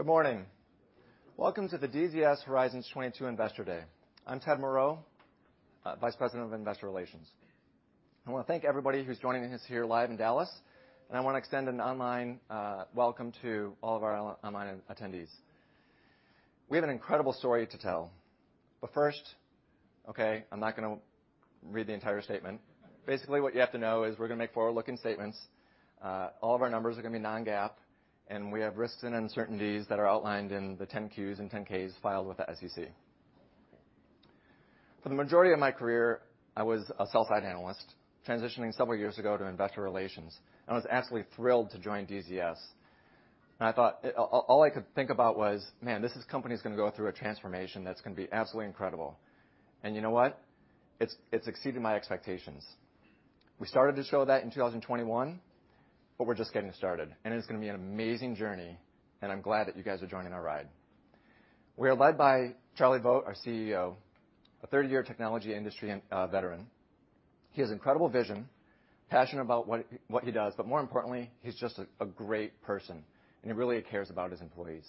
Good morning. Welcome to the DZS Horizons 2022 Investor Day. I'm Ted Moreau, Vice President of Investor Relations. I wanna thank everybody who's joining us here live in Dallas, and I wanna extend an online welcome to all of our online attendees. We have an incredible story to tell. But first, I'm not gonna read the entire statement. Basically, what you have to know is we're gonna make forward-looking statements. All of our numbers are gonna be non-GAAP, and we have risks and uncertainties that are outlined in the 10-Qs and 10-Ks filed with the SEC. For the majority of my career, I was a sell-side analyst, transitioning several years ago to investor relations. I was absolutely thrilled to join DZS. I thought.. All I could think about was, "Man, this company's gonna go through a transformation that's gonna be absolutely incredible." You know what? It's exceeded my expectations. We started to show that in 2021, but we're just getting started, and it's gonna be an amazing journey, and I'm glad that you guys are joining our ride. We are led by Charlie Vogt, our CEO, a third-year technology industry veteran. He has incredible vision, passionate about what he does, but more importantly, he's just a great person, and he really cares about his employees.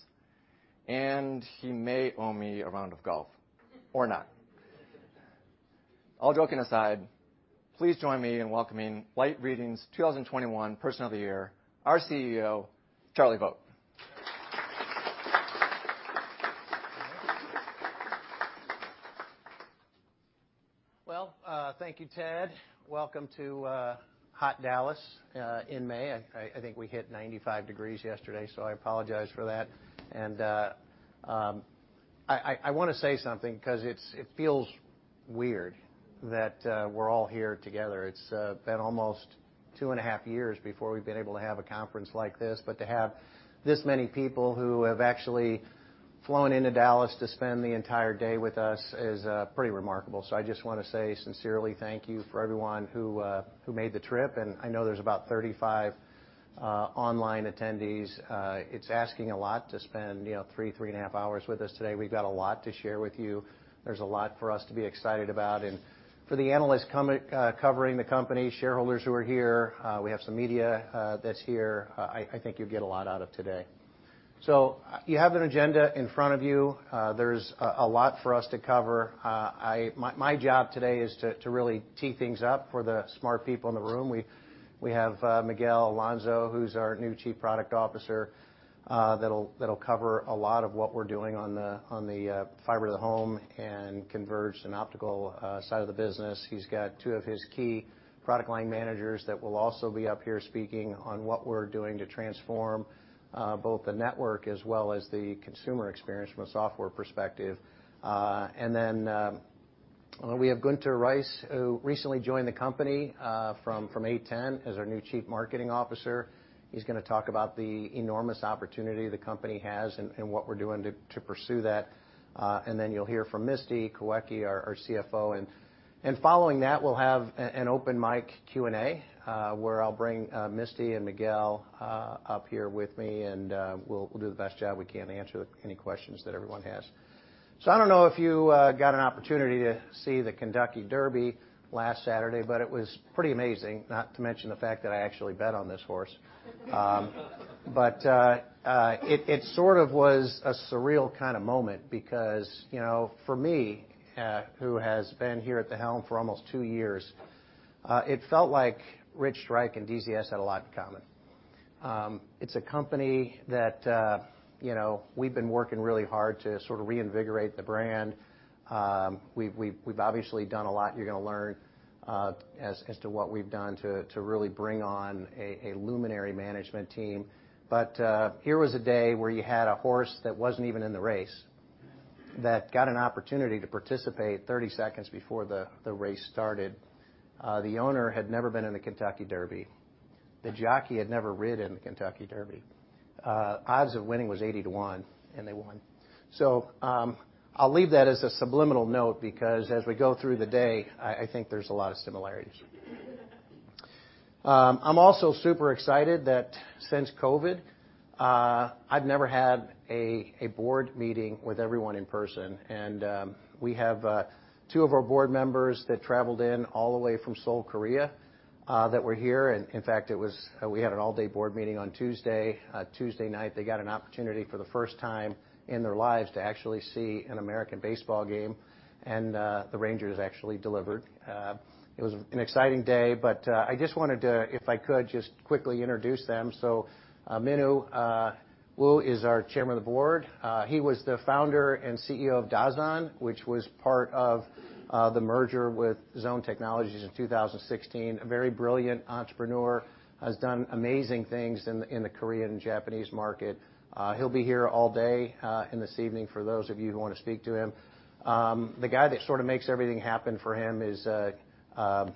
He may owe me a round of golf or not. All joking aside, please join me in welcoming Light Reading's 2021 Person of the Year, our CEO, Charlie Vogt. Well, thank you, Ted. Welcome to hot Dallas in May. I think we hit 95 degrees yesterday, so I apologize for that. I want to say something because it feels weird that we're all here together. It's been almost 2.5 years before we've been able to have a conference like this. To have this many people who have actually flown into Dallas to spend the entire day with us is pretty remarkable. I just wanna say sincerely thank you for everyone who made the trip. I know there's about 35 online attendees. It's asking a lot to spend, you know, 3.5 hours with us today. We've got a lot to share with you. There's a lot for us to be excited about. For the analysts covering the company, shareholders who are here, we have some media that's here. I think you'll get a lot out of today. You have an agenda in front of you. There's a lot for us to cover. My job today is to really tee things up for the smart people in the room. We have Miguel Alonso, who's our new Chief Product Officer. That'll cover a lot of what we're doing on the fiber to the home and converged and optical side of the business. He's got two of his key product line managers that will also be up here speaking on what we're doing to transform both the network as well as the consumer experience from a software perspective. We have Gunter Reiss, who recently joined the company from A10 as our new Chief Marketing Officer. He's gonna talk about the enormous opportunity the company has and what we're doing to pursue that. You'll hear from Misty Kawecki, our CFO. Following that, we'll have an open mic Q&A, where I'll bring Misty and Miguel up here with me, and we'll do the best job we can to answer any questions that everyone has. I don't know if you got an opportunity to see the Kentucky Derby last Saturday, but it was pretty amazing, not to mention the fact that I actually bet on this horse. It sort of was a surreal kind of moment because, you know, for me, who has been here at the helm for almost two years, it felt like Rich Strike and DZS had a lot in common. It's a company that, you know, we've been working really hard to sort of reinvigorate the brand. We've obviously done a lot. You're gonna learn as to what we've done to really bring on a luminary management team. Here was a day where you had a horse that wasn't even in the race that got an opportunity to participate 30 seconds before the race started. The owner had never been in the Kentucky Derby. The jockey had never ridden in the Kentucky Derby. Odds of winning was 80-1, and they won. I'll leave that as a subliminal note because as we go through the day, I think there's a lot of similarities. I'm also super excited that since COVID, I've never had a board meeting with everyone in person. We have two of our board members that traveled in all the way from Seoul, Korea, that were here. In fact, we had an all-day board meeting on Tuesday. Tuesday night, they got an opportunity for the first time in their lives to actually see an American baseball game. The Rangers actually delivered. It was an exciting day, but I just wanted to, if I could, just quickly introduce them. Min Woo Nam is our Chairman of the Board. He was the founder and CEO of DASAN, which was part of the merger with Zhone Technologies in 2016. A very brilliant entrepreneur, has done amazing things in the Korean and Japanese market. He'll be here all day and this evening for those of you who wanna speak to him. The guy that sort of makes everything happen for him is Choon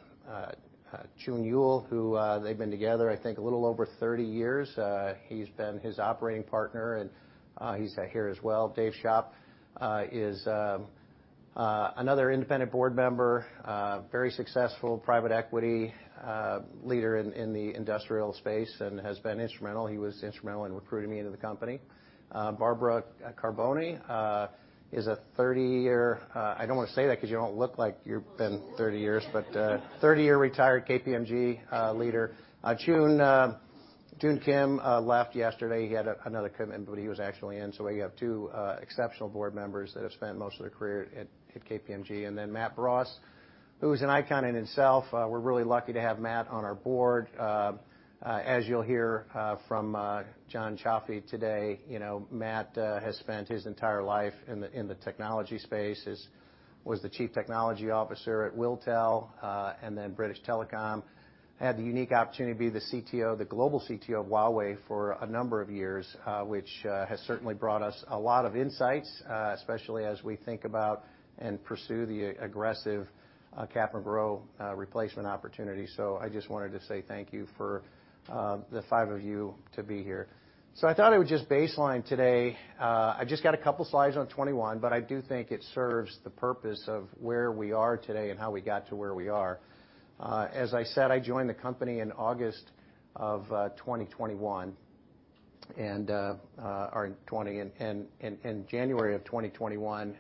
Yul Yoo, who they've been together, I think, a little over 30 years. He's been his operating partner, and he's here as well. Dave Schopp is another independent board member, very successful private equity leader in the industrial space and has been instrumental. He was instrumental in recruiting me into the company. Barbara Carbone is a 30-year... I don't wanna say that 'cause you don't look like you've been 30 years. 30-year retired KPMG leader. Joon Kim left yesterday. He had another commitment, but he was actually in. We have two exceptional board members that have spent most of their career at KPMG. Then Matt Bross, who is an icon in himself. We're really lucky to have Matt on our board. As you'll hear from John Cioffi today, Matt has spent his entire life in the technology space as was the Chief Technology Officer at WilTel and then British Telecom. Had the unique opportunity to be the CTO, the global CTO of Huawei for a number of years, which has certainly brought us a lot of insights, especially as we think about and pursue the aggressive capex and grow replacement opportunity. I just wanted to say thank you for the five of you to be here. I thought I would just baseline today. I just got a couple slides on 2021, but I do think it serves the purpose of where we are today and how we got to where we are. As I said, I joined the company in August of 2021, or in 2020. January of 2021,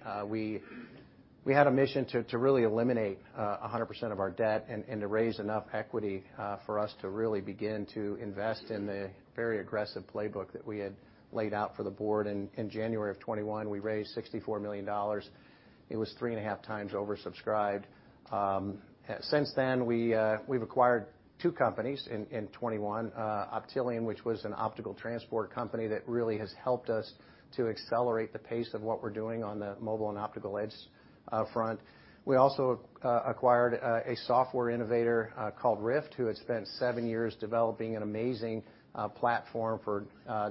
we had a mission to really eliminate 100% of our debt and to raise enough equity for us to really begin to invest in the very aggressive playbook that we had laid out for the board. In January of 2021, we raised $64 million. It was 3.5 times oversubscribed. Since then, we've acquired two companies in 2021, Optelian, which was an optical transport company that really has helped us to accelerate the pace of what we're doing on the mobile and optical edge front. We also acquired a software innovator called RIFT, who had spent seven years developing an amazing platform for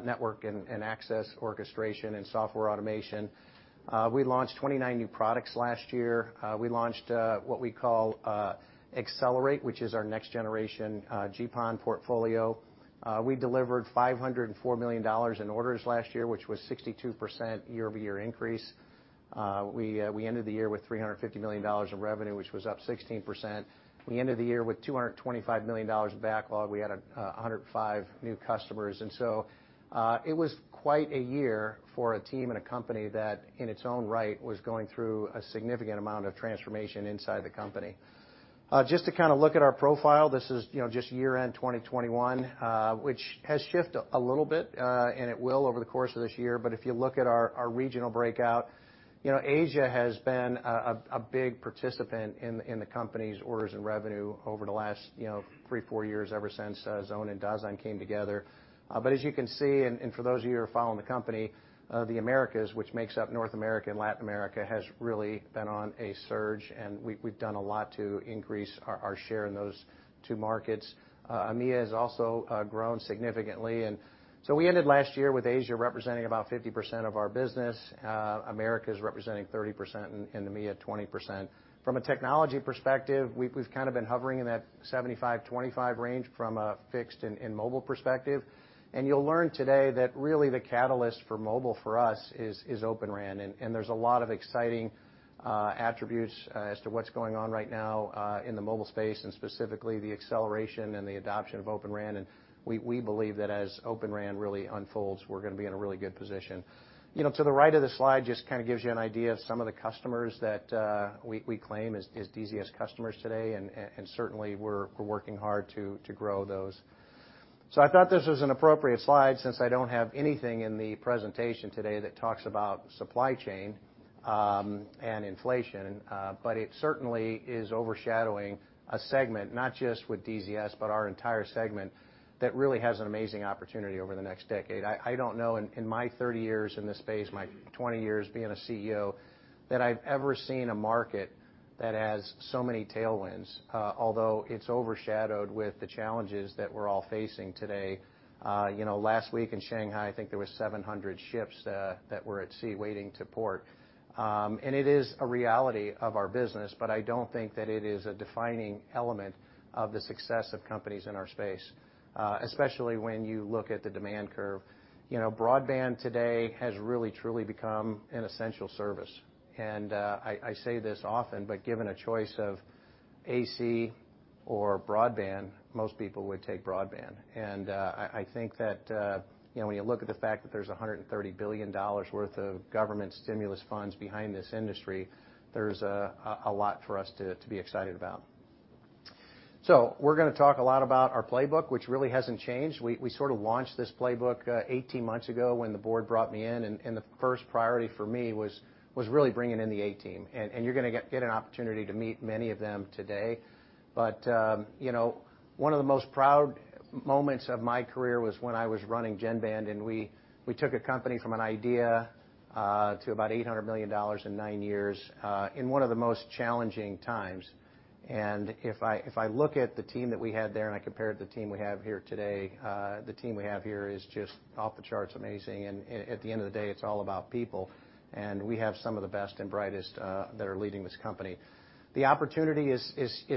network and access orchestration and software automation. We launched 29 new products last year. We launched what we call XCelerate, which is our next generation GPON portfolio. We delivered $504 million in orders last year, which was 62% year-over-year increase. We ended the year with $350 million of revenue, which was up 16%. We ended the year with $225 million of backlog. We had 105 new customers. It was quite a year for a team and a company that, in its own right, was going through a significant amount of transformation inside the company. Just to kind of look at our profile, this is, you know, just year-end 2021, which has shifted a little bit, and it will over the course of this year. If you look at our regional breakout, you know, Asia has been a big participant in the company's orders and revenue over the last, you know, three, four years ever since Zhone and DASAN came together. As you can see, for those of you who are following the company, the Americas, which makes up North America and Latin America, has really been on a surge, and we've done a lot to increase our share in those two markets. EMEA has also grown significantly. We ended last year with Asia representing about 50% of our business, Americas representing 30% and EMEA 20%. From a technology perspective, we've kind of been hovering in that 75/25 range from a fixed and mobile perspective. You'll learn today that really the catalyst for mobile for us is Open RAN. There's a lot of exciting attributes as to what's going on right now in the mobile space, and specifically the acceleration and the adoption of Open RAN. We believe that as Open RAN really unfolds, we're gonna be in a really good position. You know, to the right of the slide just kind of gives you an idea of some of the customers that we claim as DZS customers today, and certainly, we're working hard to grow those. I thought this was an appropriate slide since I don't have anything in the presentation today that talks about supply chain and inflation. It certainly is overshadowing a segment, not just with DZS, but our entire segment that really has an amazing opportunity over the next decade. I don't know, in my 30 years in this space, my 20 years being a CEO, that I've ever seen a market that has so many tailwinds, although it's overshadowed with the challenges that we're all facing today. You know, last week in Shanghai, I think there was 700 ships that were at sea waiting to port. It is a reality of our business, but I don't think that it is a defining element of the success of companies in our space, especially when you look at the demand curve. You know, broadband today has really truly become an essential service. I say this often, but given a choice of AC or broadband, most people would take broadband. I think that, you know, when you look at the fact that there's $130 billion worth of government stimulus funds behind this industry, there's a lot for us to be excited about. We're gonna talk a lot about our playbook, which really hasn't changed. We sort of launched this playbook 18 months ago when the board brought me in, and the first priority for me was really bringing in the A team. You're gonna get an opportunity to meet many of them today. You know, one of the most proud moments of my career was when I was running GENBAND, and we took a company from an idea to about $800 million in nine years in one of the most challenging times. If I look at the team that we had there and I compare it to the team we have here today, the team we have here is just off the charts amazing. At the end of the day, it's all about people, and we have some of the best and brightest that are leading this company. The opportunity is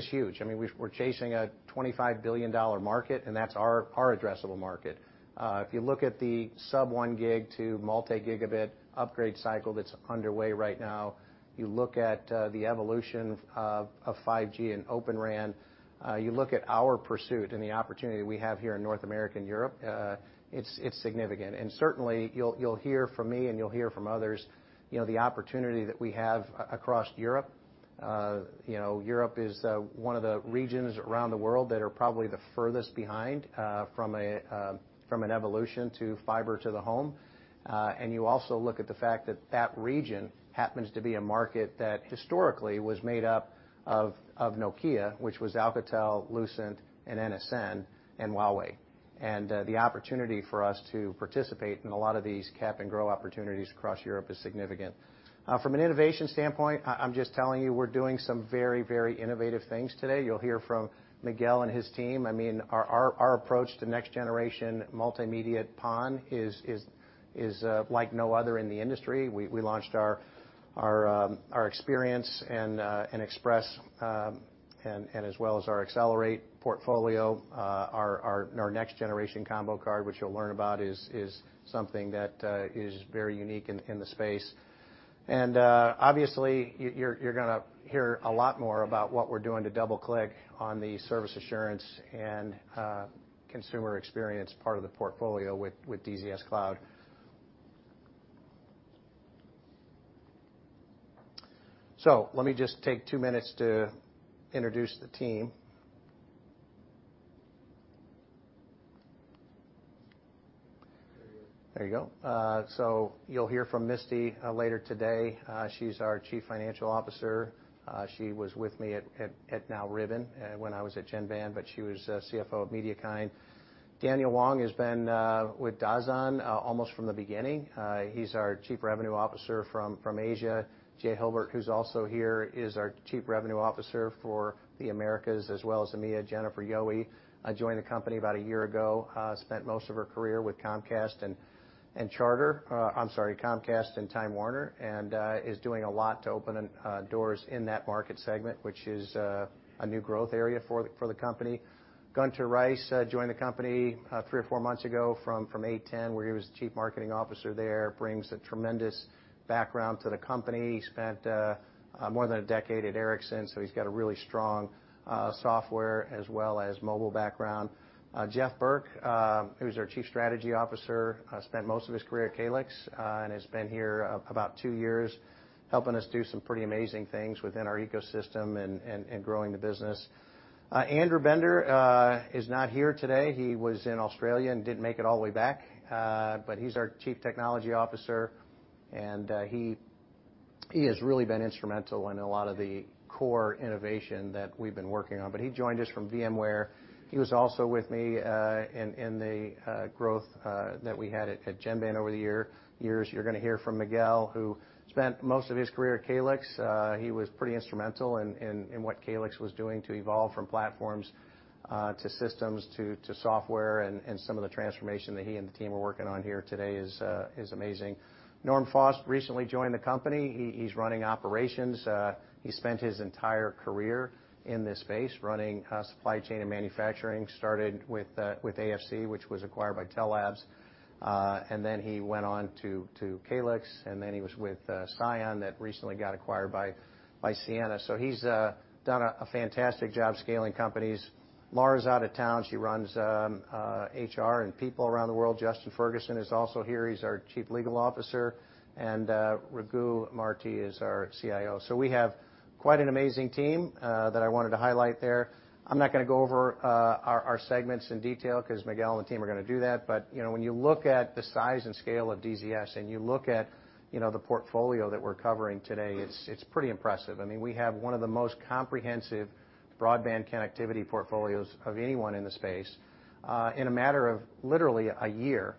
huge. I mean, we're chasing a $25 billion market, and that's our addressable market. If you look at the sub-1 gig to multi-gigabit upgrade cycle that's underway right now, you look at the evolution of 5G and Open RAN, you look at our pursuit and the opportunity we have here in North America and Europe, it's significant. Certainly, you'll hear from me and you'll hear from others, you know, the opportunity that we have across Europe. You know, Europe is one of the regions around the world that are probably the furthest behind from an evolution to fiber to the home. You also look at the fact that that region happens to be a market that historically was made up of Nokia, which was Alcatel-Lucent and NSN and Huawei. The opportunity for us to participate in a lot of these cap and grow opportunities across Europe is significant. From an innovation standpoint, I'm just telling you, we're doing some very, very innovative things today. You'll hear from Miguel and his team. I mean, our approach to next generation multimedia PON is like no other in the industry. We launched our Xperience and Expresse, as well as our XCelerate portfolio, our next generation combo card, which you'll learn about is something that is very unique in the space. Obviously, you're gonna hear a lot more about what we're doing to double-click on the service assurance and consumer experience part of the portfolio with DZS Cloud. Let me just take two minutes to introduce the team. There you go. You'll hear from Misty later today. She's our Chief Financial Officer. She was with me at now Ribbon when I was at GENBAND, but she was CFO of MediaKind. Daniel Won has been with DASAN almost from the beginning. He's our Chief Revenue Officer from Asia. Jay Hilbert, who's also here, is our Chief Revenue Officer for the Americas as well as EMEA. Jennifer Yohe joined the company about a year ago, spent most of her career with Comcast and Charter, I'm sorry, Comcast and Time Warner and is doing a lot to open doors in that market segment, which is a new growth area for the company. Gunter Reiss joined the company three or four months ago from A10, where he was Chief Marketing Officer there, brings a tremendous background to the company. He spent more than a decade at Ericsson, so he's got a really strong software as well as mobile background. Geoff Burke, who's our Chief Strategy Officer, spent most of his career at Calix and has been here about two years, helping us do some pretty amazing things within our ecosystem and growing the business. Andrew Bender is not here today. He was in Australia and didn't make it all the way back, but he's our Chief Technology Officer, and he has really been instrumental in a lot of the core innovation that we've been working on. He joined us from VMware. He was also with me in the growth that we had at GENBAND over the years. You're gonna hear from Miguel, who spent most of his career at Calix. He was pretty instrumental in what Calix was doing to evolve from platforms to systems to software and some of the transformation that he and the team are working on here today is amazing. Norm Foust recently joined the company. He's running operations. He spent his entire career in this space running supply chain and manufacturing, started with AFC, which was acquired by Tellabs. Then he went on to Calix, and then he was with Cyan that recently got acquired by Ciena. He's done a fantastic job scaling companies. Laura's out of town. She runs HR and people around the world. Justin Ferguson is also here. He's our Chief Legal Officer, and Raghu Marthi is our CIO. We have quite an amazing team that I wanted to highlight there. I'm not gonna go over our segments in detail 'cause Miguel and the team are gonna do that. You know, when you look at the size and scale of DZS and you look at, you know, the portfolio that we're covering today, it's pretty impressive. I mean, we have one of the most comprehensive broadband connectivity portfolios of anyone in the space. In a matter of literally a year,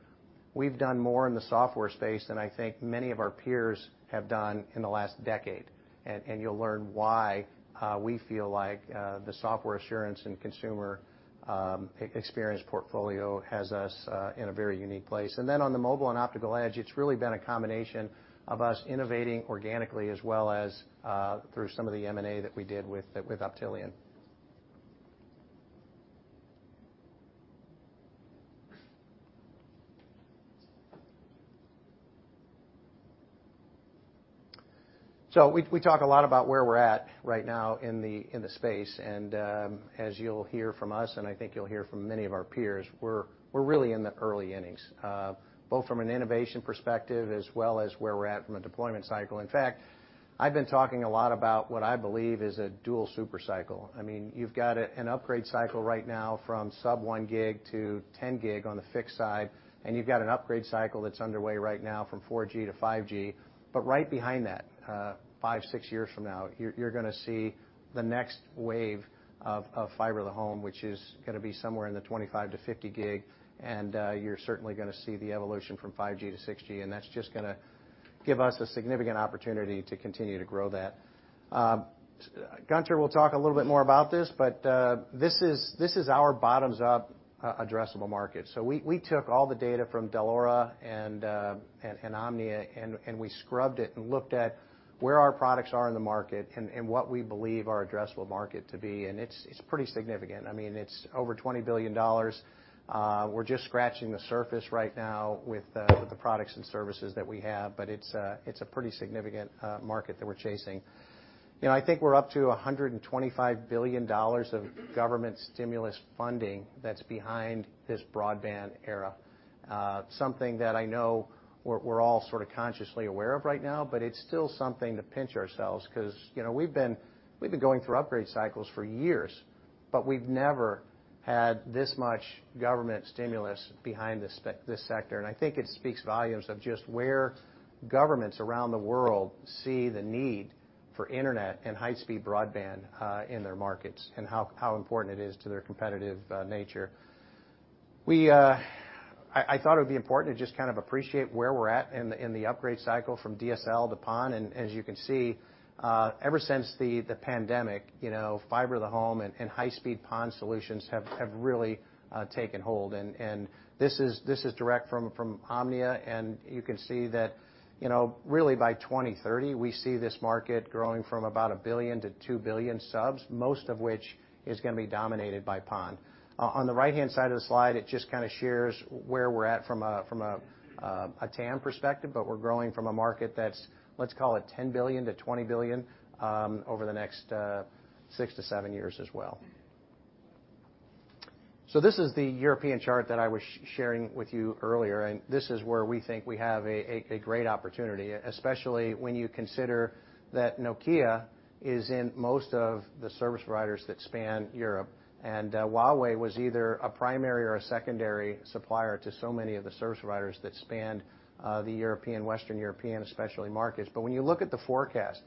we've done more in the software space than I think many of our peers have done in the last decade. You'll learn why we feel like the software assurance and consumer experience portfolio has us in a very unique place. Then on the mobile and optical edge, it's really been a combination of us innovating organically as well as through some of the M&A that we did with Optelian. We talk a lot about where we're at right now in the space. As you'll hear from us, and I think you'll hear from many of our peers, we're really in the early innings both from an innovation perspective as well as where we're at from a deployment cycle. In fact, I've been talking a lot about what I believe is a dual super cycle. I mean, you've got an upgrade cycle right now from sub-1 gig-10 gig on the fixed side, and you've got an upgrade cycle that's underway right now from 4G-5G. Right behind that, 5-6 years from now, you're gonna see the next wave of fiber to the home, which is gonna be somewhere in the 25-50 gig, and you're certainly gonna see the evolution from 5G-6G, and that's just gonna give us a significant opportunity to continue to grow that. Gunter will talk a little bit more about this, but this is our bottoms up addressable market. We took all the data from Dell'Oro and Omdia, and we scrubbed it and looked at where our products are in the market and what we believe our addressable market to be, and it's pretty significant. I mean, it's over $20 billion. We're just scratching the surface right now with the products and services that we have, but it's a pretty significant market that we're chasing. You know, I think we're up to $125 billion of government stimulus funding that's behind this broadband era. Something that I know we're all sort of consciously aware of right now, but it's still something to pinch ourselves because, you know, we've been going through upgrade cycles for years, but we've never had this much government stimulus behind this sector. I think it speaks volumes of just where governments around the world see the need for internet and high-speed broadband in their markets and how important it is to their competitive nature. I thought it would be important to just kind of appreciate where we're at in the upgrade cycle from DSL to PON. As you can see, ever since the pandemic, you know, fiber to the home and high-speed PON solutions have really taken hold. This is direct from Omdia, and you can see that, you know, really by 2030, we see this market growing from about 1 billion-2 billion subs, most of which is gonna be dominated by PON. On the right-hand side of the slide, it just kinda shares where we're at from a TAM perspective, but we're growing from a market that's, let's call it $10 billion-$20 billion, over the next 6-7 years as well. This is the European chart that I was sharing with you earlier, and this is where we think we have a great opportunity, especially when you consider that Nokia is in most of the service providers that span Europe. Huawei was either a primary or a secondary supplier to so many of the service providers that spanned the European, western European especially markets. When you look at the forecast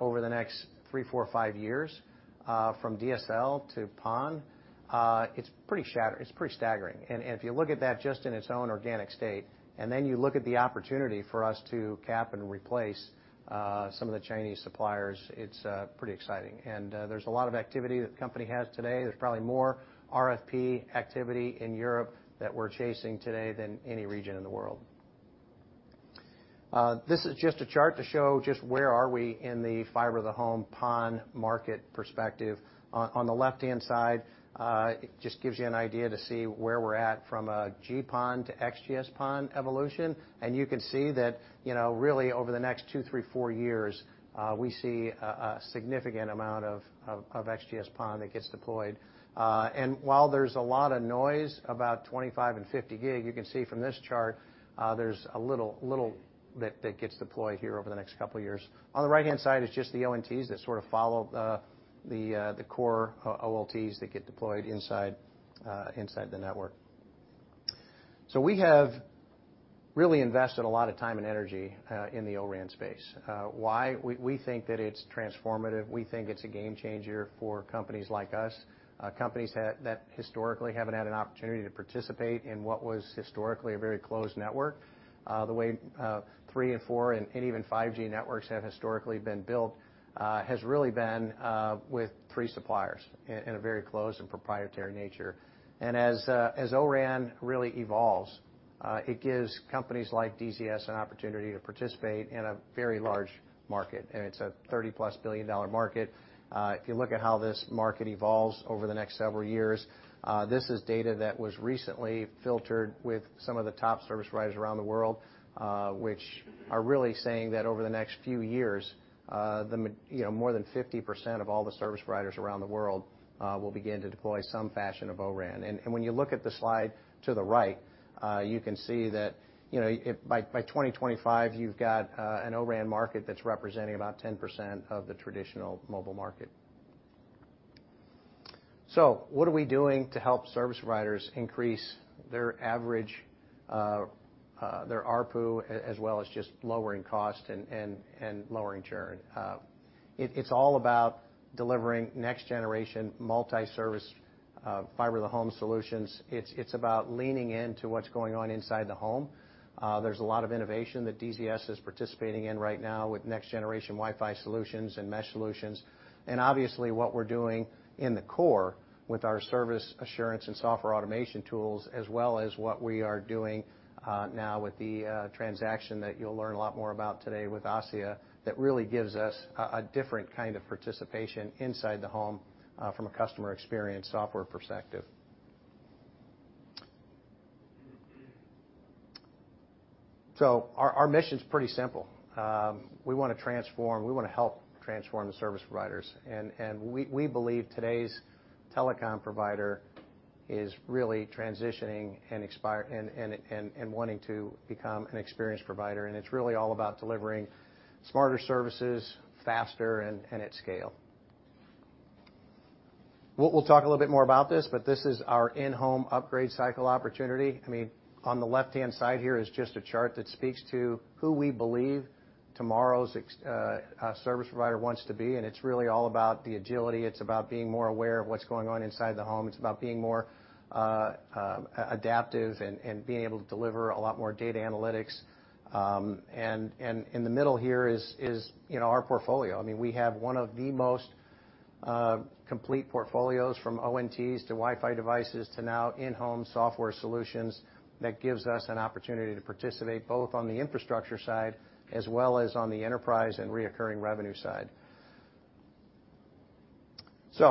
over the next 3, 4, 5 years from DSL to PON, it's pretty staggering. If you look at that just in its own organic state, and then you look at the opportunity for us to rip and replace some of the Chinese suppliers, it's pretty exciting. There's a lot of activity that the company has today. There's probably more RFP activity in Europe that we're chasing today than any region in the world. This is just a chart to show just where are we in the fiber to the home PON market perspective. On the left-hand side, it just gives you an idea to see where we're at from a GPON to XGS-PON evolution. You can see that, really over the next 2, 3, 4 years, we see a significant amount of XGS-PON that gets deployed. While there's a lot of noise about 25 gig and 50 gig, you can see from this chart, there's a little that gets deployed here over the next couple of years. On the right-hand side is just the ONTs that sort of follow the core OLTs that get deployed inside the network. We have really invested a lot of time and energy in the O-RAN space. Why? We think that it's transformative. We think it's a game changer for companies like us, companies that historically haven't had an opportunity to participate in what was historically a very closed network. The way 3G and 4G and even 5G networks have historically been built has really been with three suppliers in a very closed and proprietary nature. As O-RAN really evolves, it gives companies like DZS an opportunity to participate in a very large market, and it's a $30+ billion market. If you look at how this market evolves over the next several years, this is data that was recently gathered from some of the top service providers around the world, which are really saying that over the next few years, you know, more than 50% of all the service providers around the world will begin to deploy some fashion of O-RAN. When you look at the slide to the right, you can see that, you know, by 2025, you've got an O-RAN market that's representing about 10% of the traditional mobile market. What are we doing to help service providers increase their average, their ARPU as well as just lowering cost and lowering churn? It's all about delivering next-generation multi-service fiber to the home solutions. It's about leaning into what's going on inside the home. There's a lot of innovation that DZS is participating in right now with next-generation Wi-Fi solutions and mesh solutions. Obviously, what we're doing in the core with our service assurance and software automation tools, as well as what we are doing now with the transaction that you'll learn a lot more about today with ASSIA, that really gives us a different kind of participation inside the home from a customer experience software perspective. Our mission is pretty simple. We wanna transform, we wanna help transform the service providers. We believe today's Telecom provider is really transitioning and aspiring, and wanting to become an experience provider. It's really all about delivering smarter services faster and at scale. We'll talk a little bit more about this, but this is our in-home upgrade cycle opportunity. I mean, on the left-hand side here is just a chart that speaks to who we believe tomorrow's service provider wants to be, and it's really all about the agility. It's about being more aware of what's going on inside the home. It's about being more adaptive and being able to deliver a lot more data analytics. In the middle here is, you know, our portfolio. I mean, we have one of the most complete portfolios from ONTs to Wi-Fi devices to now in-home software solutions that gives us an opportunity to participate both on the infrastructure side as well as on the enterprise and recurring revenue side. In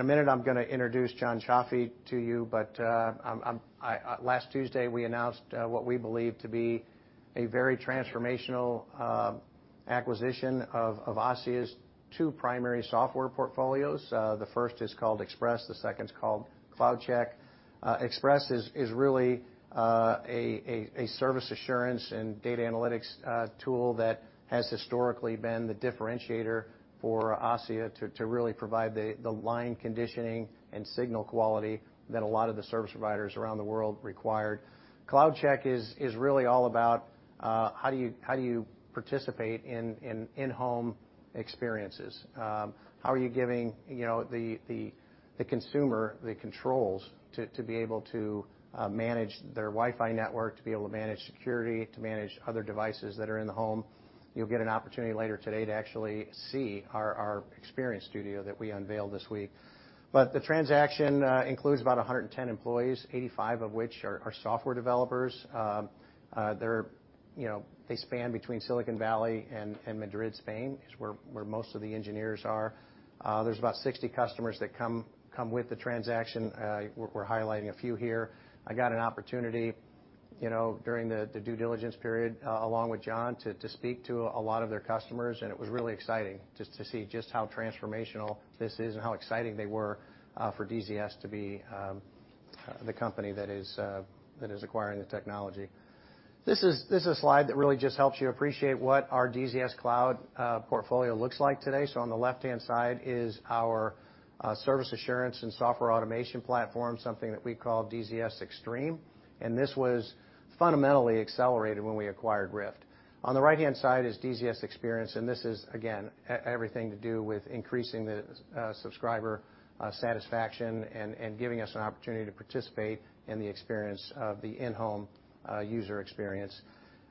a minute, I'm gonna introduce John Cioffi to you, but last Tuesday, we announced what we believe to be a very transformational acquisition of ASSIA's two primary software portfolios. The first is called Expresse, the second's called CloudCheck. Expresse is really a service assurance and data analytics tool that has historically been the differentiator for ASSIA to really provide the line conditioning and signal quality that a lot of the service providers around the world required. CloudCheck is really all about how do you participate in in-home experiences? How are you giving, you know, the consumer the controls to be able to manage their Wi-Fi network, to be able to manage security, to manage other devices that are in the home? You'll get an opportunity later today to actually see our experience studio that we unveiled this week. The transaction includes about 110 employees, 85 of which are software developers. They're, you know, they span between Silicon Valley and Madrid, Spain, where most of the engineers are. There's about 60 customers that come with the transaction. We're highlighting a few here. I got an opportunity, you know, during the due diligence period, along with John, to speak to a lot of their customers, and it was really exciting just to see just how transformational this is and how exciting they were for DZS to be the company that is acquiring the technology. This is a slide that really just helps you appreciate what our DZS Cloud portfolio looks like today. On the left-hand side is our service assurance and software automation platform, something that we call DZS Xtreme, and this was fundamentally accelerated when we acquired RIFT. On the right-hand side is DZS Xperience, and this is, again, everything to do with increasing the subscriber satisfaction and giving us an opportunity to participate in the experience of the in-home user experience.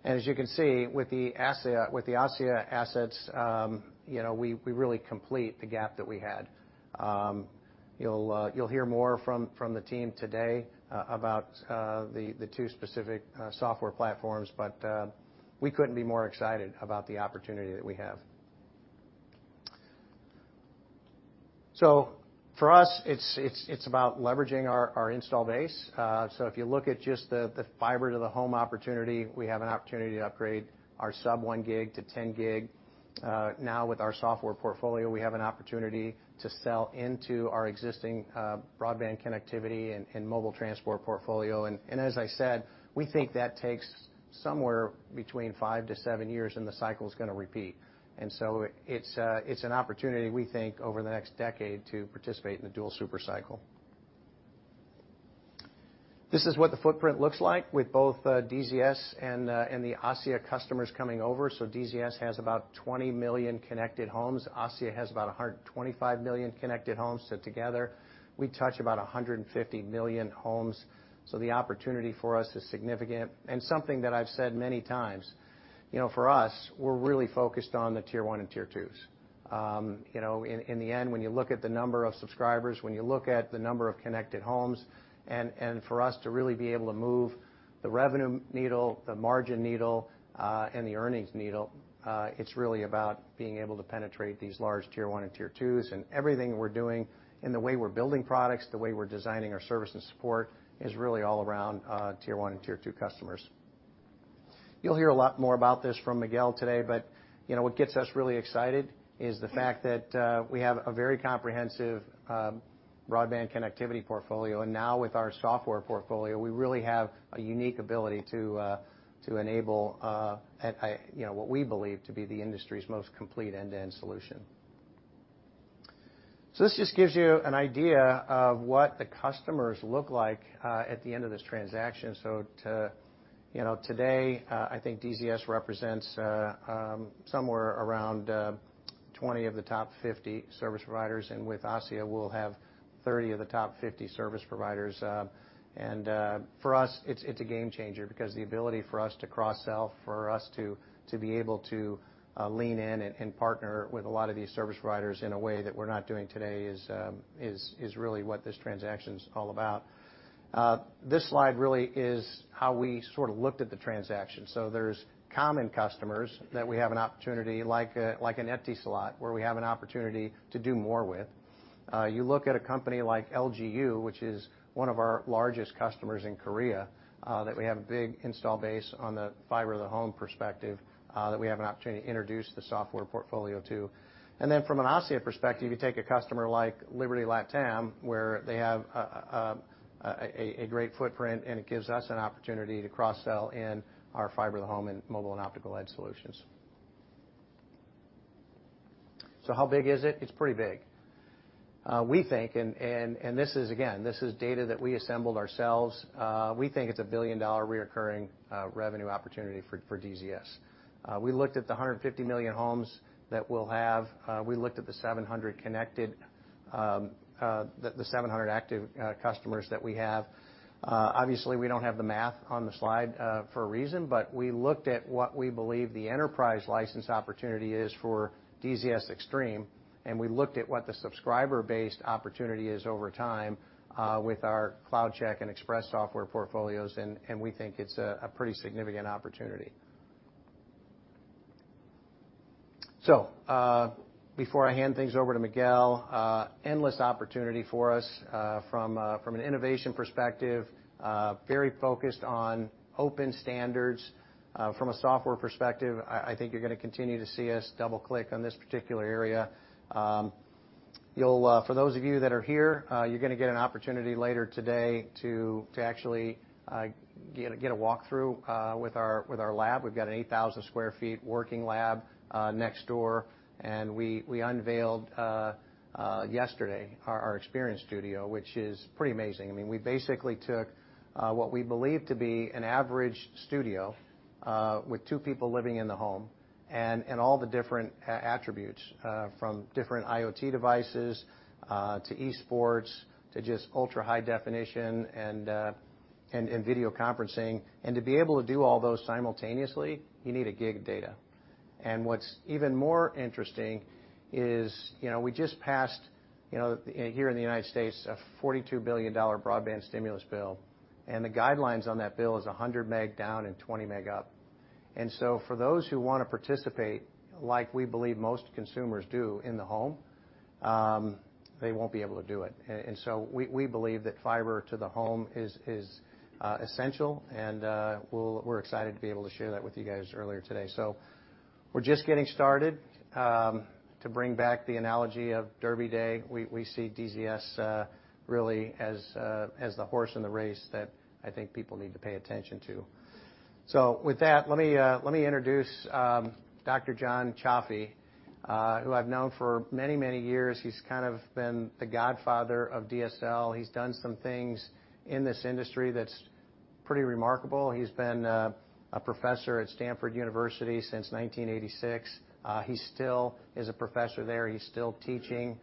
As you can see, with the ASSIA assets, you know, we really complete the gap that we had. You'll hear more from the team today about the two specific software platforms, but we couldn't be more excited about the opportunity that we have. For us, it's about leveraging our install base. If you look at just the fiber to the home opportunity, we have an opportunity to upgrade our sub-1 gig-10 gig. Now with our software portfolio, we have an opportunity to sell into our existing broadband connectivity and mobile transport portfolio. As I said, we think that takes somewhere between 5-7 years and the cycle's gonna repeat. It's an opportunity, we think, over the next decade to participate in the dual super cycle. This is what the footprint looks like with both DZS and the ASSIA customers coming over. DZS has about 20 million connected homes. ASSIA has about 125 million connected homes. Together, we touch about 150 million homes, so the opportunity for us is significant. Something that I've said many times, you know, for us, we're really focused on the tier 1 and tier 2s. You know, in the end, when you look at the number of subscribers, when you look at the number of connected homes, and for us to really be able to move the revenue needle, the margin needle, and the earnings needle, it's really about being able to penetrate these large tier 1 and tier 2s. Everything we're doing in the way we're building products, the way we're designing our service and support, is really all around tier one and tier two customers. You'll hear a lot more about this from Miguel today, but you know, what gets us really excited is the fact that we have a very comprehensive broadband connectivity portfolio. Now with our software portfolio, we really have a unique ability to enable, you know, what we believe to be the industry's most complete end-to-end solution. This just gives you an idea of what the customers look like at the end of this transaction. You know, today, I think DZS represents somewhere around 20 of the top 50 service providers, and with ASSIA we'll have 30 of the top 50 service providers. For us, it's a game changer because the ability for us to cross-sell, for us to be able to lean in and partner with a lot of these service providers in a way that we're not doing today is really what this transaction's all about. This slide really is how we sort of looked at the transaction. There's common customers that we have an opportunity, like an empty slot, where we have an opportunity to do more with. You look at a company like LGU, which is one of our largest customers in Korea, that we have a big installed base on the fiber to the home perspective, that we have an opportunity to introduce the software portfolio to. Then from an ASSIA perspective, you take a customer like Liberty Latin America, where they have a great footprint, and it gives us an opportunity to cross-sell in our fiber to the home and mobile and optical edge solutions. How big is it? It's pretty big. We think, and this is again data that we assembled ourselves. We think it's a $1 billion recurring revenue opportunity for DZS. We looked at the 150 million homes that we'll have. We looked at the 700 active customers that we have. Obviously, we don't have the math on the slide for a reason, but we looked at what we believe the enterprise license opportunity is for DZS Xtreme, and we looked at what the subscriber-based opportunity is over time with our CloudCheck and Expresse software portfolios, and we think it's a pretty significant opportunity. Before I hand things over to Miguel, endless opportunity for us from an innovation perspective, very focused on open standards. From a software perspective, I think you're gonna continue to see us double-click on this particular area. You'll, for those of you that are here, you're gonna get an opportunity later today to actually get a walk through with our lab. We've got an 8,000 sq ft working lab next door, and we unveiled yesterday our experience studio, which is pretty amazing. I mean, we basically took what we believe to be an average studio with two people living in the home and all the different attributes from different IoT devices to esports to just ultra-high definition and video conferencing. To be able to do all those simultaneously, you need a gig of data. What's even more interesting is, we just passed here in the United States, a $42 billion broadband stimulus bill, and the guidelines on that bill is 100 meg down and 20 meg up. For those who wanna participate, like we believe most consumers do in the home, they won't be able to do it. We believe that fiber to the home is essential, and we're excited to be able to share that with you guys earlier today. We're just getting started. To bring back the analogy of Derby Day, we see DZS really as the horse in the race that I think people need to pay attention to. With that, let me introduce Dr. John Cioffi, who I've known for many, many years. He's kind of been the godfather of DSL. He's done some things in this industry that's pretty remarkable. He's been a professor at Stanford University since 1986. He still is a professor there. He's still teaching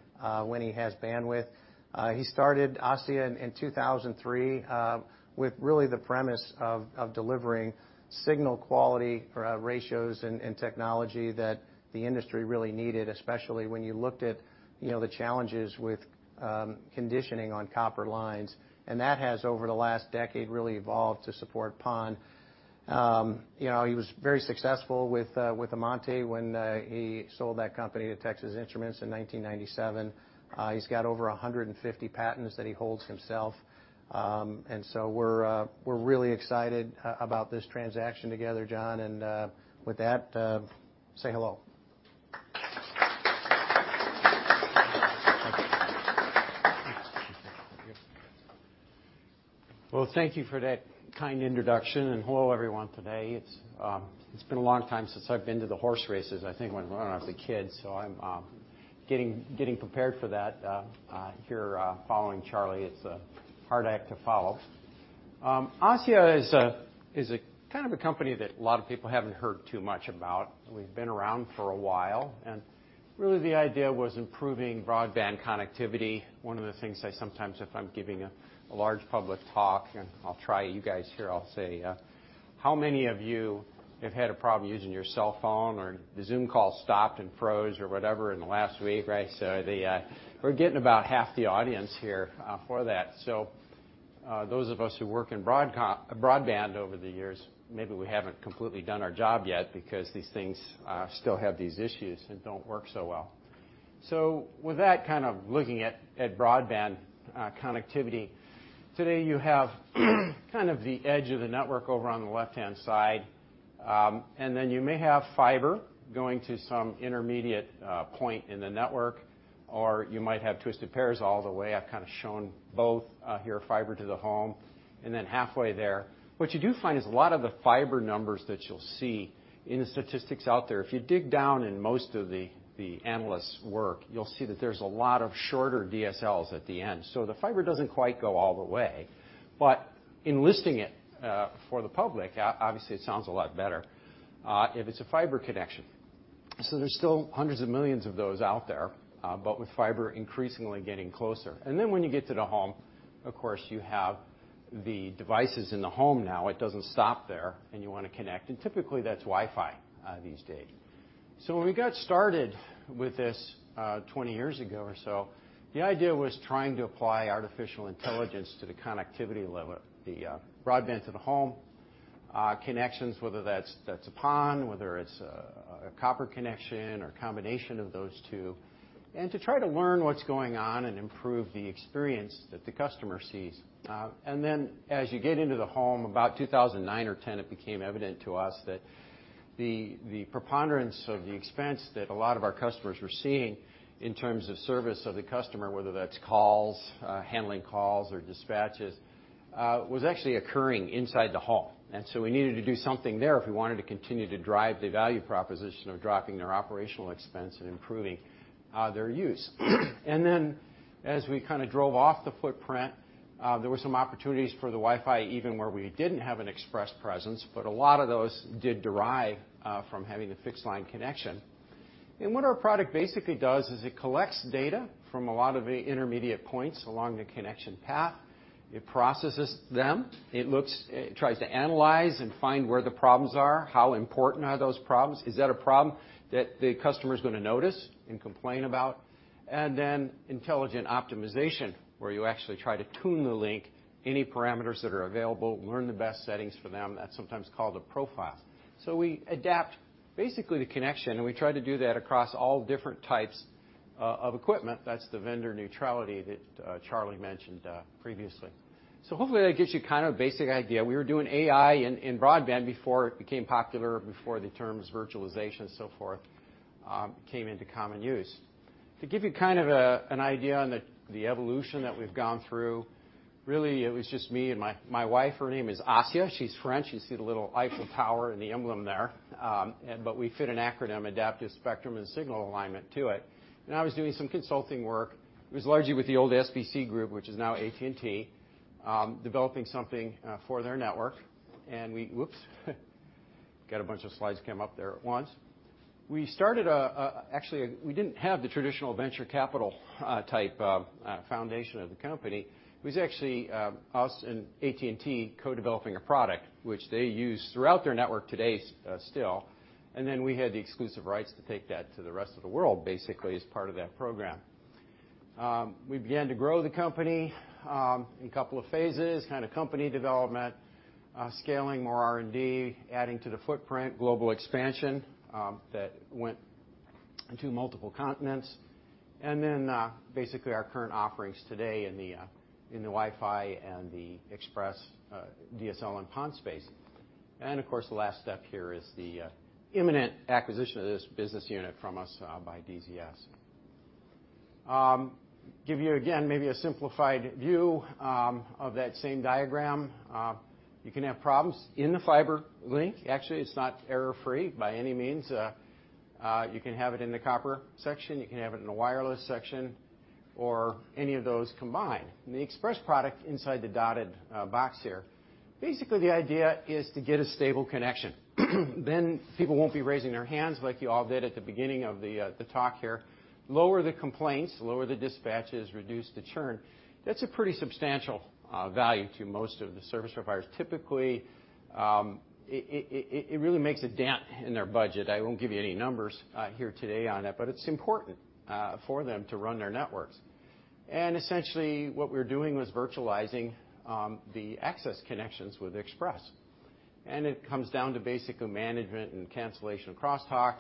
when he has bandwidth. He started ASSIA in 2003 with really the premise of delivering signal quality or ratios and technology that the industry really needed, especially when you looked at, you know, the challenges with conditioning on copper lines. That has, over the last decade, really evolved to support PON. You know, he was very successful with Amati when he sold that company to Texas Instruments in 1997. He's got over 150 patents that he holds himself. We're really excited about this transaction together, John. With that, say hello. Thank you. Thank you. Thank you. Well, thank you for that kind introduction, and hello, everyone, today. It's been a long time since I've been to the horse races, I think when I was a kid, so I'm getting prepared for that. Following Charlie, it's a hard act to follow. ASSIA is a kind of company that a lot of people haven't heard too much about. We've been around for a while, and really the idea was improving broadband connectivity. One of the things I sometimes, if I'm giving a large public talk, and I'll try you guys here, I'll say, "How many of you have had a problem using your cell phone or the Zoom call stopped and froze or whatever in the last week?" Right? We're getting about half the audience here for that. Those of us who work in broadband over the years, maybe we haven't completely done our job yet because these things still have these issues and don't work so well. With that kind of looking at broadband connectivity, today you have kind of the edge of the network over on the left-hand side. You may have fiber going to some intermediate point in the network, or you might have twisted pairs all the way. I've kind of shown both here, fiber to the home and then halfway there. What you do find is a lot of the fiber numbers that you'll see in the statistics out there. If you dig down in most of the analysts' work, you'll see that there's a lot of shorter DSLs at the end. The fiber doesn't quite go all the way. In listing it, for the public, obviously it sounds a lot better, if it's a fiber connection. There's still hundreds of millions of those out there, but with fiber increasingly getting closer. When you get to the home, of course you have the devices in the home now. It doesn't stop there, and you wanna connect, and typically that's Wi-Fi, these days. When we got started with this, 20 years ago or so, the idea was trying to apply artificial intelligence to the connectivity level, the, broadband to the home, connections, whether that's a PON, whether it's a copper connection or a combination of those two, and to try to learn what's going on and improve the experience that the customer sees. As you get into the home, about 2009 or 2010, it became evident to us that the preponderance of the expense that a lot of our customers were seeing in terms of service of the customer, whether that's calls, handling calls or dispatches, was actually occurring inside the home. We needed to do something there if we wanted to continue to drive the value proposition of dropping their operational expense and improving their use. As we kinda drove off the footprint, there were some opportunities for the Wi-Fi even where we didn't have an Expresse presence, but a lot of those did derive from having the fixed line connection. What our product basically does is it collects data from a lot of the intermediate points along the connection path. It processes them. It looks, it tries to analyze and find where the problems are, how important are those problems. Is that a problem that the customer's gonna notice and complain about? Intelligent optimization, where you actually try to tune the link, any parameters that are available, learn the best settings for them. That's sometimes called a profile. We adapt basically the connection, and we try to do that across all different types of equipment. That's the vendor neutrality that Charlie mentioned previously. Hopefully that gives you kind of a basic idea. We were doing AI in broadband before it became popular, before the terms virtualization and so forth came into common use. To give you kind of an idea on the evolution that we've gone through, really it was just me and my wife. Her name is Assia. She's French. You see the little Eiffel Tower and the emblem there. We fit an acronym, Adaptive Spectrum and Signal Alignment, to it. I was doing some consulting work. It was largely with the old SBC group, which is now AT&T, developing something for their network. Whoops. Got a bunch of slides came up there at once. Actually, we didn't have the traditional venture capital type of foundation of the company. It was actually us and AT&T co-developing a product which they use throughout their network today still, and then we had the exclusive rights to take that to the rest of the world basically as part of that program. We began to grow the company in a couple of phases, kind of company development, scaling more R&D, adding to the footprint, global expansion, that went to multiple continents. Basically our current offerings today in the Wi-Fi and the Expresse DSL and PON space. Of course, the last step here is the imminent acquisition of this business unit from us by DZS. Give you again maybe a simplified view of that same diagram. You can have problems in the fiber link. Actually, it's not error-free by any means. You can have it in the copper section, you can have it in the wireless section, or any of those combined. In the Expresse product inside the dotted box here, basically, the idea is to get a stable connection. Then people won't be raising their hands like you all did at the beginning of the talk here. Lower the complaints, lower the dispatches, reduce the churn. That's a pretty substantial value to most of the service providers. Typically, it really makes a dent in their budget. I won't give you any numbers here today on that, but it's important for them to run their networks. Essentially, what we're doing was virtualizing the access connections with Expresse. It comes down to basically management and cancellation of crosstalk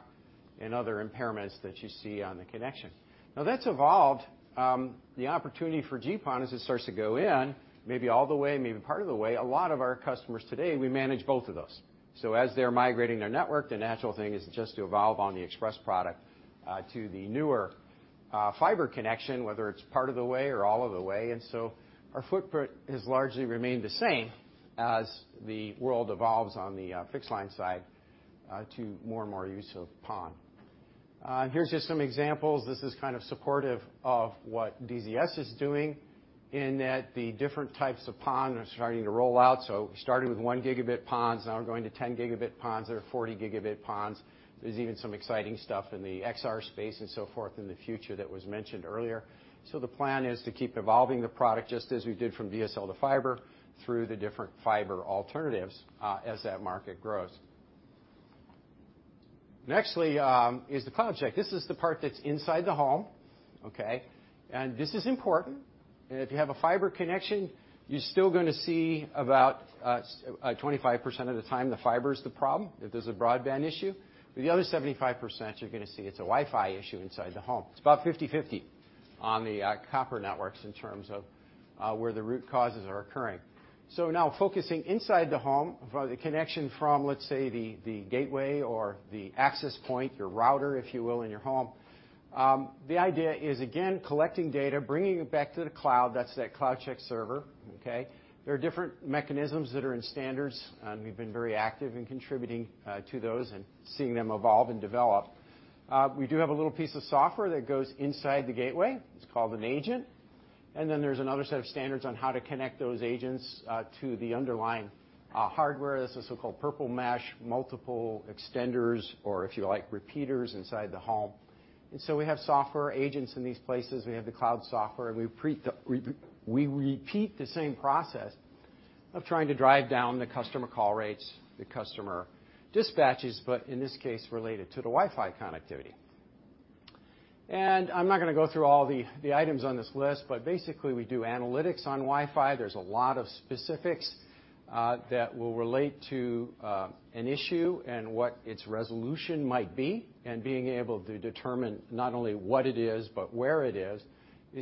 and other impairments that you see on the connection. Now, that's evolved, the opportunity for GPON as it starts to go in, maybe all the way, maybe part of the way, a lot of our customers today, we manage both of those. As they're migrating their network, the natural thing is just to evolve on the Expresse product, to the newer, fiber connection, whether it's part of the way or all of the way. Our footprint has largely remained the same as the world evolves on the, fixed line side, to more and more use of PON. Here's just some examples. This is kind of supportive of what DZS is doing in that the different types of PON are starting to roll out. We started with 1Gb PONs, now we're going to 10 Gb PONs, there are 40 Gb PONs. There's even some exciting stuff in the XR space and so forth in the future that was mentioned earlier. The plan is to keep evolving the product just as we did from DSL to fiber through the different fiber alternatives, as that market grows. Next, is the CloudCheck. This is the part that's inside the home, okay? If you have a fiber connection, you're still gonna see about 25% of the time, the fiber is the problem if there's a broadband issue. The other 75%, you're gonna see it's a Wi-Fi issue inside the home. It's about 50/50 on the copper networks in terms of where the root causes are occurring. Now focusing inside the home, the connection from, let's say, the gateway or the access point, your router, if you will, in your home, the idea is again collecting data, bringing it back to the cloud, that's that CloudCheck server, okay? There are different mechanisms that are in standards, and we've been very active in contributing to those and seeing them evolve and develop. We do have a little piece of software that goes inside the gateway. It's called an agent. There's another set of standards on how to connect those agents to the underlying hardware. This is so-called purple mesh, multiple extenders, or if you like, repeaters inside the home. We have software agents in these places. We have the cloud software, and we repeat the same process of trying to drive down the customer call rates, the customer dispatches, but in this case related to the Wi-Fi connectivity. I'm not gonna go through all the items on this list, but basically, we do analytics on Wi-Fi. There's a lot of specifics that will relate to an issue and what its resolution might be, and being able to determine not only what it is, but where it is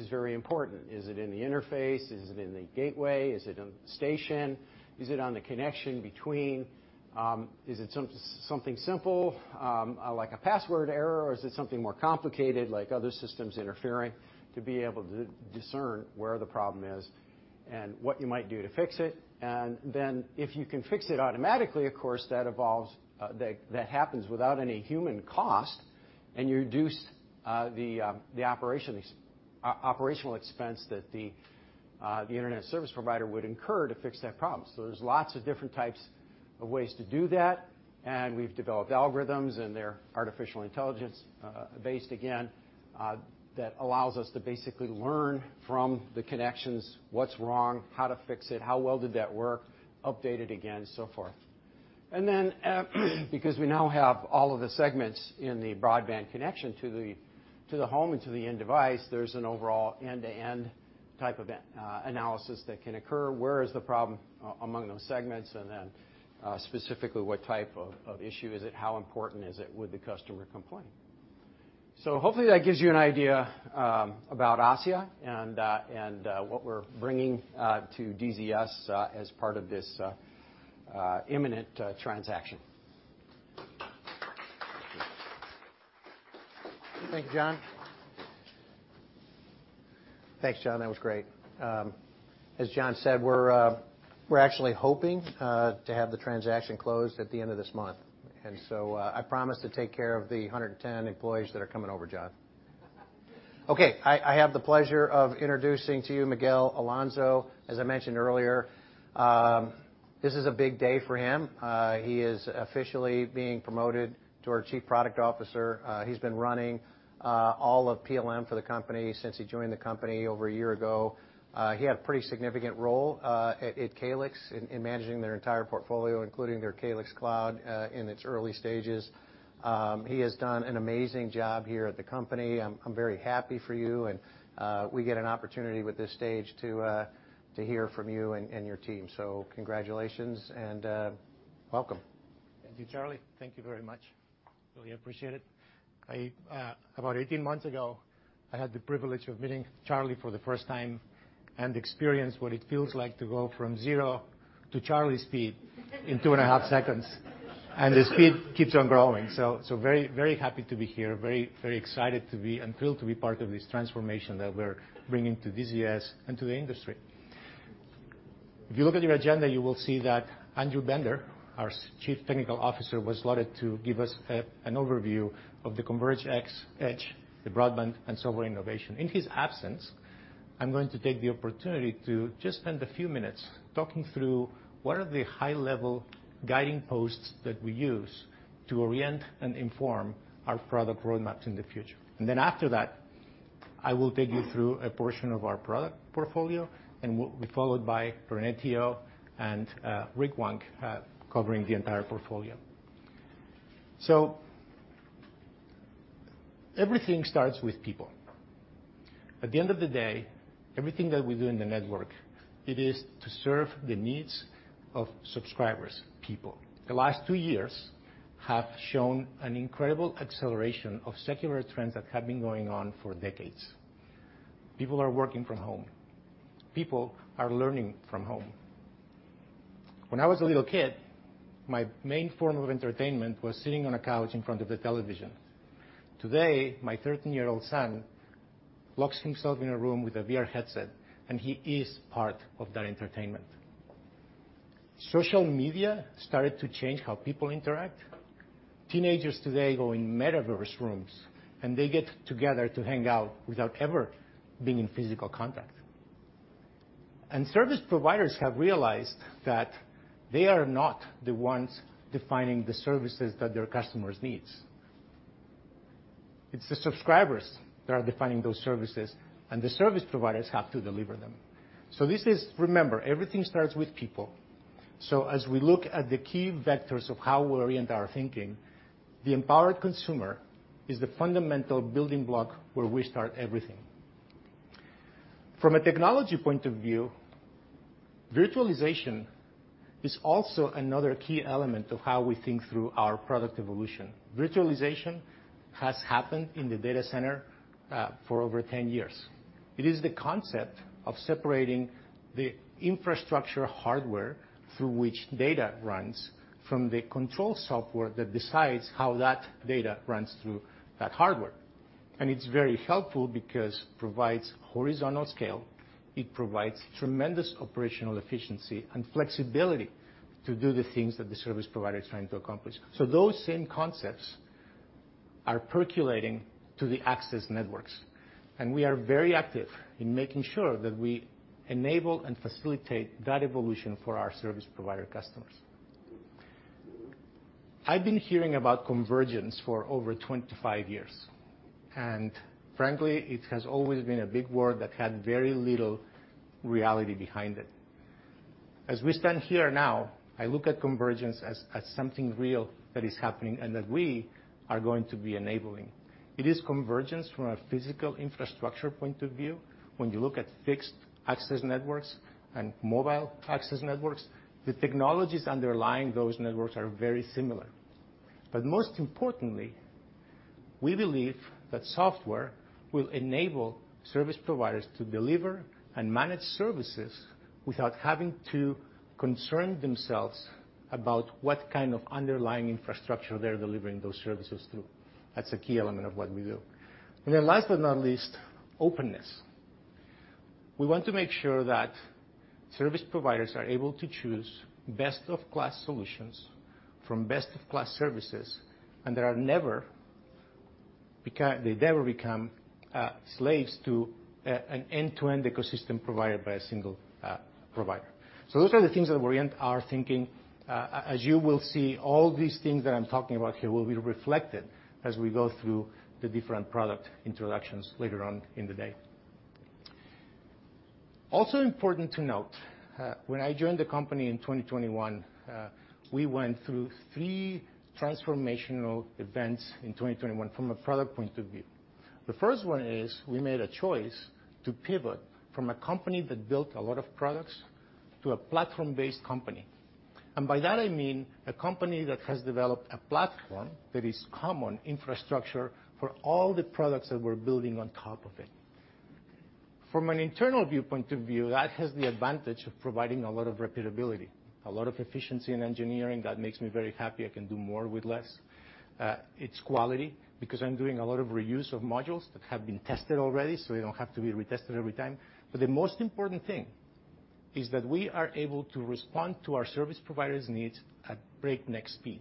very important. Is it in the interface? Is it in the gateway? Is it in the station? Is it on the connection between, is it something simple, like a password error, or is it something more complicated like other systems interfering? To be able to discern where the problem is and what you might do to fix it. If you can fix it automatically, of course, that evolves, that happens without any human cost, and you reduce the operational expense that the internet service provider would incur to fix that problem. There's lots of different types of ways to do that, and we've developed algorithms, and they're artificial intelligence based again, that allows us to basically learn from the connections, what's wrong, how to fix it, how well did that work, update it again, so forth. Because we now have all of the segments in the broadband connection to the home and to the end device, there's an overall end-to-end type of analysis that can occur. Where is the problem among those segments? Specifically, what type of issue is it? How important is it? Would the customer complain? Hopefully that gives you an idea about ASSIA and what we're bringing to DZS as part of this imminent transaction. Thank you. Thank you, John. Thanks, John. That was great. As John said, we're actually hoping to have the transaction closed at the end of this month. I promise to take care of the 110 employees that are coming over, John. Okay. I have the pleasure of introducing to you Miguel Alonso. As I mentioned earlier, this is a big day for him. He is officially being promoted to our Chief Product Officer. He's been running all of PLM for the company since he joined the company over a year ago. He had a pretty significant role at Calix in managing their entire portfolio, including their Calix Cloud, in its early stages. He has done an amazing job here at the company. I'm very happy for you and we get an opportunity with this stage to hear from you and your team. Congratulations and welcome. Thank you, Charlie. Thank you very much. Really appreciate it. I... About 18 months ago, I had the privilege of meeting Charlie for the first time and experience what it feels like to go from zero to Charlie speed in 2.5 seconds. The speed keeps on growing. Very happy to be here. Very excited to be, and thrilled to be part of this transformation that we're bringing to DZS and to the industry. If you look at your agenda, you will see that Andrew Bender, our Chief Technology Officer, was slotted to give us an overview of the Converged Edge, the broadband and software innovation. In his absence, I'm going to take the opportunity to just spend a few minutes talking through what are the high level guiding posts that we use to orient and inform our product roadmaps in the future. Then after that, I will take you through a portion of our product portfolio, and will be followed by Rene Tio and Rick Wank covering the entire portfolio. Everything starts with people. At the end of the day, everything that we do in the network, it is to serve the needs of subscribers, people. The last two years have shown an incredible acceleration of secular trends that had been going on for decades. People are working from home. People are learning from home. When I was a little kid, my main form of entertainment was sitting on a couch in front of the television. Today, my 13-year-old son locks himself in a room with a VR headset, and he is part of that entertainment. Social media started to change how people interact. Teenagers today go in metaverse rooms, and they get together to hang out without ever being in physical contact. Service providers have realized that they are not the ones defining the services that their customers' needs. It's the subscribers that are defining those services, and the service providers have to deliver them. Remember, everything starts with people. As we look at the key vectors of how we orient our thinking, the empowered consumer is the fundamental building block where we start everything. From a technology point of view, virtualization is also another key element of how we think through our product evolution. Virtualization has happened in the data center for over 10 years. It is the concept of separating the infrastructure hardware through which data runs from the control software that decides how that data runs through that hardware. It's very helpful because provides horizontal scale, it provides tremendous operational efficiency and flexibility to do the things that the service provider is trying to accomplish. Those same concepts are percolating to the access networks, and we are very active in making sure that we enable and facilitate that evolution for our service provider customers. I've been hearing about convergence for over 25 years, and frankly, it has always been a big word that had very little reality behind it. As we stand here now, I look at convergence as something real that is happening and that we are going to be enabling. It is convergence from a physical infrastructure point of view. When you look at fixed access networks and mobile access networks, the technologies underlying those networks are very similar. Most importantly, we believe that software will enable service providers to deliver and manage services without having to concern themselves about what kind of underlying infrastructure they're delivering those services through. That's a key element of what we do. Last but not least, openness. We want to make sure that service providers are able to choose best of class solutions from best of class services, and they never become slaves to an end-to-end ecosystem provided by a single provider. Those are the things that orient our thinking. As you will see, all these things that I'm talking about here will be reflected as we go through the different product introductions later on in the day. Also important to note, when I joined the company in 2021, we went through three transformational events in 2021 from a product point of view. The first one is we made a choice to pivot from a company that built a lot of products to a platform-based company. By that I mean a company that has developed a platform that is common infrastructure for all the products that we're building on top of it. From an internal viewpoint of view, that has the advantage of providing a lot of repeatability, a lot of efficiency in engineering. That makes me very happy. I can do more with less. It's quality because I'm doing a lot of reuse of modules that have been tested already, so they don't have to be retested every time. The most important thing is that we are able to respond to our service providers' needs at breakneck speed.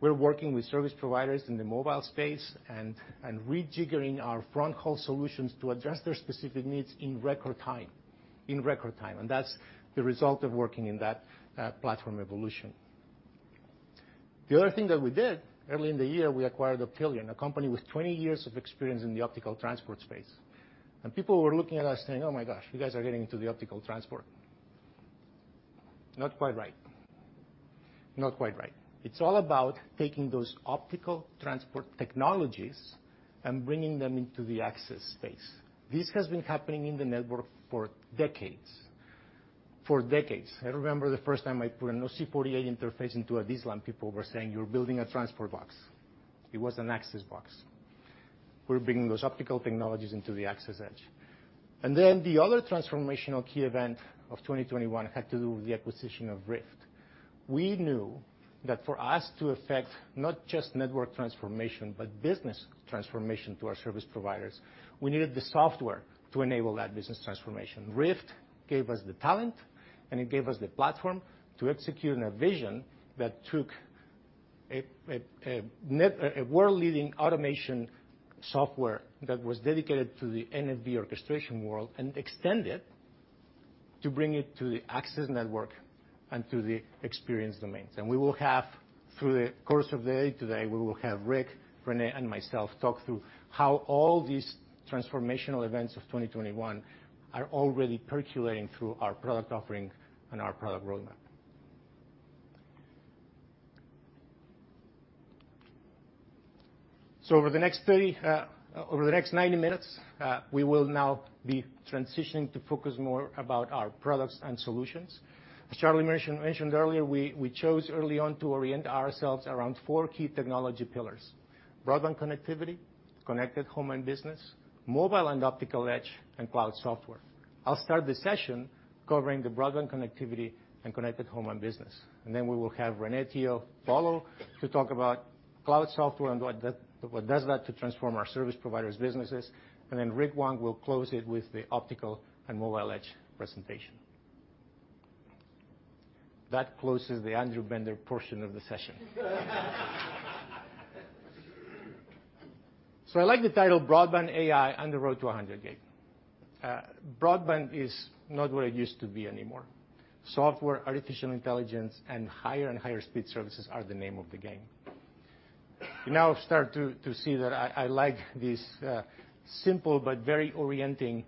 We're working with service providers in the mobile space and rejiggering our front call solutions to address their specific needs in record time. In record time. That's the result of working in that platform evolution. The other thing that we did early in the year, we acquired Optelian, a company with 20 years of experience in the optical transport space. People were looking at us saying, "Oh my gosh, you guys are getting into the optical transport." Not quite right. Not quite right. It's all about taking those optical transport technologies and bringing them into the access space. This has been happening in the network for decades. I remember the first time I put an OC-48 interface into a DSLAM, people were saying, "You're building a transport box." It was an access box. We're bringing those optical technologies into the access edge. Then the other transformational key event of 2021 had to do with the acquisition of RIFT. We knew that for us to affect not just network transformation, but business transformation to our service providers, we needed the software to enable that business transformation. RIFT gave us the talent, and it gave us the platform to execute on a vision that took a world-leading automation software that was dedicated to the NFV orchestration world and extend it to bring it to the access network and to the experience domains. We will have through the course of the day today, we will have Rick, Rene and myself talk through how all these transformational events of 2021 are already percolating through our product offering and our product roadmap. Over the next 90 minutes, we will now be transitioning to focus more about our products and solutions. As Charlie mentioned earlier, we chose early on to orient ourselves around four key technology pillars: broadband connectivity, connected home and business, mobile and optical edge, and cloud software. I'll start the session covering the broadband connectivity and connected home and business, and then we will have Rene Tio follow to talk about cloud software and what that does to transform our service providers' businesses. Rick Wank will close it with the optical and mobile edge presentation. That closes the Andrew Bender portion of the session. I like the title Broadband AI on the Road to 100G. Broadband is not what it used to be anymore. Software, artificial intelligence, and higher and higher speed services are the name of the game. You now have to start to see that I like these simple but very orienting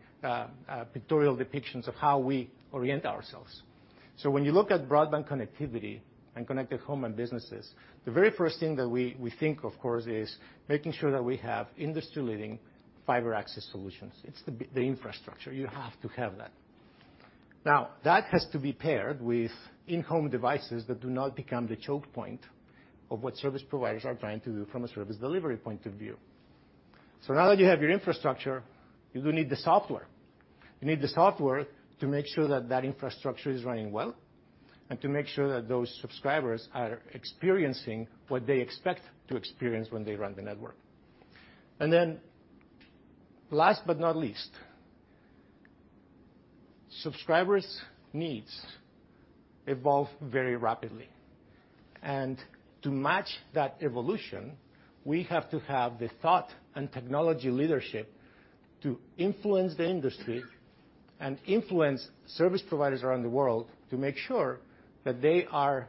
pictorial depictions of how we orient ourselves. When you look at broadband connectivity and connected home and businesses, the very first thing that we think, of course, is making sure that we have industry-leading fiber access solutions. It's the infrastructure. You have to have that. Now, that has to be paired with in-home devices that do not become the choke point of what service providers are trying to do from a service delivery point of view. Now that you have your infrastructure, you do need the software. You need the software to make sure that that infrastructure is running well and to make sure that those subscribers are experiencing what they expect to experience when they run the network. Then last but not least, subscribers' needs evolve very rapidly. To match that evolution, we have to have the thought and technology leadership to influence the industry and influence service providers around the world to make sure that they are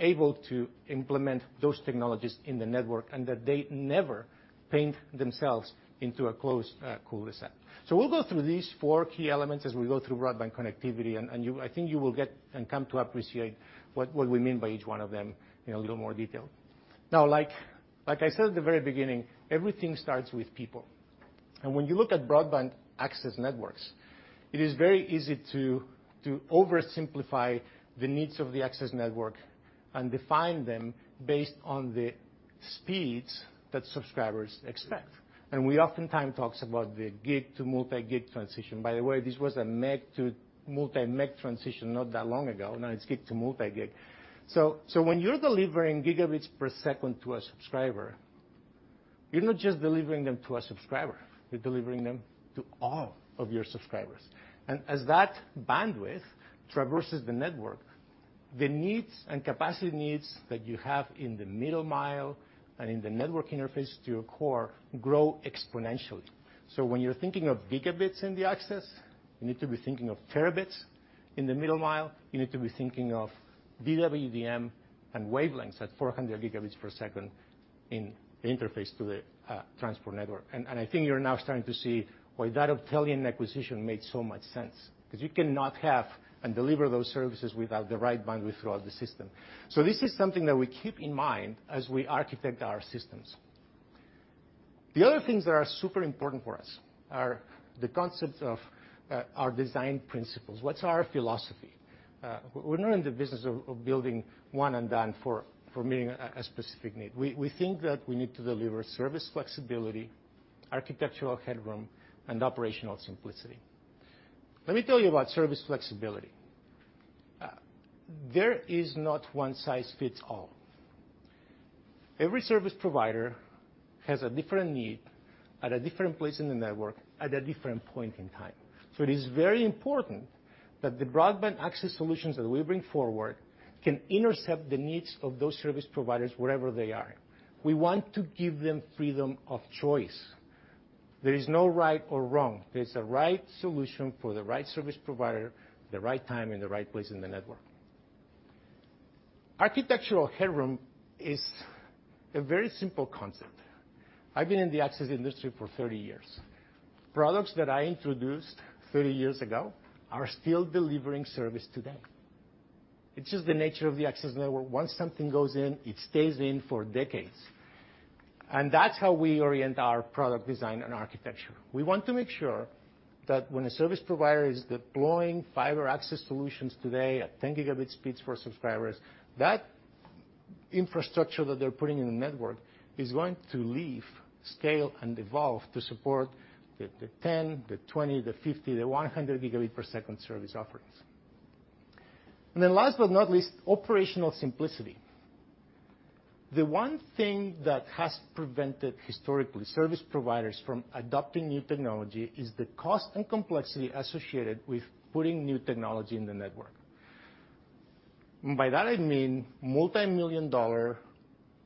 able to implement those technologies in the network, and that they never paint themselves into a closed, cul-de-sac. We'll go through these four key elements as we go through broadband connectivity, and you I think you will get and come to appreciate what we mean by each one of them in a little more detail. Now, like I said at the very beginning, everything starts with people. When you look at broadband access networks, it is very easy to oversimplify the needs of the access network and define them based on the speeds that subscribers expect. We oftentimes talk about the gig to multi-gig transition. By the way, this was a meg to multi-meg transition not that long ago. Now it's gig to multi-gig. When you're delivering gigabits per second to a subscriber, you're not just delivering them to a subscriber, you're delivering them to all of your subscribers. As that bandwidth traverses the network, the needs and capacity needs that you have in the middle mile and in the network interface to your core grow exponentially. When you're thinking of gigabits in the access, you need to be thinking of terabits in the middle mile. You need to be thinking of DWDM and wavelengths at 400 Gb per second in the interface to the transport network. I think you're now starting to see why that Optelian acquisition made so much sense, 'cause you cannot have and deliver those services without the right bandwidth throughout the system. This is something that we keep in mind as we architect our systems. The other things that are super important for us are the concepts of our design principles. What's our philosophy? We're not in the business of building one and done for meeting a specific need. We think that we need to deliver service flexibility, architectural headroom, and operational simplicity. Let me tell you about service flexibility. There is not one size fits all. Every service provider has a different need at a different place in the network, at a different point in time. So it is very important that the broadband access solutions that we bring forward can intercept the needs of those service providers wherever they are. We want to give them freedom of choice. There is no right or wrong. There's a right solution for the right service provider at the right time, in the right place in the network. Architectural headroom is a very simple concept. I've been in the access industry for 30 years. Products that I introduced 30 years ago are still delivering service today. It's just the nature of the access network. Once something goes in, it stays in for decades. That's how we orient our product design and architecture. We want to make sure that when a service provider is deploying fiber access solutions today at 10 Gb speeds for subscribers, that infrastructure that they're putting in the network is going to live, scale, and evolve to support the 10 Gb, the 20 Gb, the 50 Gb, the 100 Gb per second service offerings. Then last but not least, operational simplicity. The one thing that has prevented, historically, service providers from adopting new technology is the cost and complexity associated with putting new technology in the network. By that I mean multi-million-dollar,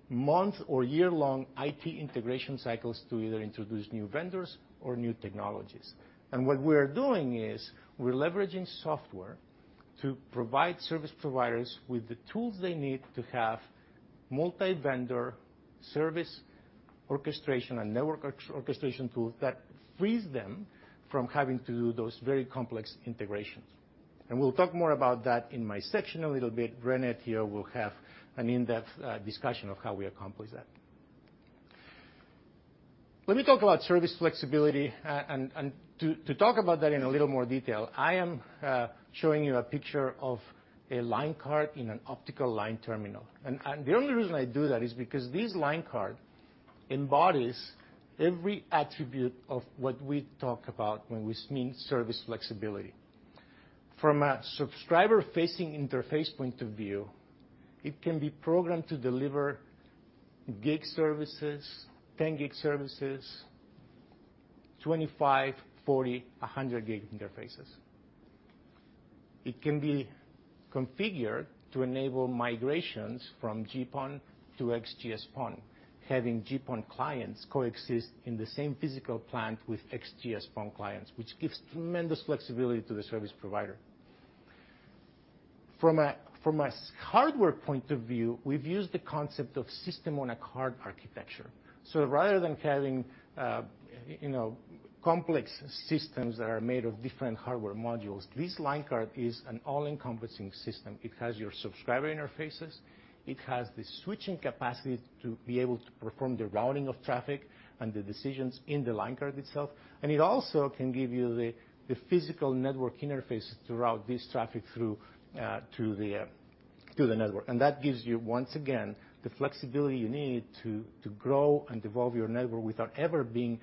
month- or year-long IT integration cycles to either introduce new vendors or new technologies. What we're doing is we're leveraging software to provide service providers with the tools they need to have multi-vendor service orchestration and network orchestration tools that frees them from having to do those very complex integrations. We'll talk more about that in my section a little bit. Rene Tio here will have an in-depth discussion of how we accomplish that. Let me talk about service flexibility. To talk about that in a little more detail, I am showing you a picture of a line card in an optical line terminal. The only reason I do that is because this line card embodies every attribute of what we talk about when we mean service flexibility. From a subscriber-facing interface point of view, it can be programmed to deliver gig services, 10 gig services, 25, 40, 100 gig interfaces. It can be configured to enable migrations from GPON to XGS-PON, having GPON clients coexist in the same physical plant with XGS-PON clients, which gives tremendous flexibility to the service provider. From a hardware point of view, we've used the concept of system on a card architecture. Rather than having, you know, complex systems that are made of different hardware modules, this line card is an all-encompassing system. It has your subscriber interfaces, it has the switching capacity to be able to perform the routing of traffic and the decisions in the line card itself, and it also can give you the physical network interface to route this traffic through to the network. That gives you, once again, the flexibility you need to grow and evolve your network without ever being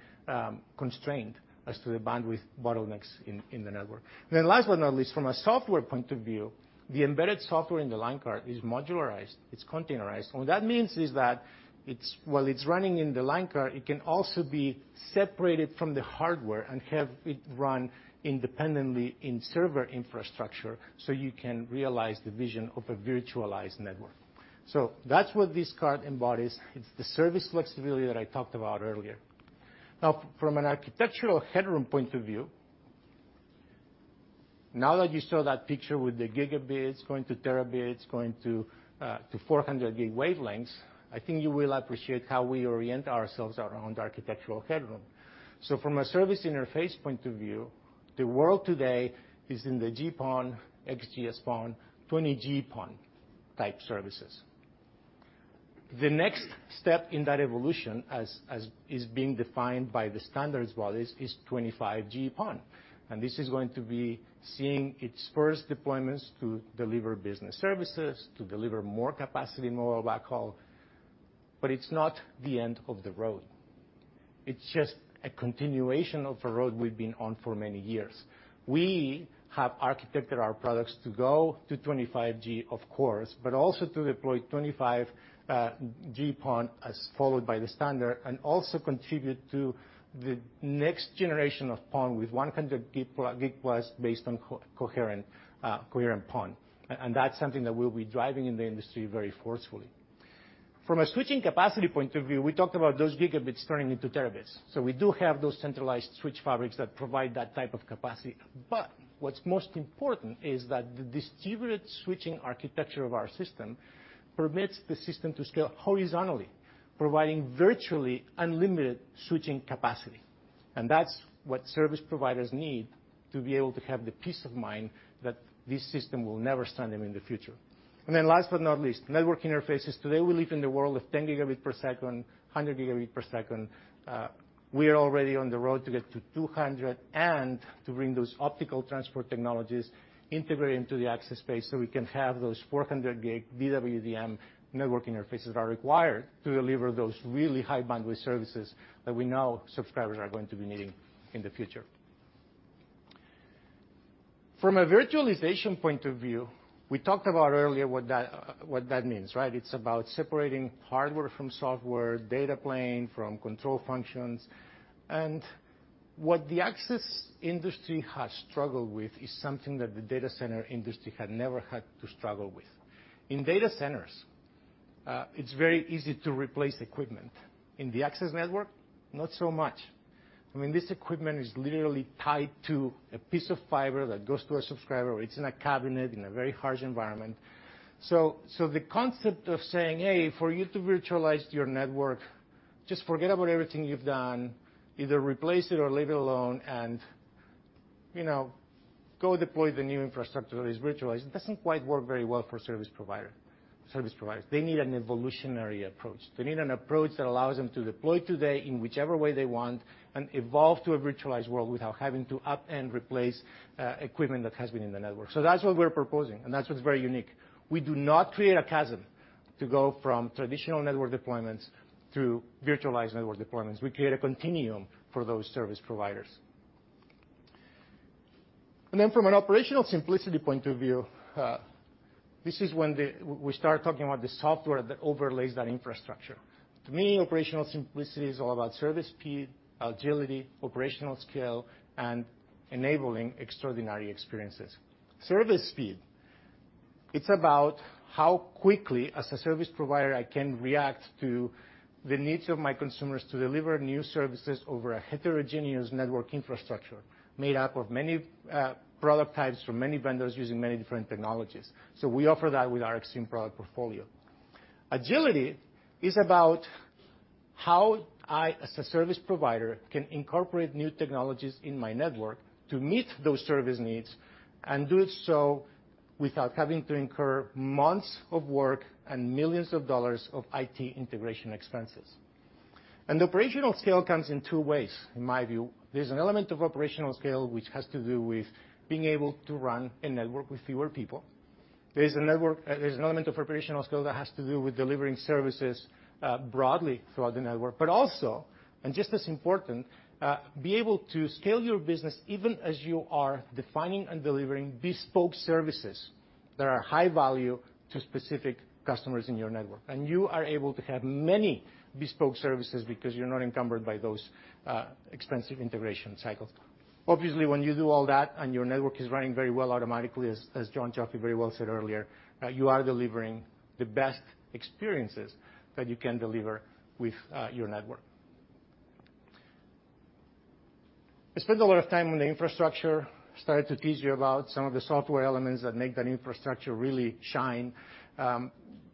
constrained as to the bandwidth bottlenecks in the network. Last but not least, from a software point of view, the embedded software in the line card is modularized, it's containerized. What that means is that it's while it's running in the line card, it can also be separated from the hardware and have it run independently in server infrastructure, so you can realize the vision of a virtualized network. That's what this card embodies. It's the service flexibility that I talked about earlier. Now from an architectural headroom point of view, now that you saw that picture with the gigabits going to terabits, going to 400 gig wavelengths, I think you will appreciate how we orient ourselves around architectural headroom. From a service interface point of view, the world today is in the GPON, XGS-PON, 20G-PON type services. The next step in that evolution, as is being defined by the standards bodies, is 25G-PON. This is going to be seeing its first deployments to deliver business services, to deliver more capacity, more backhaul, but it's not the end of the road. It's just a continuation of a road we've been on for many years. We have architected our products to go to 25G, of course, but also to deploy 25G-PON as followed by the standard, and also contribute to the next generation of PON with 100 gig plus based on coherent PON. That's something that we'll be driving in the industry very forcefully. From a switching capacity point of view, we talked about those gigabits turning into terabits. We do have those centralized switch fabrics that provide that type of capacity. What's most important is that the distributed switching architecture of our system permits the system to scale horizontally, providing virtually unlimited switching capacity. That's what service providers need to be able to have the peace of mind that this system will never stun them in the future. Last but not least, network interfaces. Today, we live in the world of 10 Gb per second, 100 Gb per second. We are already on the road to get to 200 Gb and to bring those optical transport technologies integrated into the access space so we can have those 400 gig DWDM network interfaces that are required to deliver those really high bandwidth services that we know subscribers are going to be needing in the future. From a virtualization point of view, we talked about earlier what that means, right? It's about separating hardware from software, data plane from control functions. What the access industry has struggled with is something that the data center industry had never had to struggle with. In data centers, it's very easy to replace equipment. In the access network, not so much. I mean, this equipment is literally tied to a piece of fiber that goes to a subscriber. It's in a cabinet in a very harsh environment. So the concept of saying, "Hey, for you to virtualize your network, just forget about everything you've done. Either replace it or leave it alone, and you know, go deploy the new infrastructure that is virtualized." It doesn't quite work very well for service providers. They need an evolutionary approach. They need an approach that allows them to deploy today in whichever way they want and evolve to a virtualized world without having to upend, replace, equipment that has been in the network. That's what we're proposing, and that's what's very unique. We do not create a chasm to go from traditional network deployments to virtualized network deployments. We create a continuum for those service providers. From an operational simplicity point of view, this is when we start talking about the software that overlays that infrastructure. To me, operational simplicity is all about service speed, agility, operational scale, and enabling extraordinary experiences. Service speed, it's about how quickly, as a service provider, I can react to the needs of my consumers to deliver new services over a heterogeneous network infrastructure made up of many, product types from many vendors using many different technologies. We offer that with our Xtreme product portfolio. Agility is about how I, as a service provider, can incorporate new technologies in my network to meet those service needs and do it so without having to incur months of work and millions of dollars of IT integration expenses. Operational scale comes in two ways, in my view. There's an element of operational scale which has to do with being able to run a network with fewer people. There's an element of operational scale that has to do with delivering services broadly throughout the network. And just as important, be able to scale your business even as you are defining and delivering bespoke services that are high value to specific customers in your network. You are able to have many bespoke services because you're not encumbered by those expensive integration cycles. Obviously, when you do all that and your network is running very well automatically, as John Cioffi very well said earlier, you are delivering the best experiences that you can deliver with your network. I spent a lot of time on the infrastructure, started to tease you about some of the software elements that make that infrastructure really shine.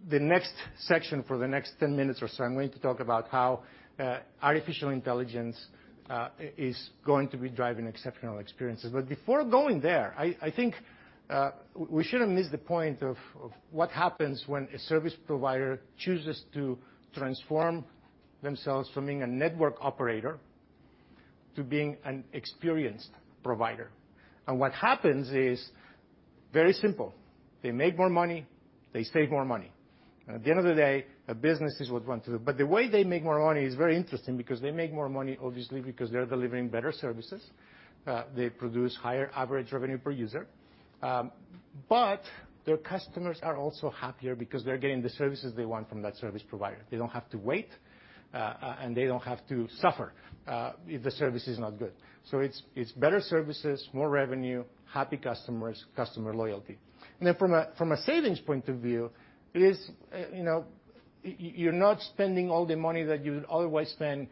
The next section for the next 10 minutes or so, I'm going to talk about how artificial intelligence is going to be driving exceptional experiences. Before going there, I think we shouldn't miss the point of what happens when a service provider chooses to transform themselves from being a network operator to being an experienced provider. What happens is very simple. They make more money, they save more money. At the end of the day, a business is what they want to do. The way they make more money is very interesting because they make more money, obviously, because they're delivering better services. They produce higher average revenue per user. Their customers are also happier because they're getting the services they want from that service provider. They don't have to wait, and they don't have to suffer, if the service is not good. It's better services, more revenue, happy customers, customer loyalty. From a savings point of view is, you know, you're not spending all the money that you would otherwise spend,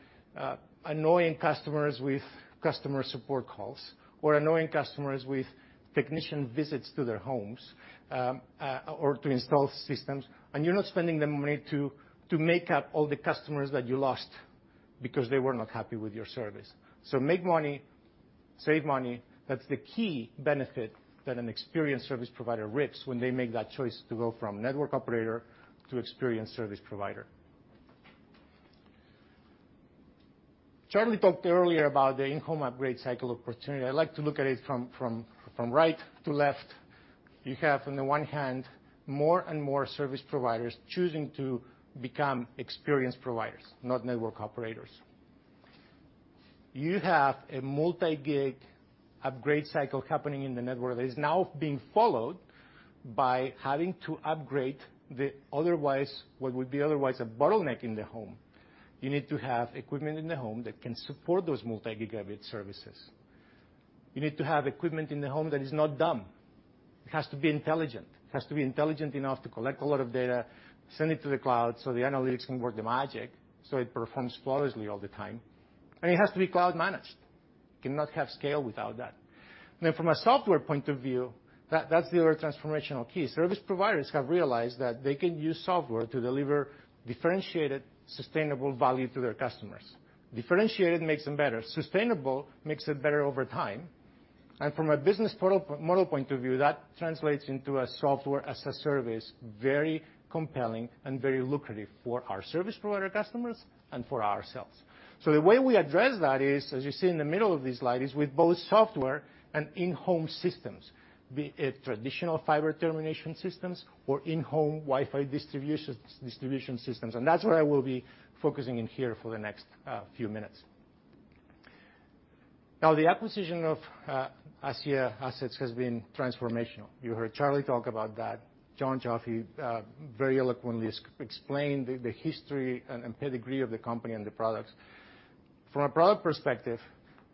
annoying customers with customer support calls or annoying customers with technician visits to their homes, or to install systems. You're not spending the money to make up all the customers that you lost because they were not happy with your service. So make money, save money. That's the key benefit that an experienced service provider reaps when they make that choice to go from network operator to experienced service provider. Charlie talked earlier about the in-home upgrade cycle opportunity. I like to look at it from right to left. You have, on the one hand, more and more service providers choosing to become experienced providers, not network operators. You have a multi-gig upgrade cycle happening in the network that is now being followed by having to upgrade the otherwise, what would be otherwise a bottleneck in the home. You need to have equipment in the home that can support those multi-gigabit services. You need to have equipment in the home that is not dumb. It has to be intelligent. It has to be intelligent enough to collect a lot of data, send it to the cloud so the analytics can work the magic, so it performs flawlessly all the time. It has to be cloud managed. Cannot have scale without that. From a software point of view, that's the other transformational key. Service providers have realized that they can use software to deliver differentiated, sustainable value to their customers. Differentiated makes them better, sustainable makes it better over time. From a business model point of view, that translates into a software as a service very compelling and very lucrative for our service provider customers and for ourselves. The way we address that is, as you see in the middle of this slide, is with both software and in-home systems, be it traditional fiber termination systems or in-home Wi-Fi distributions, distribution systems. That's where I will be focusing in here for the next few minutes. Now, the acquisition of ASSIA has been transformational. You heard Charlie talk about that. John Cioffi very eloquently explained the history and pedigree of the company and the products. From a product perspective,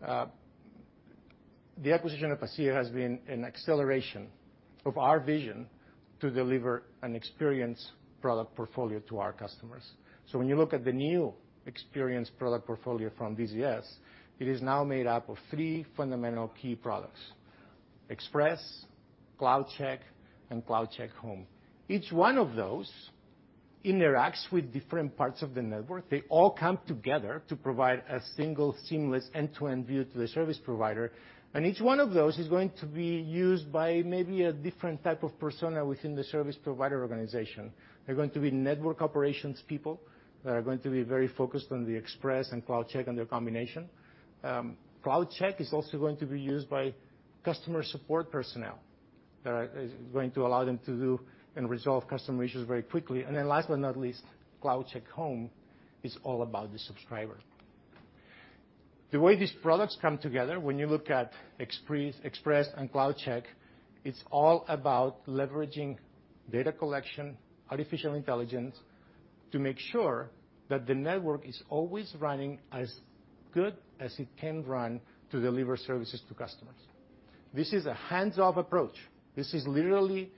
the acquisition of ASSIA has been an acceleration of our vision to deliver an experience product portfolio to our customers. When you look at the new experience product portfolio from DZS, it is now made up of three fundamental key products. Expresse, CloudCheck, and CloudCheck Home. Each one of those interacts with different parts of the network. They all come together to provide a single seamless end-to-end view to the service provider, and each one of those is going to be used by maybe a different type of persona within the service provider organization. They're going to be network operations people that are going to be very focused on the Expresse and CloudCheck and their combination. CloudCheck is also going to be used by customer support personnel. That is going to allow them to do and resolve customer issues very quickly. CloudCheck Home is all about the subscriber. The way these products come together, when you look at Expresse and CloudCheck, it's all about leveraging data collection, artificial intelligence to make sure that the network is always running as good as it can run to deliver services to customers. This is a hands-off approach. This is literally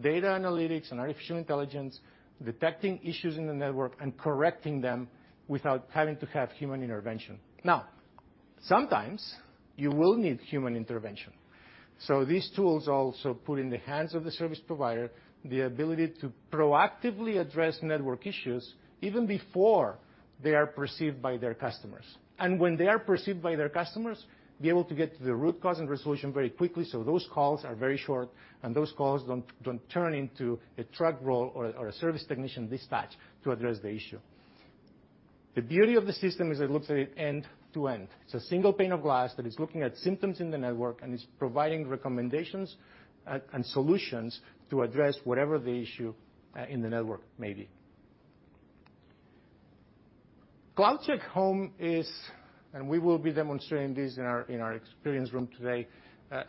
data analytics and artificial intelligence, detecting issues in the network and correcting them without having to have human intervention. Now, sometimes you will need human intervention. These tools also put in the hands of the service provider the ability to proactively address network issues even before they are perceived by their customers. When they are perceived by their customers, be able to get to the root cause and resolution very quickly, so those calls are very short, and those calls don't turn into a truck roll or a service technician dispatch to address the issue. The beauty of the system is it looks at it end-to-end. It's a single pane of glass that is looking at symptoms in the network and is providing recommendations and solutions to address whatever the issue in the network may be. CloudCheck Home is... We will be demonstrating this in our experience room today.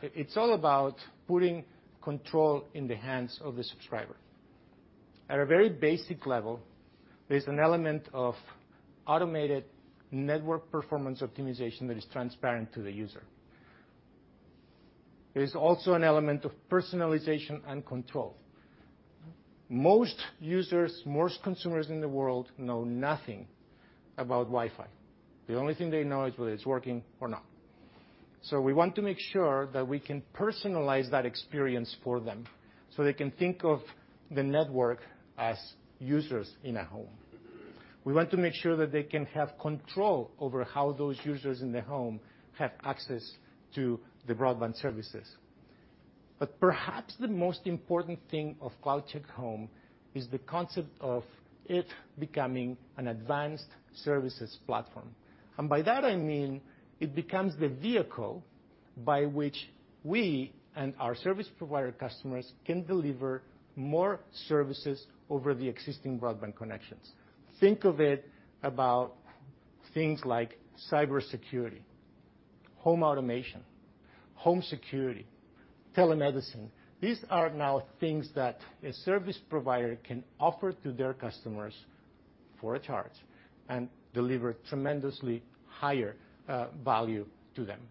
It's all about putting control in the hands of the subscriber. At a very basic level, there's an element of automated network performance optimization that is transparent to the user. There's also an element of personalization and control. Most users, most consumers in the world know nothing about Wi-Fi. The only thing they know is whether it's working or not. We want to make sure that we can personalize that experience for them, so they can think of the network as users in a home. We want to make sure that they can have control over how those users in the home have access to the broadband services. Perhaps the most important thing of CloudCheck Home is the concept of it becoming an advanced services platform. By that, I mean it becomes the vehicle by which we and our service provider customers can deliver more services over the existing broadband connections. Think about things like cybersecurity, home automation, home security, telemedicine. These are now things that a service provider can offer to their customers for a charge and deliver tremendously higher value to them.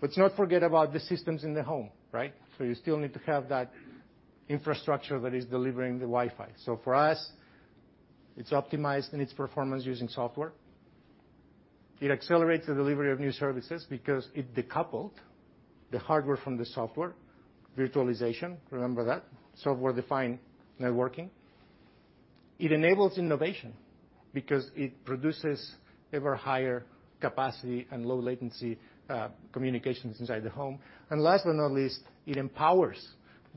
Let's not forget about the systems in the home, right? You still need to have that infrastructure that is delivering the Wi-Fi. For us, it's optimized in its performance using software. It accelerates the delivery of new services because it decoupled the hardware from the software. Virtualization, remember that. Software-defined networking. It enables innovation because it produces ever higher capacity and low latency communications inside the home. Last but not least, it empowers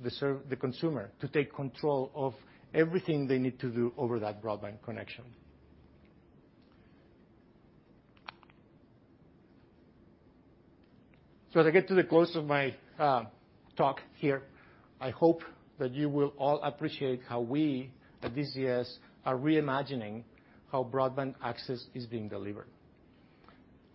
the consumer to take control of everything they need to do over that broadband connection. To get to the close of my talk here, I hope that you will all appreciate how we at DZS are reimagining how broadband access is being delivered.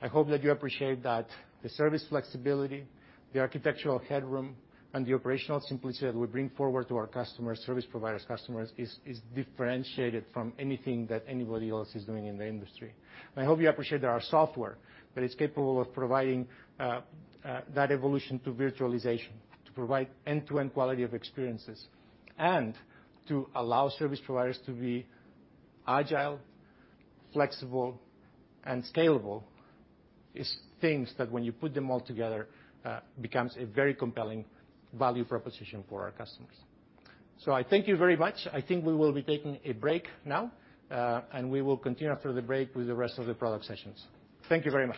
I hope that you appreciate that the service flexibility, the architectural headroom, and the operational simplicity that we bring forward to our customers, service providers' customers is differentiated from anything that anybody else is doing in the industry. I hope you appreciate that our software that is capable of providing that evolution to virtualization, to provide end-to-end quality of experiences, and to allow service providers to be agile, flexible, and scalable is things that when you put them all together becomes a very compelling value proposition for our customers. I thank you very much. I think we will be taking a break now, and we will continue after the break with the rest of the product sessions. Thank you very much.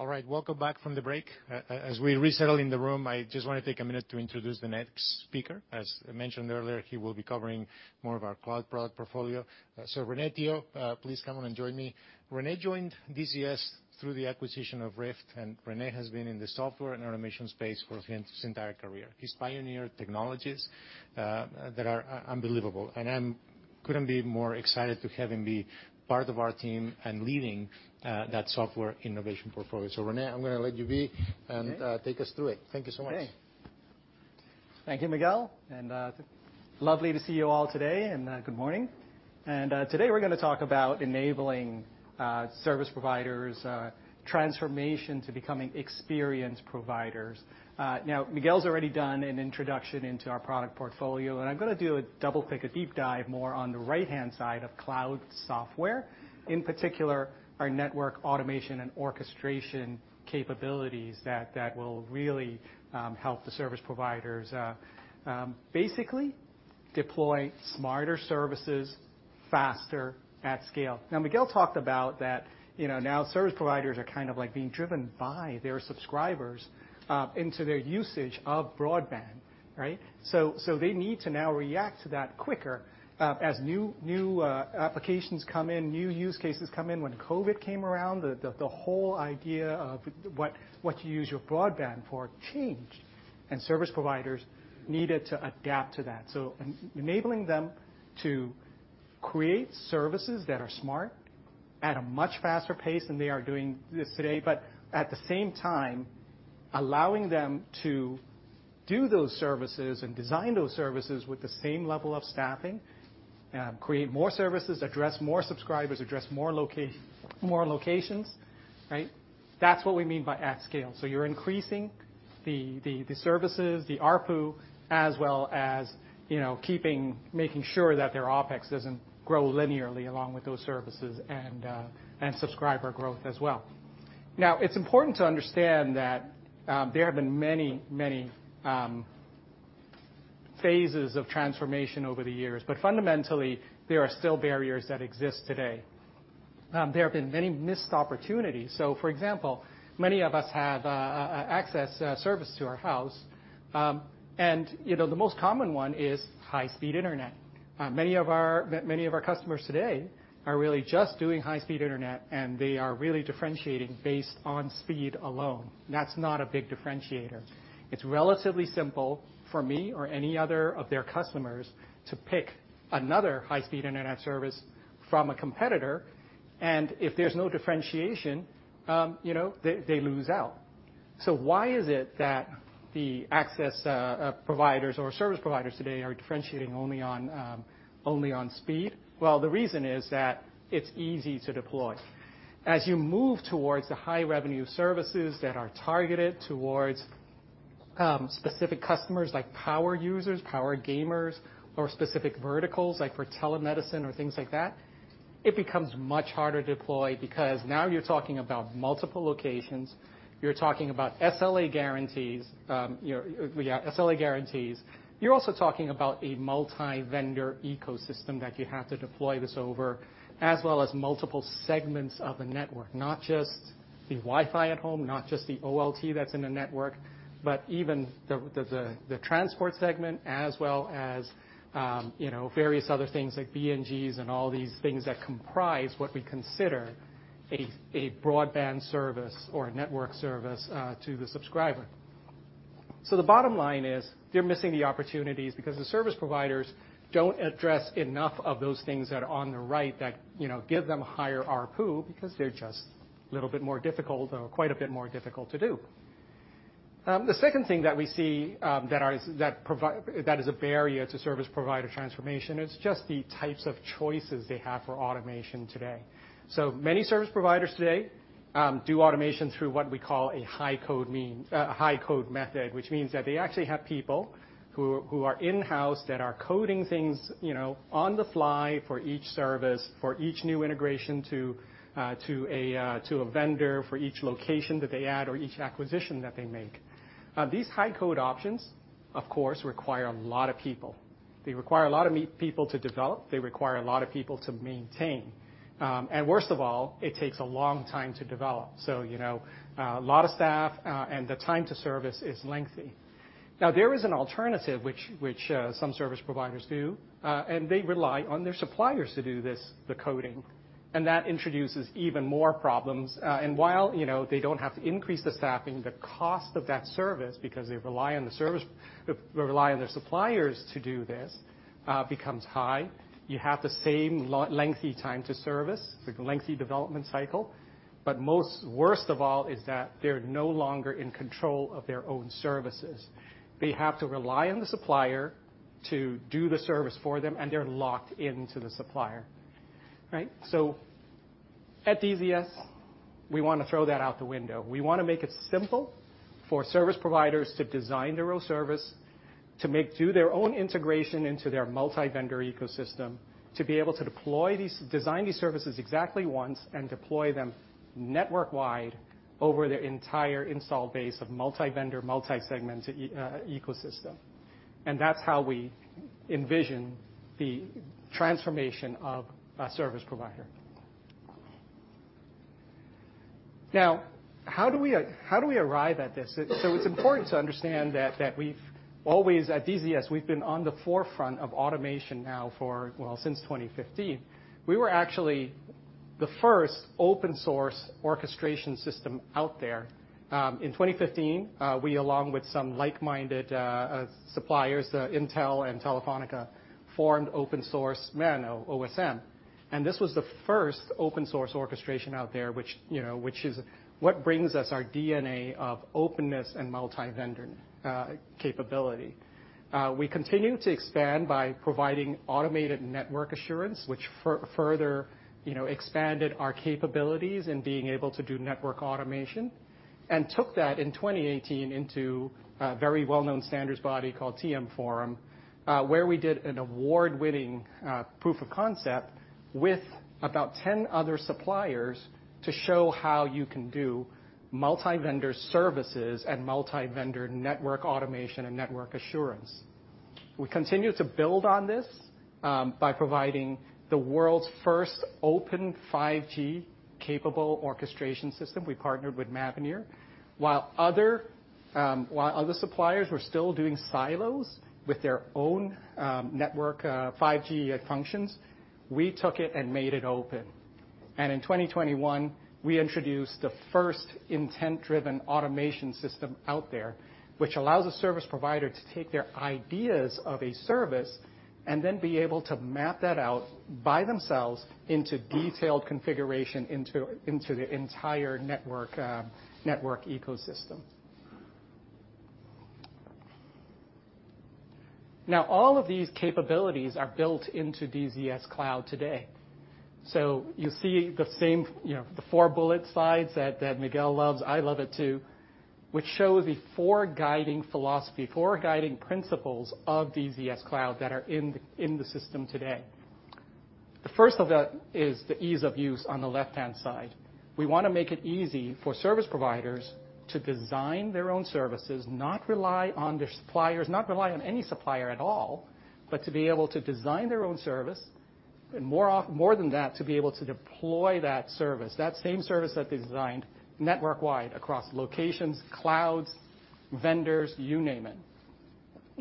All right. Welcome back from the break. As we resettle in the room, I just want to take a minute to introduce the next speaker. As I mentioned earlier, he will be covering more of our cloud product portfolio. So Rene Tio, please come on and join me. Rene joined DZS through the acquisition of RIFT, and Rene has been in the software and automation space for his entire career. He's pioneered technologies that are unbelievable, and I couldn't be more excited to have him be part of our team and leading that software innovation portfolio. Rene, I'm gonna let you be- Okay. Take us through it. Thank you so much. Okay. Thank you, Miguel, and lovely to see you all today, and good morning. Today we're gonna talk about enabling service providers transformation to becoming experience providers. Now Miguel's already done an introduction into our product portfolio, and I'm gonna do a double take, a deep dive more on the right-hand side of cloud software. In particular, our network automation and orchestration capabilities that will really help the service providers basically deploy smarter services faster at scale. Now, Miguel talked about that, you know, now service providers are kind of like being driven by their subscribers into their usage of broadband, right? So they need to now react to that quicker as new applications come in, new use cases come in. When COVID came around, the whole idea of what you use your broadband for changed, and service providers needed to adapt to that. Enabling them to create services that are smart at a much faster pace than they are doing this today, but at the same time, allowing them to do those services and design those services with the same level of staffing, create more services, address more subscribers, address more locations, right? That's what we mean by at scale. You're increasing the services, the ARPU, as well as, you know, keeping, making sure that their OpEx doesn't grow linearly along with those services and subscriber growth as well. It's important to understand that there have been many phases of transformation over the years, but fundamentally, there are still barriers that exist today. There have been many missed opportunities. For example, many of us have a access service to our house, and you know, the most common one is high-speed internet. Many of our customers today are really just doing high-speed internet, and they are really differentiating based on speed alone. That's not a big differentiator. It's relatively simple for me or any other of their customers to pick another high-speed internet service from a competitor, and if there's no differentiation, you know, they lose out. Why is it that the access providers or service providers today are differentiating only on speed? Well, the reason is that it's easy to deploy. As you move towards the high revenue services that are targeted towards specific customers, like power users, power gamers, or specific verticals, like for telemedicine or things like that, it becomes much harder to deploy because now you're talking about multiple locations, you're talking about SLA guarantees. You're also talking about a multi-vendor ecosystem that you have to deploy this over, as well as multiple segments of the network. Not just the Wi-Fi at home, not just the OLT that's in the network, but even the transport segment as well as various other things like BNGs and all these things that comprise what we consider a broadband service or a network service to the subscriber. The bottom line is, they're missing the opportunities because the service providers don't address enough of those things that are on the right that, you know, give them higher ARPU because they're just a little bit more difficult or quite a bit more difficult to do. The second thing that we see, that is a barrier to service provider transformation is just the types of choices they have for automation today. Many service providers today do automation through what we call a high code method, which means that they actually have people who are in-house that are coding things, you know, on the fly for each service, for each new integration to a vendor, for each location that they add or each acquisition that they make. These high code options, of course, require a lot of people. They require a lot of new people to develop. They require a lot of people to maintain. Worst of all, it takes a long time to develop. You know, a lot of staff, and the time to service is lengthy. Now, there is an alternative which some service providers do, and they rely on their suppliers to do this, the coding, and that introduces even more problems. While you know they don't have to increase the staffing, the cost of that service because they rely on their suppliers to do this becomes high. You have the same lengthy time to service, the lengthy development cycle, but worst of all is that they're no longer in control of their own services. They have to rely on the supplier to do the service for them, and they're locked into the supplier, right? At DZS, we wanna throw that out the window. We wanna make it simple for service providers to design their own service, to do their own integration into their multi-vendor ecosystem, to be able to design these services exactly once and deploy them network-wide over their entire install base of multi-vendor, multi-segmented ecosystem. That's how we envision the transformation of a service provider. Now, how do we arrive at this? It's important to understand that we've always at DZS, we've been on the forefront of automation now for, well, since 2015. We were actually the first open source orchestration system out there. In 2015, we, along with some like-minded suppliers, Intel and Telefónica, formed Open Source MANO, OSM. This was the first open source orchestration out there, which, you know, which is what brings us our DNA of openness and multi-vendor capability. We continue to expand by providing automated network assurance, which further, you know, expanded our capabilities in being able to do network automation and took that in 2018 into a very well-known standards body called TM Forum, where we did an award-winning proof of concept with about 10 other suppliers to show how you can do multi-vendor services and multi-vendor network automation and network assurance. We continue to build on this by providing the world's first open 5G-capable orchestration system. We partnered with Mavenir. While other suppliers were still doing silos with their own network 5G functions, we took it and made it open. In 2021, we introduced the first intent-driven automation system out there, which allows a service provider to take their ideas of a service and then be able to map that out by themselves into detailed configuration into the entire network ecosystem. Now, all of these capabilities are built into DZS Cloud today. You see the same, you know, the four bullet slides that Miguel loves, I love it too, which show the four guiding principles of DZS Cloud that are in the system today. The first of that is the ease of use on the left-hand side. We wanna make it easy for service providers to design their own services, not rely on their suppliers, not rely on any supplier at all, but to be able to design their own service, and more than that, to be able to deploy that service, that same service that they designed network-wide across locations, clouds, vendors, you name it.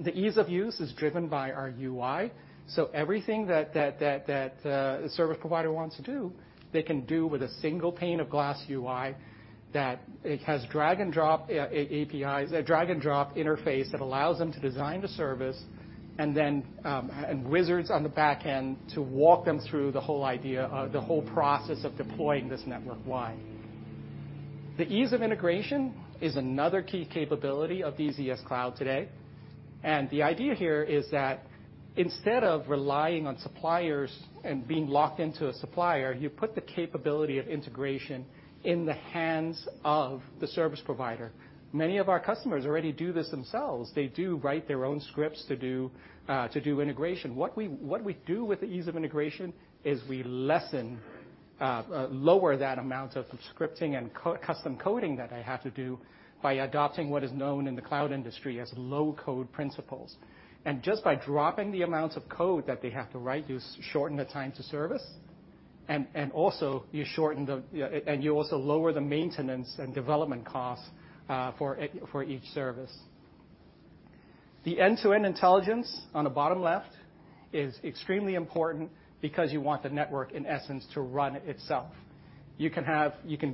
The ease of use is driven by our UI. Everything that a service provider wants to do, they can do with a single pane of glass UI that it has drag and drop APIs, a drag and drop interface that allows them to design the service and then and wizards on the back end to walk them through the whole idea, the whole process of deploying this network-wide. The ease of integration is another key capability of DZS Cloud today. The idea here is that instead of relying on suppliers and being locked into a supplier, you put the capability of integration in the hands of the service provider. Many of our customers already do this themselves. They do write their own scripts to do integration. What we do with the ease of integration is we lower that amount of scripting and custom coding that I have to do by adopting what is known in the cloud industry as low code principles. Just by dropping the amounts of code that they have to write, you shorten the time to service and also you shorten the and you also lower the maintenance and development costs for each service. The end-to-end intelligence on the bottom left is extremely important because you want the network, in essence, to run itself. You can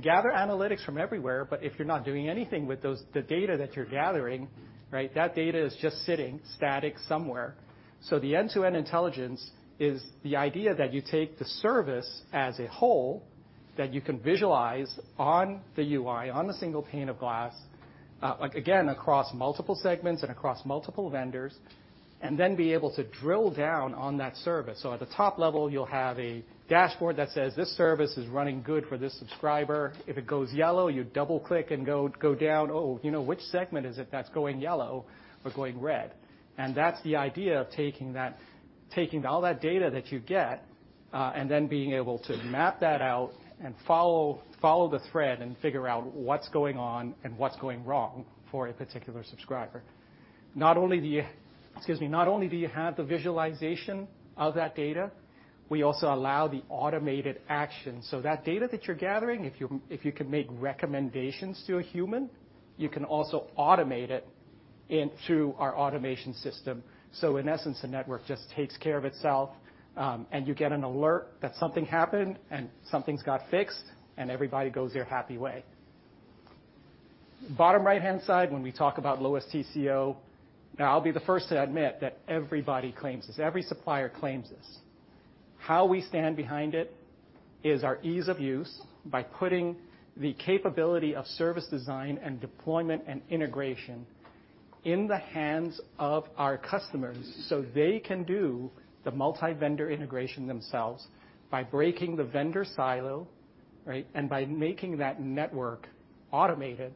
gather analytics from everywhere, but if you're not doing anything with those, the data that you're gathering, right? That data is just sitting static somewhere. The end-to-end intelligence is the idea that you take the service as a whole. That you can visualize on the UI, on the single pane of glass, again, across multiple segments and across multiple vendors, and then be able to drill down on that service. At the top level, you'll have a dashboard that says, "This service is running good for this subscriber." If it goes yellow, you double-click and go down, "Oh, you know, which segment is it that's going yellow or going red?" That's the idea of taking all that data that you get, and then being able to map that out and follow the thread and figure out what's going on and what's going wrong for a particular subscriber. Not only do you have the visualization of that data, we also allow the automated action. That data that you're gathering, if you can make recommendations to a human, you can also automate it in through our automation system. In essence, the network just takes care of itself, and you get an alert that something happened, and something's got fixed, and everybody goes their happy way. Bottom right-hand side, when we talk about lowest TCO, now I'll be the first to admit that everybody claims this, every supplier claims this. How we stand behind it is our ease of use by putting the capability of service design and deployment, and integration in the hands of our customers, so they can do the multi-vendor integration themselves by breaking the vendor silo, right? By making that network automated,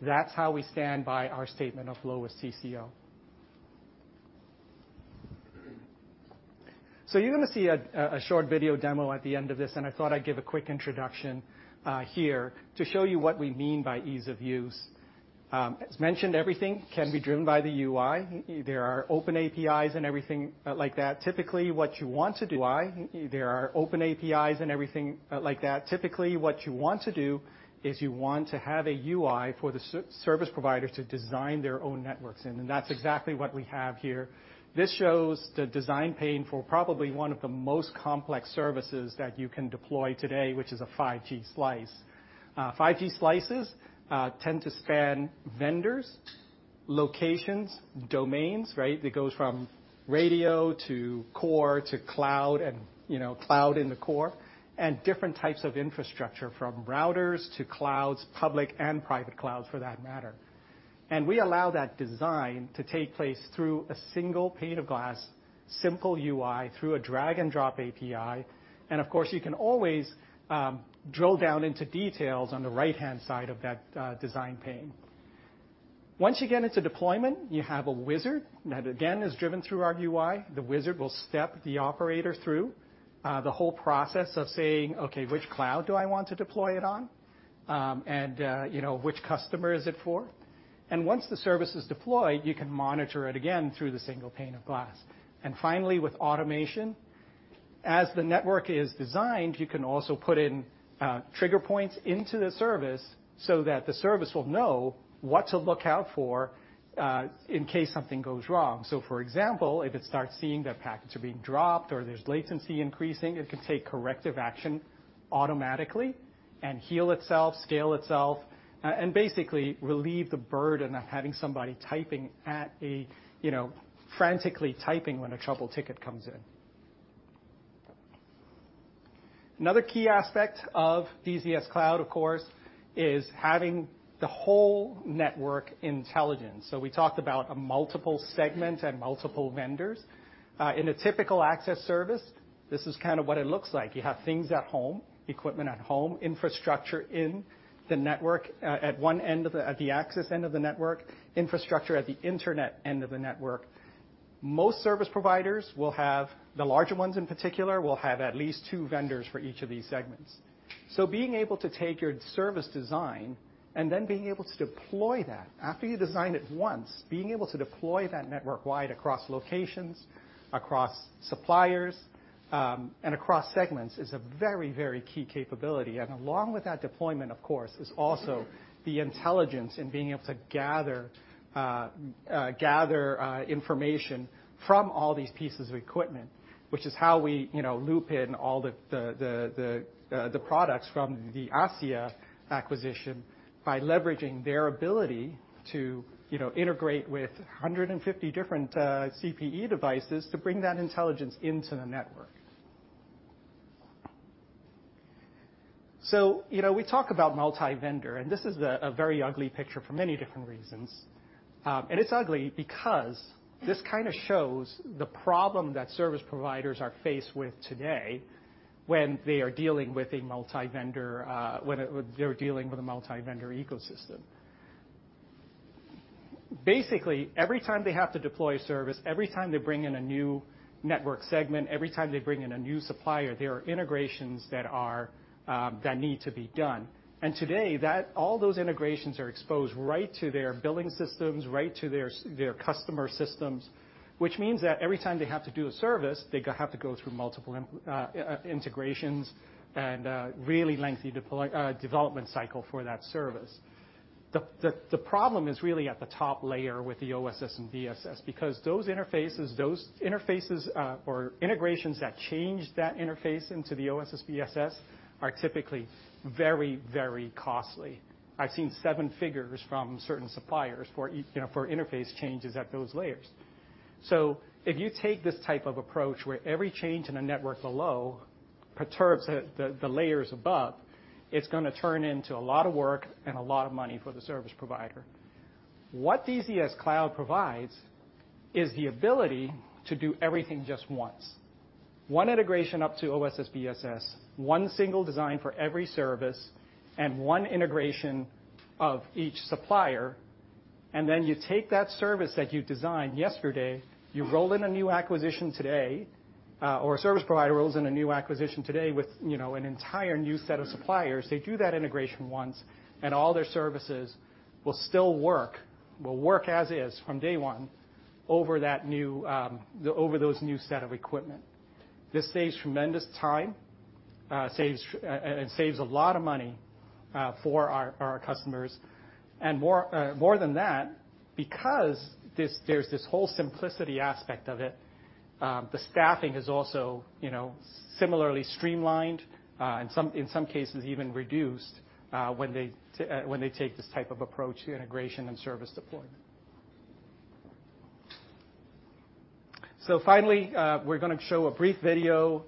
that's how we stand by our statement of lowest TCO. You're gonna see a short video demo at the end of this, and I thought I'd give a quick introduction, here to show you what we mean by ease of use. As mentioned, everything can be driven by the UI. There are open APIs and everything, like that. Typically, what you want to do is you want to have a UI for the service provider to design their own networks, and that's exactly what we have here. This shows the design pane for probably one of the most complex services that you can deploy today, which is a 5G slice. 5G slices tend to span vendors, locations, domains, right? It goes from radio to core to cloud and, you know, cloud in the core, and different types of infrastructure, from routers to clouds, public and private clouds, for that matter. We allow that design to take place through a single pane of glass, simple UI, through a drag-and-drop API, and of course, you can always, drill down into details on the right-hand side of that, design pane. Once you get into deployment, you have a wizard that, again, is driven through our UI. The wizard will step the operator through, the whole process of saying, "Okay, which cloud do I want to deploy it on? and, you know, which customer is it for?" Once the service is deployed, you can monitor it again through the single pane of glass. Finally, with automation, as the network is designed, you can also put in, trigger points into the service so that the service will know what to look out for, in case something goes wrong. For example, if it starts seeing that packets are being dropped or there's latency increasing, it can take corrective action automatically and heal itself, scale itself, and basically relieve the burden of having somebody typing at a, you know, frantically typing when a trouble ticket comes in. Another key aspect of DZS Cloud, of course, is having the whole network intelligence. We talked about a multiple segment and multiple vendors. In a typical access service, this is kind of what it looks like. You have things at home, equipment at home, infrastructure in the network, at the access end of the network, infrastructure at the internet end of the network. Most service providers will have, the larger ones in particular, will have at least two vendors for each of these segments. Being able to take your service design and then being able to deploy that, after you design it once, being able to deploy that network wide across locations, across suppliers, and across segments is a very, very key capability. And along with that deployment, of course, is also the intelligence in being able to gather information from all these pieces of equipment, which is how we, you know, loop in all the products from the ASSIA acquisition by leveraging their ability to, you know, integrate with 150 different CPE devices to bring that intelligence into the network. You know, we talk about multi-vendor, and this is a very ugly picture for many different reasons. It's ugly because this kinda shows the problem that service providers are faced with today when they're dealing with a multi-vendor ecosystem. Basically, every time they have to deploy a service, every time they bring in a new network segment, every time they bring in a new supplier, there are integrations that need to be done. Today, all those integrations are exposed right to their billing systems, right to their customer systems, which means that every time they have to do a service, they have to go through multiple integrations and really lengthy development cycle for that service. The problem is really at the top layer with the OSS and BSS because those interfaces or integrations that change that interface into the OSS and BSS are typically very, very costly. I've seen seven figures from certain suppliers for you know, for interface changes at those layers. If you take this type of approach where every change in a network below perturbs the layers above, it's gonna turn into a lot of work and a lot of money for the service provider. What DZS Cloud provides is the ability to do everything just once. One integration up to OSS/BSS, one single design for every service, and one integration of each supplier, and then you take that service that you designed yesterday, you roll in a new acquisition today, or a service provider rolls in a new acquisition today with, you know, an entire new set of suppliers. They do that integration once, and all their services will still work as is from day one over that new, over those new set of equipment. This saves tremendous time and saves a lot of money for our customers. More than that, because there's this whole simplicity aspect of it, the staffing is also, you know, similarly streamlined, in some cases even reduced, when they take this type of approach to integration and service deployment. Finally, we're gonna show a brief video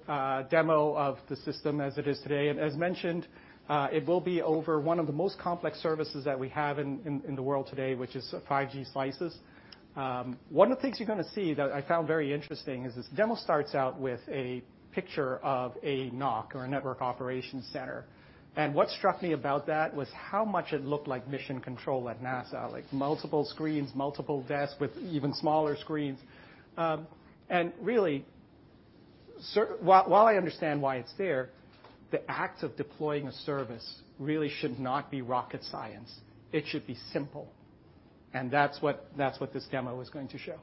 demo of the system as it is today. As mentioned, it will be over one of the most complex services that we have in the world today, which is 5G slices. One of the things you're gonna see that I found very interesting is this demo starts out with a picture of a NOC or a network operations center. What struck me about that was how much it looked like mission control at NASA. Like multiple screens, multiple desks with even smaller screens. While I understand why it's there, the act of deploying a service really should not be rocket science. It should be simple, and that's what this demo is going to show.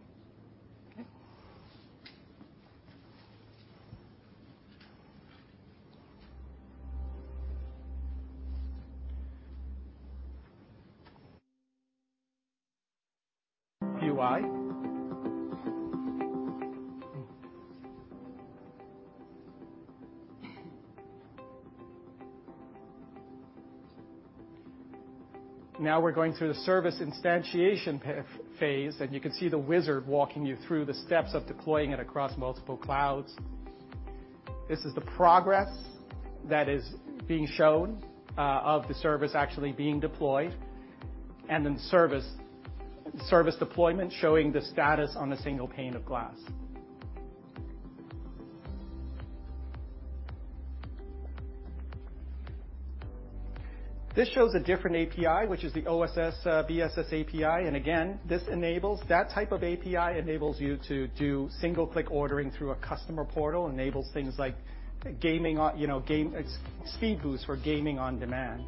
Okay. UI. Now we're going through the service instantiation phase, and you can see the wizard walking you through the steps of deploying it across multiple clouds. This is the progress that is being shown of the service actually being deployed, and then service deployment showing the status on a single pane of glass. This shows a different API, which is the OSS/BSS API. This enables. That type of API enables you to do single-click ordering through a customer portal, enables things like gaming on, you know, it's speed boost for gaming on demand.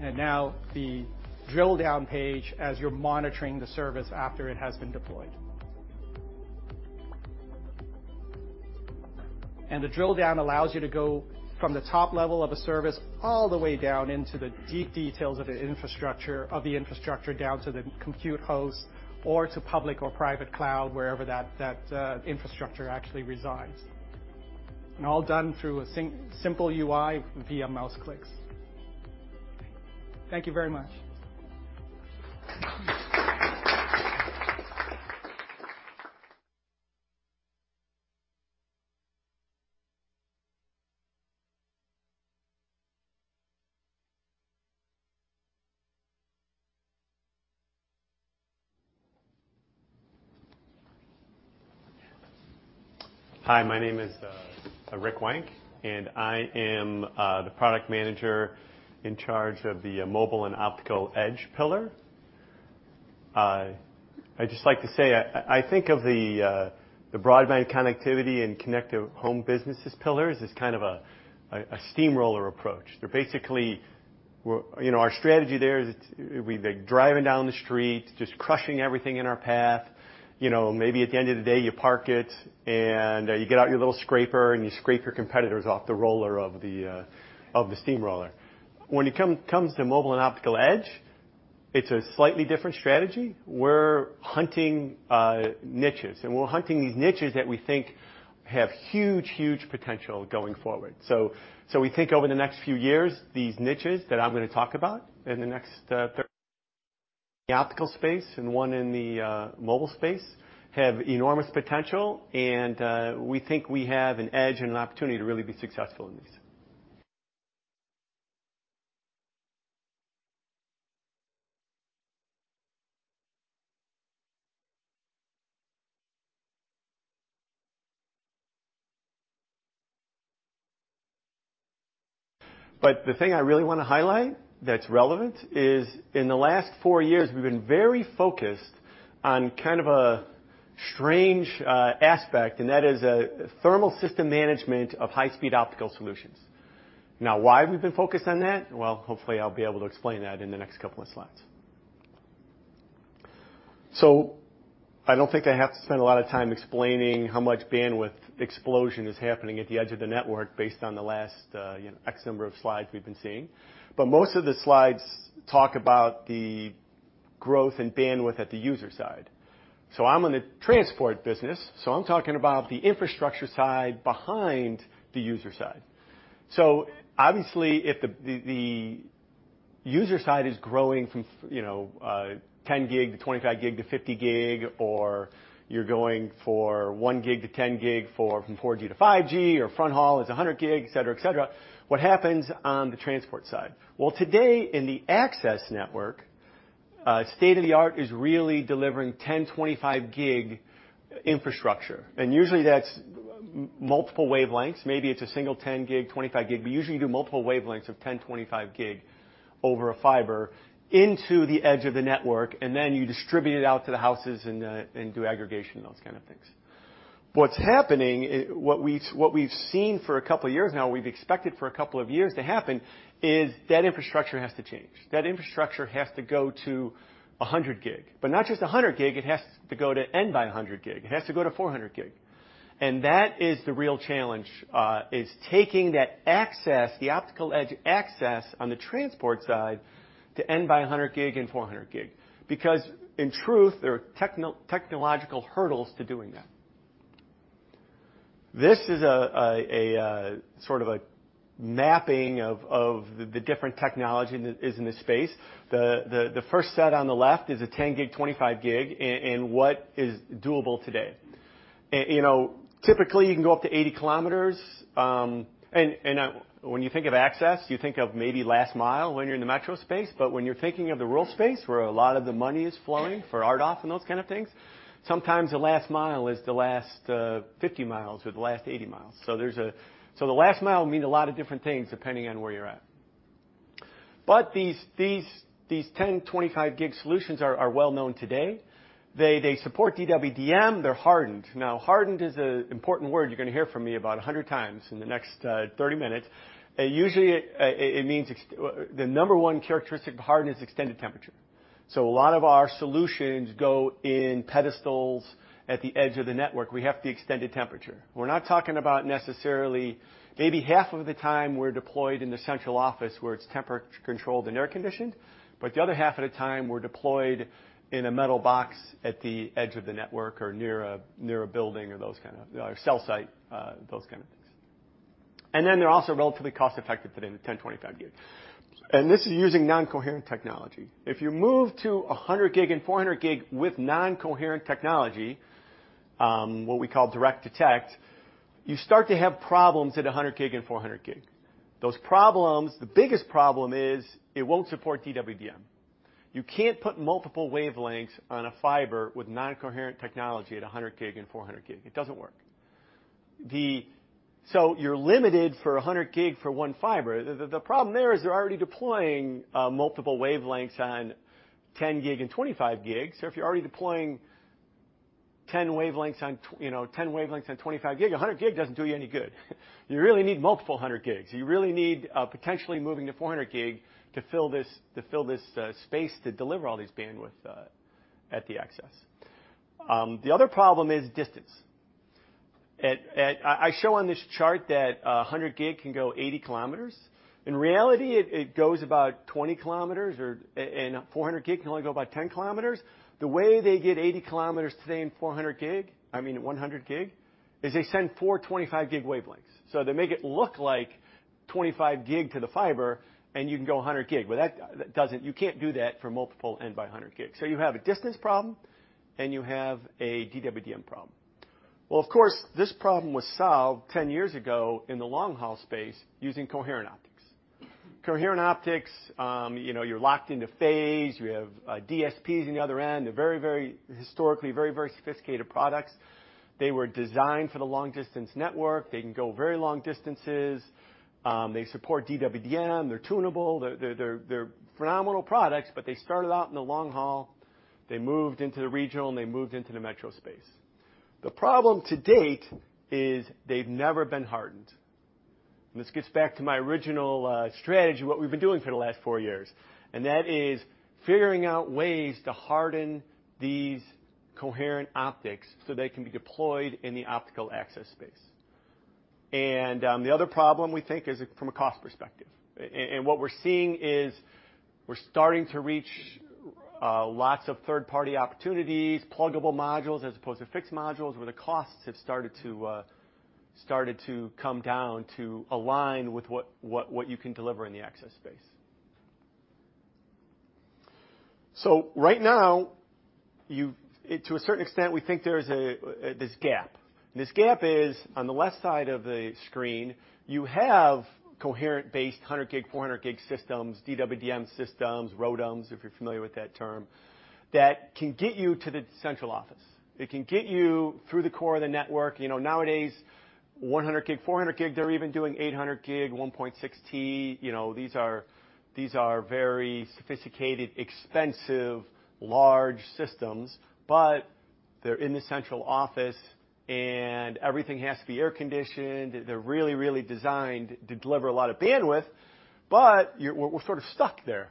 Now the drill down page as you're monitoring the service after it has been deployed. The drill down allows you to go from the top level of a service all the way down into the deep details of the infrastructure down to the compute host or to public or private cloud, wherever that infrastructure actually resides. All done through a simple UI via mouse clicks. Thank you very much. Hi, my name is Rick Wank, and I am the product manager in charge of the mobile and optical edge pillar. I'd just like to say I think of the broadband connectivity and connective home businesses pillars as kind of a steamroller approach. We're, you know, our strategy there is we'd be driving down the street, just crushing everything in our path. You know, maybe at the end of the day, you park it, and you get out your little scraper, and you scrape your competitors off the roller of the steamroller. When it comes to mobile and optical edge, it's a slightly different strategy. We're hunting niches. We're hunting these niches that we think have huge potential going forward. We think over the next few years, these niches that I'm gonna talk about in the next. The optical space and one in the mobile space have enormous potential, and we think we have an edge and an opportunity to really be successful in these. The thing I really wanna highlight that's relevant is in the last four years, we've been very focused on kind of a strange aspect, and that is thermal system management of high speed optical solutions. Now, why have we been focused on that? Well, hopefully, I'll be able to explain that in the next couple of slides. I don't think I have to spend a lot of time explaining how much bandwidth explosion is happening at the edge of the network based on the last, you know, X number of slides we've been seeing. Most of the slides talk about the growth and bandwidth at the user side. I'm in the transport business, so I'm talking about the infrastructure side behind the user side. Obviously, if the user side is growing from, you know, 10 gig-25 gig to 50 gig, or you're going for 1 gig-10 gig from 4G-5G or fronthaul is 100 gig, etc. What happens on the transport side? Well, today in the access network, state-of-the-art is really delivering 10 gig, 25 gig infrastructure. And usually, that's multiple wavelengths. Maybe it's a single 10 gig, 25 gig. We usually do multiple wavelengths of 10 gig, 25 gig over a fiber into the edge of the network, and then you distribute it out to the houses and do aggregation and those kind of things. What's happening, what we've seen for a couple of years now, we've expected for a couple of years to happen, is that infrastructure has to change. That infrastructure has to go to 100 gig. Not just 100 gig, it has to go to N by 100 gig. It has to go to 400 gig. That is the real challenge, is taking that access, the optical edge access on the transport side to N by 100 gig and 400 gig. Because in truth, there are technological hurdles to doing that. This is sort of a mapping of the different technology that is in the space. The first set on the left is 10 gig, 25 gig in what is doable today. You know, typically, you can go up to 80 km, and when you think of access, you think of maybe last mile when you're in the metro space. When you're thinking of the rural space, where a lot of the money is flowing for RDOF and those kind of things, sometimes the last mile is the last 50 miles or the last 80 miles. There's the last mile mean a lot of different things depending on where you're at. These 10 gig, 25 gig solutions are well-known today. They support DWDM, they're hardened. Now, hardened is an important word you're gonna hear from me about 100 times in the next 30 minutes. Usually, it means the number one characteristic of hardened is extended temperature. A lot of our solutions go in pedestals at the edge of the network. We have the extended temperature. We're not talking about necessarily maybe half of the time we're deployed in the central office where it's temperature controlled and air-conditioned, but the other half of the time, we're deployed in a metal box at the edge of the network or near a building or those kind of things. A cell site, those kind of things. They're also relatively cost-effective today, the 10 gig, 25 gig. This is using non-coherent technology. If you move to a 100 gig and 400 gig with non-coherent technology, what we call direct detect, you start to have problems at a 100 gig and 400 gig. Those problems, the biggest problem is it won't support DWDM. You can't put multiple wavelengths on a fiber with non-coherent technology at 100 gig and 400 gig. It doesn't work. You're limited for 100 gig for one fiber. The problem there is they're already deploying multiple wavelengths on 10 gig and 25 gig. If you're already deploying 10 wavelengths on you know, 10 wavelengths on 25 gig, 100 gig doesn't do you any good. You really need multiple 100 gigs. You really need potentially moving to 400 gig to fill this, to fill this space to deliver all these bandwidth at the access. The other problem is distance. I show on this chart that 100 gig can go 80 km. In reality, it goes about 20 km or and 400 gig can only go about 10 km. The way they get 80 km today in 400 gig, I mean 100 gig, is they send four 25 gig wavelengths. They make it look like 25 gig to the fiber, and you can go 100 gig. That doesn't. You can't do that for multiple N by 100 gig. You have a distance problem, and you have a DWDM problem. Well, of course, this problem was solved 10 years ago in the long haul space using coherent optics. Coherent optics, you know, you're locked into phase. You have DSPs on the other end. They're very historically very sophisticated products. They were designed for the long-distance network. They can go very long distances. They support DWDM. They're tunable. They're phenomenal products, but they started out in the long haul. They moved into the regional, and they moved into the metro space. The problem to date is they've never been hardened. This gets back to my original strategy, what we've been doing for the last four years, and that is figuring out ways to harden these coherent optics so they can be deployed in the optical access space. The other problem we think is from a cost perspective. What we're seeing is we're starting to reach lots of third-party opportunities, pluggable modules as opposed to fixed modules, where the costs have started to come down to align with what you can deliver in the access space. Right now, to a certain extent, we think there is a this gap. This gap is on the left side of the screen. You have coherent-based 100 gig, 400 gig systems, DWDM systems, ROADMs, if you're familiar with that term, that can get you to the central office. It can get you through the core of the network. You know, nowadays, 100 gig, 400 gig, they're even doing 800 gig, 1.6 T. You know, these are very sophisticated, expensive, large systems, but they're in the central office, and everything has to be air-conditioned. They're really designed to deliver a lot of bandwidth, but we're sort of stuck there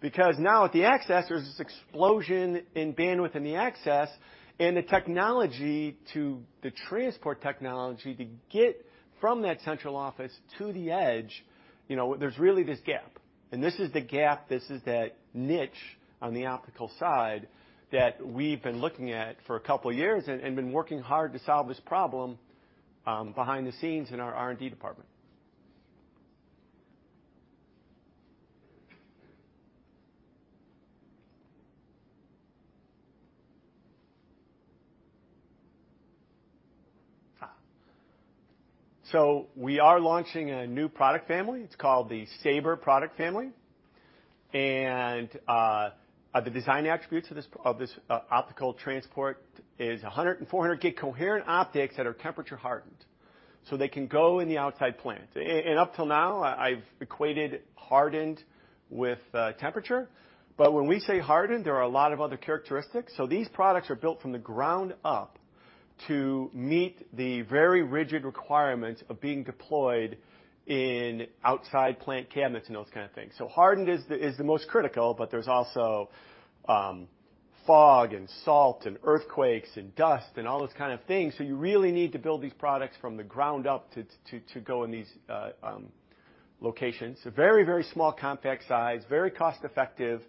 because now at the access, there's this explosion in bandwidth in the access and the technology to the transport technology to get from that central office to the edge. You know, there's really this gap, and this is the gap. This is that niche on the optical side that we've been looking at for a couple of years and been working hard to solve this problem. Behind the scenes in our R&D department. We are launching a new product family. It's called the Saber product family. The design attributes of this optical transport is 100 gig and 400 gig coherent optics that are temperature hardened, so they can go in the outside plant. Up till now I've equated hardened with temperature, but when we say hardened, there are a lot of other characteristics. These products are built from the ground up to meet the very rigid requirements of being deployed in outside plant cabinets and those kind of things. Hardened is the most critical, but there's also fog and salt and earthquakes and dust and all those kind of things. You really need to build these products from the ground up to go in these locations. A very small compact size, very cost-effective,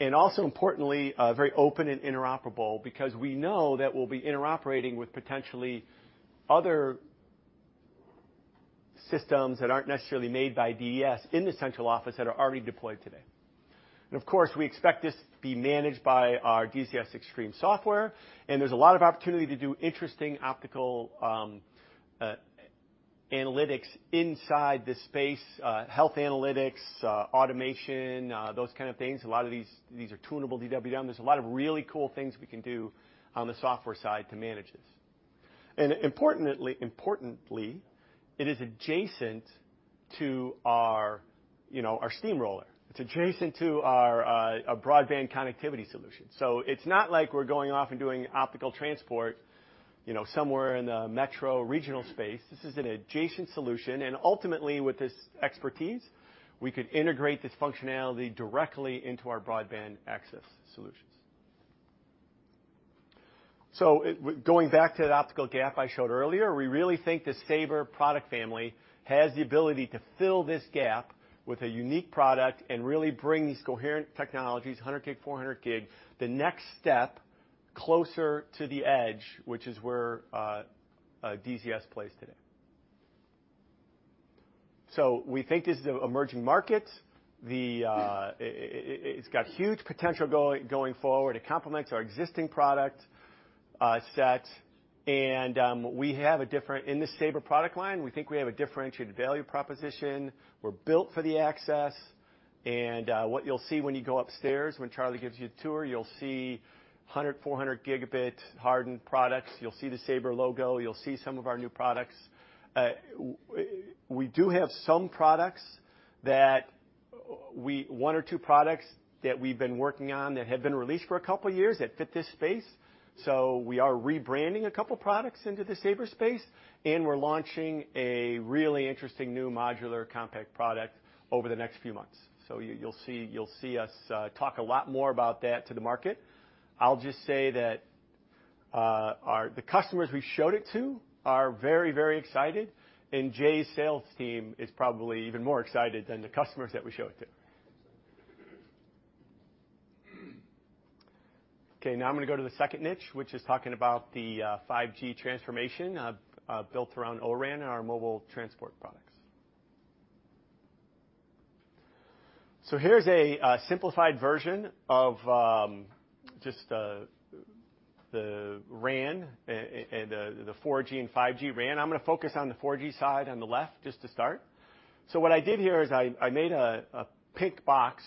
and also importantly very open and interoperable because we know that we'll be interoperating with potentially other systems that aren't necessarily made by DZS in the central office that are already deployed today. Of course, we expect this to be managed by our DZS Xtreme software, and there's a lot of opportunity to do interesting optical analytics inside this space, health analytics, automation, those kind of things. A lot of these are tunable DWDM. There's a lot of really cool things we can do on the software side to manage this. Importantly, it is adjacent to our, you know, our steamroller. It's adjacent to our broadband connectivity solution. It's not like we're going off and doing optical transport, you know, somewhere in the metro regional space. This is an adjacent solution, and ultimately with this expertise, we could integrate this functionality directly into our broadband access solutions. Going back to the optical gap I showed earlier, we really think this Saber product family has the ability to fill this gap with a unique product and really bring these coherent technologies, 100 gig, 400 gig, the next step closer to the edge, which is where DZS plays today. We think this is an emerging market. It's got huge potential going forward. It complements our existing product set and we have a different. In this Saber product line, we think we have a differentiated value proposition. We're built for the access and what you'll see when you go upstairs, when Charlie gives you the tour, you'll see 100- and 400-gigabit hardened products. You'll see the Saber logo. You'll see some of our new products. We do have one or two products that we've been working on that have been released for a couple years that fit this space. We are rebranding a couple products into the Saber space, and we're launching a really interesting new modular compact product over the next few months. You'll see us talk a lot more about that to the market. I'll just say that, our customers we showed it to are very, very excited, and Jay's sales team is probably even more excited than the customers that we show it to. Okay, now I'm gonna go to the second niche, which is talking about the 5G transformation built around O-RAN and our mobile transport products. Here's a simplified version of just the RAN and the 4G and 5G RAN. I'm gonna focus on the 4G side on the left just to start. What I did here is I made a pink box.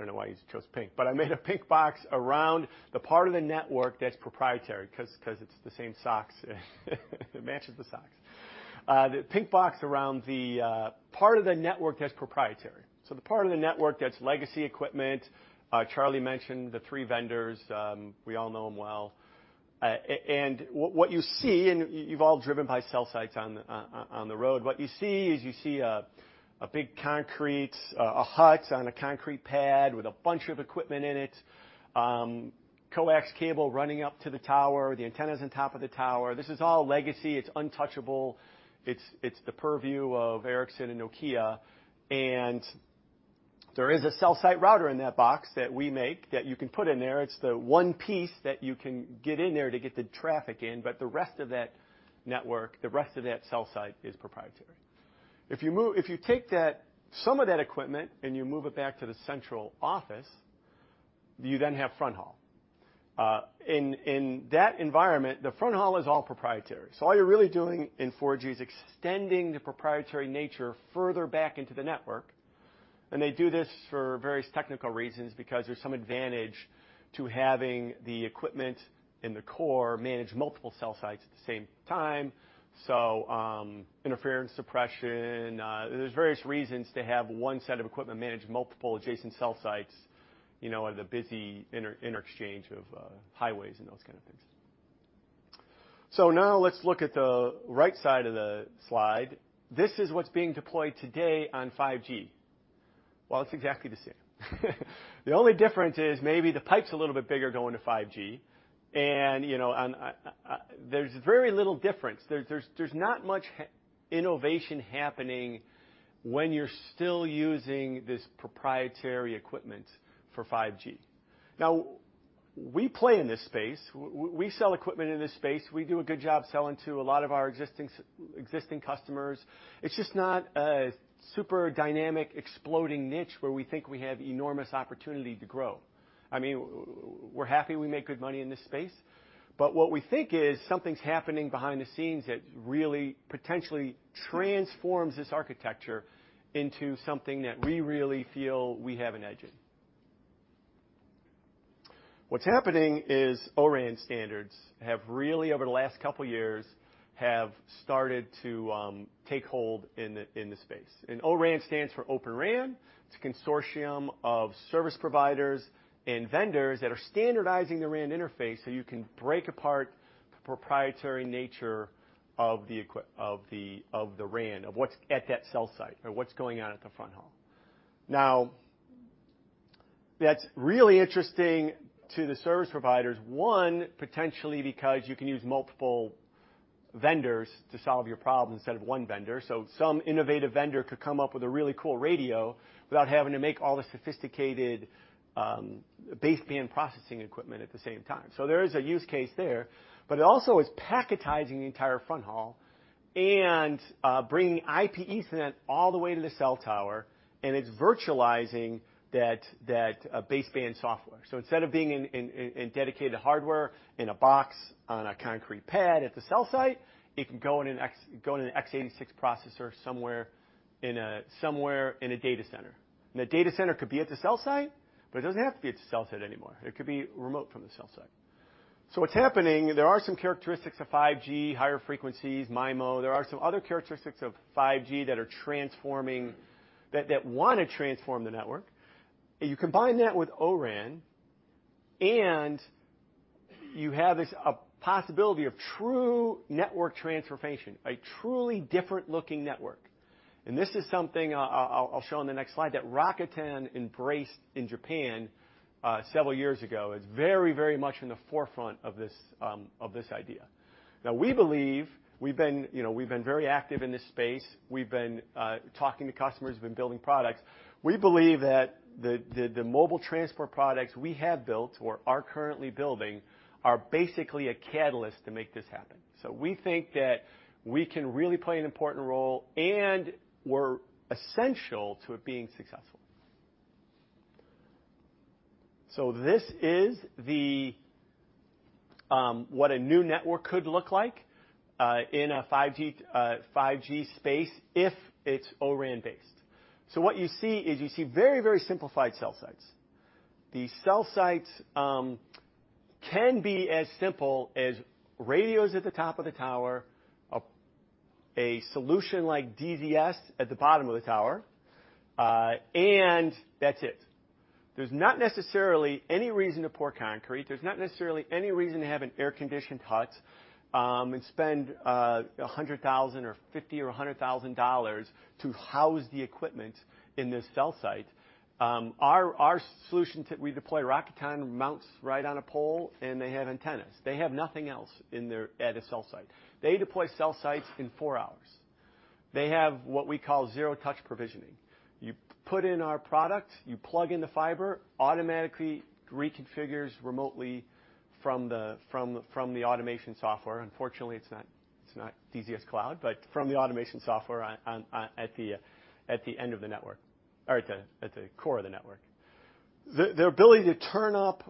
I don't know why I chose pink, but I made a pink box around the part of the network that's proprietary 'cause it's the same socks. It matches the socks. The pink box around the part of the network that's proprietary. The part of the network that's legacy equipment, Charlie mentioned the three vendors, we all know them well. What you see, and you've all driven by cell sites on the road, what you see is you see a big concrete hut on a concrete pad with a bunch of equipment in it, coax cable running up to the tower, the antennas on top of the tower. This is all legacy. It's untouchable. It's the purview of Ericsson and Nokia, and there is a cell site router in that box that we make that you can put in there. It's the one piece that you can get in there to get the traffic in, but the rest of that network, the rest of that cell site is proprietary. If you take that, some of that equipment and you move it back to the central office, you then have fronthaul. In that environment, the fronthaul is all proprietary. So all you're really doing in 4G is extending the proprietary nature further back into the network, and they do this for various technical reasons because there's some advantage to having the equipment in the core manage multiple cell sites at the same time. So, interference suppression, there's various reasons to have one set of equipment manage multiple adjacent cell sites, you know, at a busy interchange of highways and those kind of things. Now let's look at the right side of the slide. This is what's being deployed today on 5G. Well, it's exactly the same. The only difference is maybe the pipe's a little bit bigger going to 5G and, you know, and there's very little difference. There's not much innovation happening when you're still using this proprietary equipment for 5G. Now, we play in this space. We sell equipment in this space. We do a good job selling to a lot of our existing customers. It's just not a super dynamic, exploding niche where we think we have enormous opportunity to grow. I mean, we're happy we make good money in this space, but what we think is something's happening behind the scenes that really potentially transforms this architecture into something that we really feel we have an edge in. What's happening is O-RAN standards have really, over the last couple years, started to take hold in the space. O-RAN stands for Open RAN. It's a consortium of service providers and vendors that are standardizing the RAN interface, so you can break apart the proprietary nature of the RAN, of what's at that cell site or what's going on at the fronthaul. Now, that's really interesting to the service providers, one, potentially because you can use multiple vendors to solve your problem instead of one vendor. Some innovative vendor could come up with a really cool radio without having to make all the sophisticated baseband processing equipment at the same time. There is a use case there, but it also is packetizing the entire fronthaul and bringing IP Ethernet all the way to the cell tower, and it's virtualizing that baseband software. Instead of being in dedicated hardware in a box on a concrete pad at the cell site, it can go in an x86 processor somewhere in a data center. The data center could be at the cell site, but it doesn't have to be at the cell site anymore. It could be remote from the cell site. What's happening, there are some characteristics of 5G, higher frequencies, MIMO. There are some other characteristics of 5G that want to transform the network. You combine that with O-RAN, and you have a possibility of true network transformation, a truly different looking network. This is something I'll show on the next slide, that Rakuten embraced in Japan several years ago, is very much in the forefront of this idea. Now, we believe we've been very active in this space. We've been talking to customers. We've been building products. We believe that the mobile transport products we have built or are currently building are basically a catalyst to make this happen. We think that we can really play an important role, and we're essential to it being successful. This is what a new network could look like in a 5G space if it's O-RAN based. What you see is very, very simplified cell sites. The cell sites can be as simple as radios at the top of the tower, a solution like DZS at the bottom of the tower, and that's it. There's not necessarily any reason to pour concrete. There's not necessarily any reason to have an air-conditioned hut, and spend $100,000 or $50,000 or $100,000 to house the equipment in this cell site. Our solution to we deploy Rakuten mounts right on a pole, and they have antennas. They have nothing else at a cell site. They deploy cell sites in four hours. They have what we call zero touch provisioning. You put in our product, you plug in the fiber, automatically reconfigures remotely from the automation software. Unfortunately, it's not DZS Cloud, but from the automation software on at the end of the network or at the core of the network. The ability to turn up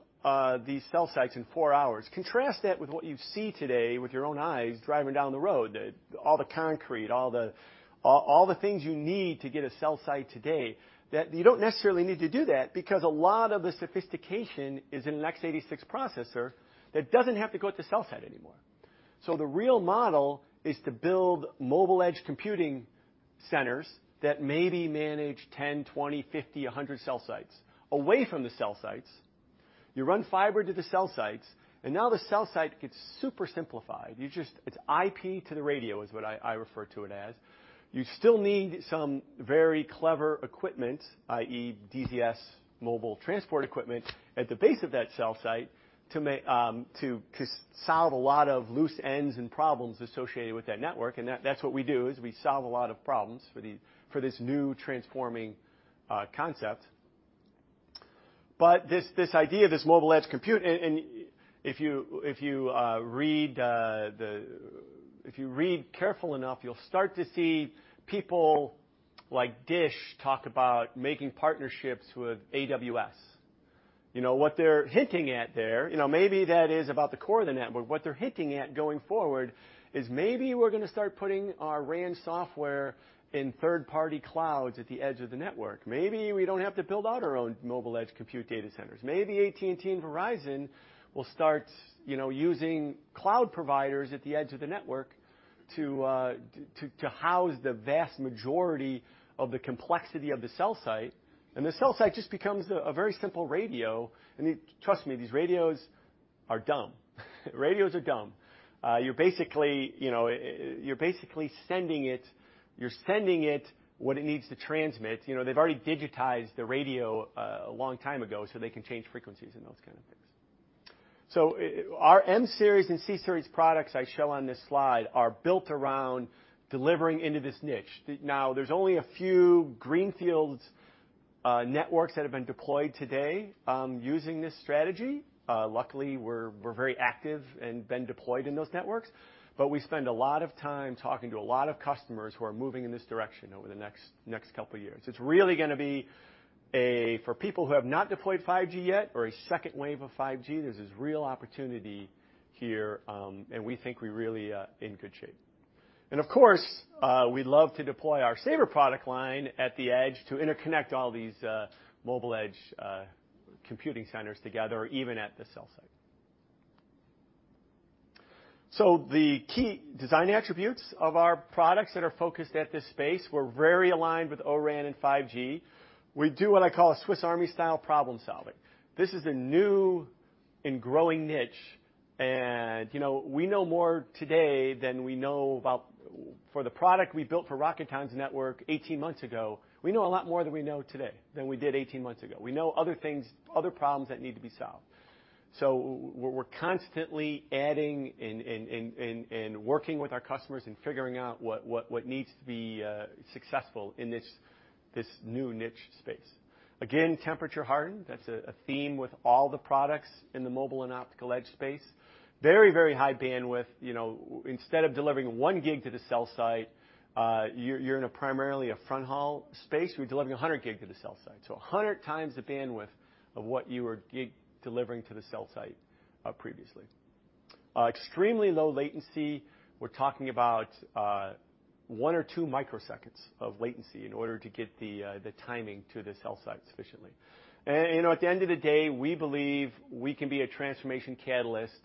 these cell sites in four hours. Contrast that with what you see today with your own eyes driving down the road, all the concrete, all the things you need to get a cell site today, that you don't necessarily need to do that because a lot of the sophistication is in an x86 processor that doesn't have to go at the cell site anymore. The real model is to build mobile edge computing centers that maybe manage 10, 20, 50, 100 cell sites away from the cell sites. You run fiber to the cell sites, and now the cell site gets super simplified. You just. It's IP to the radio is what I refer to it as. You still need some very clever equipment, i.e. DZS mobile transport equipment at the base of that cell site to solve a lot of loose ends and problems associated with that network, and that's what we do, is we solve a lot of problems for this new transforming concept. This idea, this mobile edge compute, and if you read carefully enough, you'll start to see people like DISH talk about making partnerships with AWS. You know, what they're hinting at there, you know, maybe that is about the core of the network. What they're hinting at going forward is maybe we're gonna start putting our RAN software in third-party clouds at the edge of the network. Maybe we don't have to build out our own mobile edge compute data centers. Maybe AT&T and Verizon will start, you know, using cloud providers at the edge of the network to house the vast majority of the complexity of the cell site. The cell site just becomes a very simple radio. Trust me, these radios are dumb. Radios are dumb. You're basically, you know, sending it what it needs to transmit. You know, they've already digitized the radio a long time ago, so they can change frequencies and those kind of things. Our M series and C series products I show on this slide are built around delivering into this niche. Now there's only a few greenfield networks that have been deployed today using this strategy. Luckily, we're very active and been deployed in those networks. We spend a lot of time talking to a lot of customers who are moving in this direction over the next couple years. It's really gonna be a for people who have not deployed 5G yet or a second wave of 5G, this is real opportunity here, and we think we really in good shape. Of course, we'd love to deploy our Saber product line at the edge to interconnect all these mobile edge computing centers together, even at the cell site. The key design attributes of our products that are focused at this space, we're very aligned with O-RAN and 5G. We do what I call a Swiss Army style problem solving. This is a new and growing niche, and you know, we know more today than we know about. For the product we built for Rakuten's network 18 months ago, we know a lot more than we know today than we did 18 months ago. We know other things, other problems that need to be solved. We're constantly adding and working with our customers and figuring out what needs to be successful in this new niche space. Again, temperature hardened, that's a theme with all the products in the mobile and optical edge space. Very high bandwidth. You know, instead of delivering 1 gig to the cell site, you're in a primarily a fronthaul space, we're delivering 100 gig to the cell site. So 100 times the bandwidth of what you were delivering to the cell site previously. Extremely low latency. We're talking about one or two microseconds of latency in order to get the timing to the cell site sufficiently. At the end of the day, we believe we can be a transformation catalyst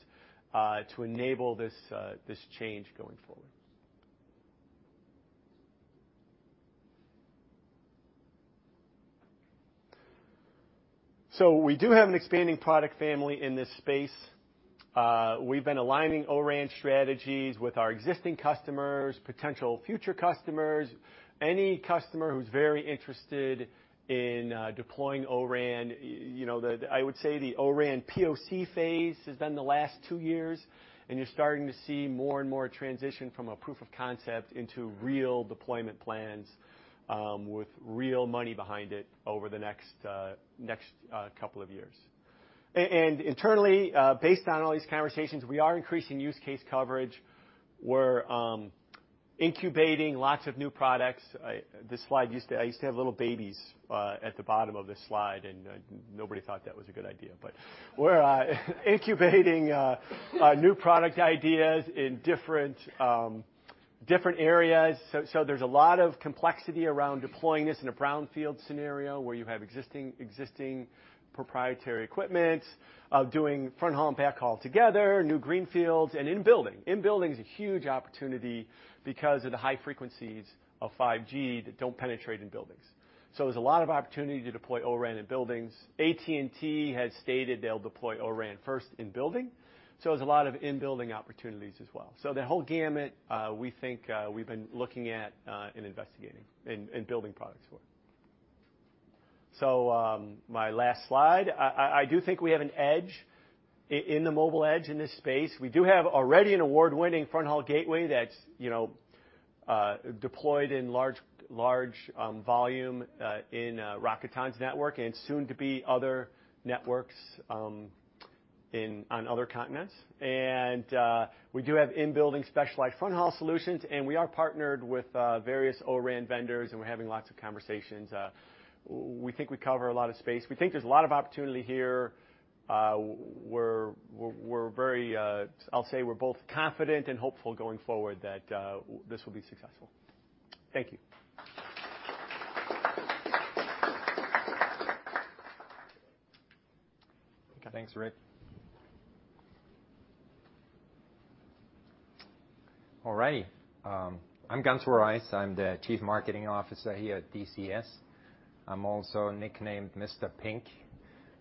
to enable this change going forward. We do have an expanding product family in this space. We've been aligning O-RAN strategies with our existing customers, potential future customers, any customer who's very interested in deploying O-RAN. I would say the O-RAN POC phase has been the last two years, and you're starting to see more and more transition from a proof of concept into real deployment plans with real money behind it over the next couple of years. Internally, based on all these conversations, we are increasing use case coverage. We're incubating lots of new products. This slide used to have little babies at the bottom of this slide, and nobody thought that was a good idea. We're incubating new product ideas in different areas. There's a lot of complexity around deploying this in a brownfield scenario where you have existing proprietary equipment, of doing fronthaul and backhaul together, new greenfields and in-building. In-building is a huge opportunity because of the high frequencies of 5G that don't penetrate in buildings. There's a lot of opportunity to deploy O-RAN in buildings. AT&T has stated they'll deploy O-RAN first in-building, so there's a lot of in-building opportunities as well. The whole gamut, we think, we've been looking at and investigating and building products for. My last slide. I do think we have an edge in the mobile edge in this space. We do have already an award-winning fronthaul gateway that's, you know, deployed in large volume in Rakuten's network and soon to be other networks in on other continents. We do have in-building specialized fronthaul solutions, and we are partnered with various O-RAN vendors, and we're having lots of conversations. We think we cover a lot of space. We think there's a lot of opportunity here. We're very, I'll say we're both confident and hopeful going forward that this will be successful. Thank you. Thanks, Rick. All righty. I'm Gunter Reiss. I'm the Chief Marketing Officer here at DZS. I'm also nicknamed Mr. Pink.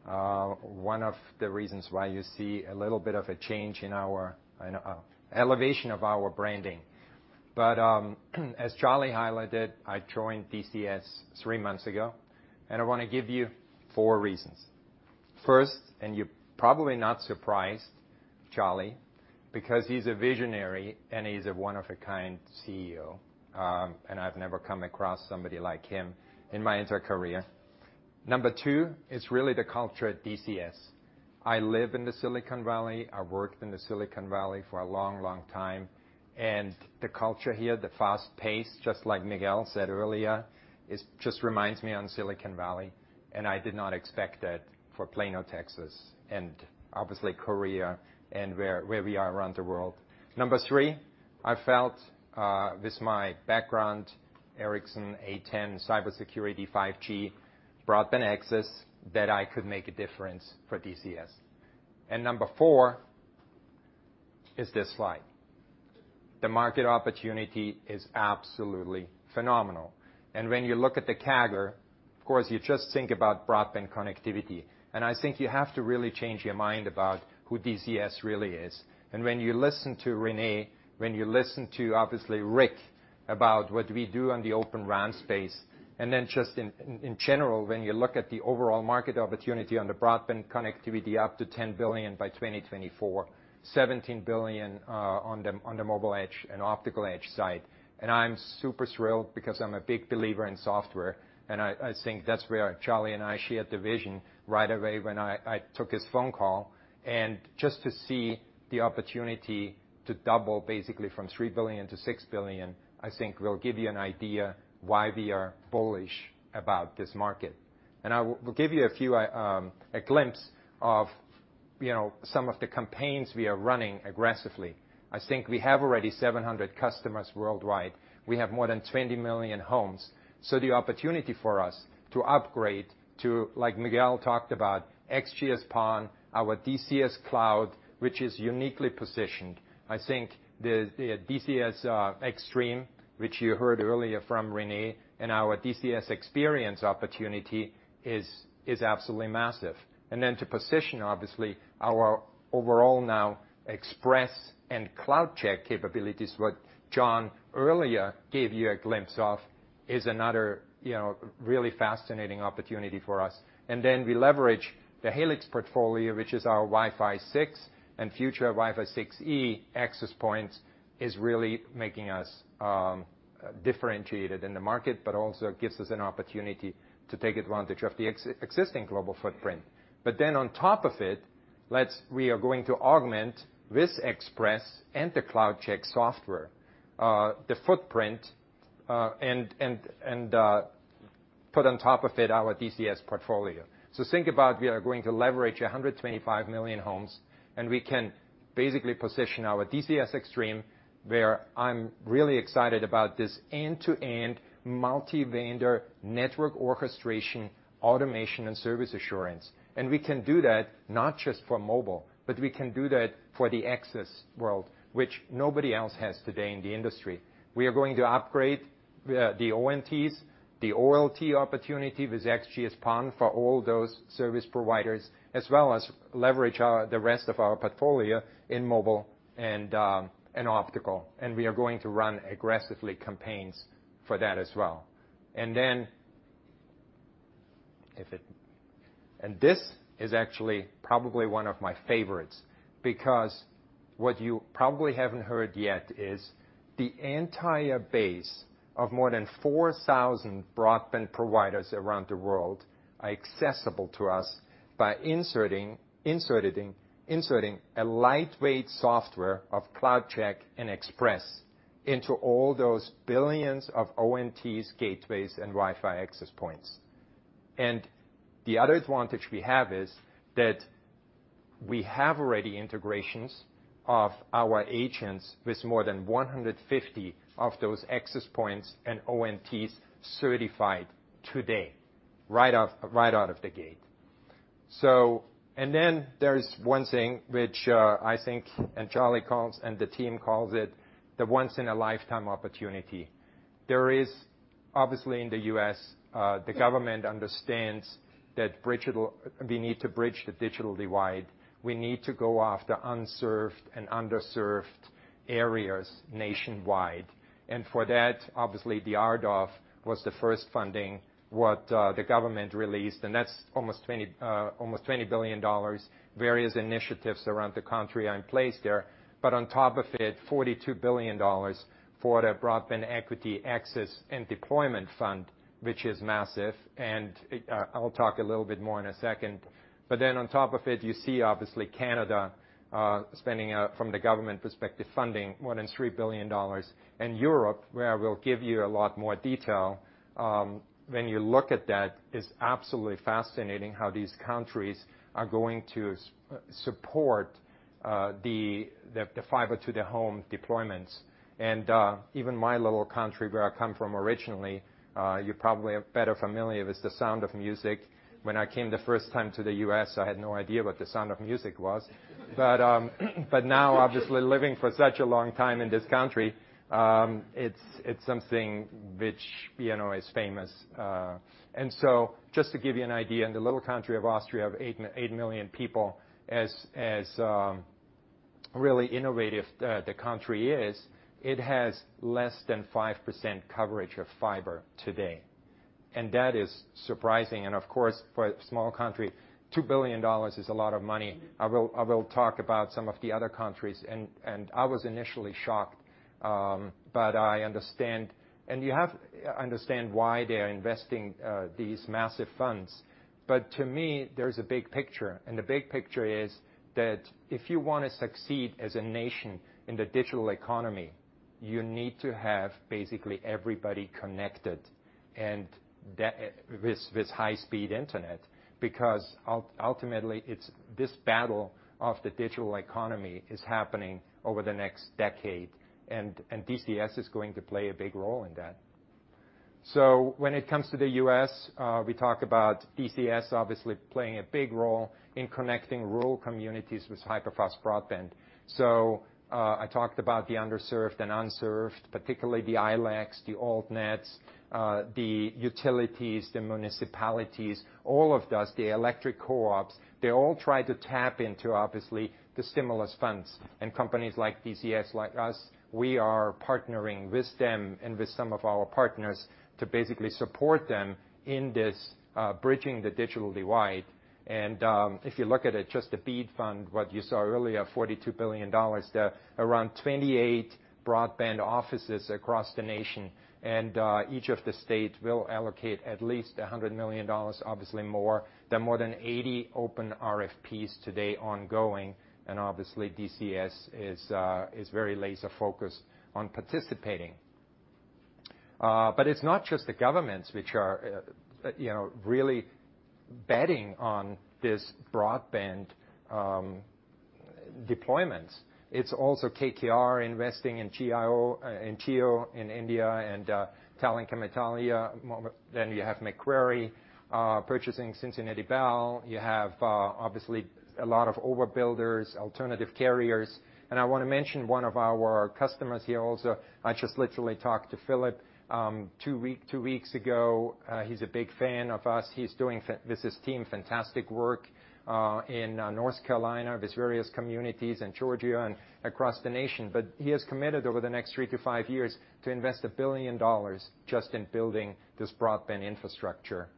One of the reasons why you see a little bit of a change in our elevation of our branding. As Charlie highlighted, I joined DZS three months ago, and I wanna give you four reasons. First, you're probably not surprised, Charlie, because he's a visionary and he's a one of a kind CEO, and I've never come across somebody like him in my entire career. Number 2 is really the culture at DZS. I live in the Silicon Valley. I worked in the Silicon Valley for a long, long time. The culture here, the fast pace, just like Miguel said earlier, is just reminds me of Silicon Valley, and I did not expect that for Plano, Texas, and obviously Korea and where we are around the world. Number 3, I felt, with my background, Ericsson, A10, cybersecurity, 5G, broadband access, that I could make a difference for DZS. Number 4 is this slide. The market opportunity is absolutely phenomenal. When you look at the CAGR, of course, you just think about broadband connectivity. I think you have to really change your mind about who DZS really is. When you listen to Rene, when you listen to obviously, Rick about what we do on the Open RAN space, and then just in general, when you look at the overall market opportunity on the broadband connectivity up to $10 billion by 2024, $17 billion on the mobile edge and optical edge side. I'm super thrilled because I'm a big believer in software, and I think that's where Charlie Vogt and I shared the vision right away when I took his phone call. Just to see the opportunity to double basically from $3 billion-$6 billion, I think will give you an idea why we are bullish about this market. I will give you a few, a glimpse of, you know, some of the campaigns we are running aggressively. I think we have already 700 customers worldwide. We have more than 20 million homes. The opportunity for us to upgrade to, like Miguel talked about, XGS-PON, our DZS Cloud, which is uniquely positioned. I think the DZS Xtreme, which you heard earlier from Rene, and our DZS Xperience opportunity is absolutely massive. Then to position, obviously, our overall Expresse and CloudCheck capabilities, what John earlier gave you a glimpse of, is another, you know, really fascinating opportunity for us. Then we leverage the Helix portfolio, which is our Wi-Fi 6 and future Wi-Fi 6E access points, is really making us differentiated in the market, but also gives us an opportunity to take advantage of the existing global footprint. On top of it, we are going to augment this Expresse and the CloudCheck software footprint, and put on top of it our DZS portfolio. Think about we are going to leverage 125 million homes, and we can basically position our DZS Xtreme, where I'm really excited about this end-to-end multi-vendor network orchestration, automation, and service assurance. We can do that not just for mobile, but we can do that for the access world, which nobody else has today in the industry. We are going to upgrade the ONTs, the OLT opportunity with XGS-PON for all those service providers, as well as leverage the rest of our portfolio in mobile and optical, and we are going to run aggressively campaigns for that as well. Then if it This is actually probably one of my favorites, because what you probably haven't heard yet is the entire base of more than 4,000 broadband providers around the world are accessible to us by inserting a lightweight software of CloudCheck and Expresse into all those billions of ONTs, gateways, and Wi-Fi access points. The other advantage we have is that we have already integrations of our agents with more than 150 of those access points and ONTs certified today, right out of the gate. Then there's one thing which, I think, and Charlie calls and the team calls it the once-in-a-lifetime opportunity. There is obviously in the U.S., the government understands that BEAD. It'll—we need to bridge the digital divide. We need to go after unserved and underserved areas nationwide. For that, obviously the RDOF was the first funding that the government released, and that's almost $20 billion. Various initiatives around the country are in place there. On top of it, $42 billion for the Broadband Equity, Access, and Deployment fund, which is massive. I'll talk a little bit more in a second. On top of it, you see obviously Canada spending from the government perspective funding more than $3 billion. Europe, where I will give you a lot more detail when you look at that, is absolutely fascinating how these countries are going to support the fiber to the home deployments. Even my little country where I come from originally, you probably are better familiar with The Sound of Music. When I came the first time to the U.S., I had no idea what The Sound of Music was. Now obviously living for such a long time in this country, it's something which, you know, is famous. Just to give you an idea, in the little country of Austria of 8 million people, as really innovative the country is, it has less than 5% coverage of fiber today. That is surprising. Of course, for a small country, $2 billion is a lot of money. I will talk about some of the other countries and I was initially shocked, but I understand. You have to understand why they are investing these massive funds. To me, there's a big picture, and the big picture is that if you wanna succeed as a nation in the digital economy, you need to have basically everybody connected with high-speed internet, because ultimately, it's this battle of the digital economy is happening over the next decade, and DZS is going to play a big role in that. When it comes to the U.S., we talk about DZS obviously playing a big role in connecting rural communities with hyperfast broadband. I talked about the underserved and unserved, particularly the ILECs, the altnets, the utilities, the municipalities, all of those, the electric co-ops, they all try to tap into obviously the stimulus funds. Companies like DZS, like us, we are partnering with them and with some of our partners to basically support them in this, bridging the digital divide. If you look at it, just the BEAD fund, what you saw earlier, $42 billion, there are around 28 broadband offices across the nation, and each of the state will allocate at least $100 million, obviously more. There are more than 80 open RFPs today ongoing, and obviously DZS is very laser-focused on participating. But it's not just the governments which are really betting on this broadband deployments. It's also KKR investing in Jio in India and Telecom Italia. You have Macquarie purchasing Cincinnati Bell. You have obviously a lot of overbuilders, alternative carriers. I wanna mention one of our customers here also. I just literally talked to Philip two weeks ago. He's a big fan of us. He's doing fantastic work with his team in North Carolina with his various communities in Georgia and across the nation. He has committed over the next 3-5 years to invest $1 billion just in building this broadband infrastructure.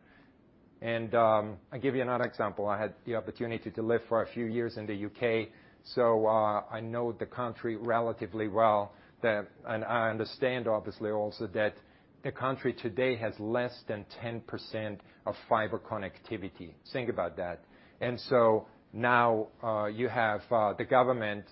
I'll give you another example. I had the opportunity to live for a few years in the U.K., so I know the country relatively well. I understand obviously also that the country today has less than 10% of fiber connectivity. Think about that. You have the government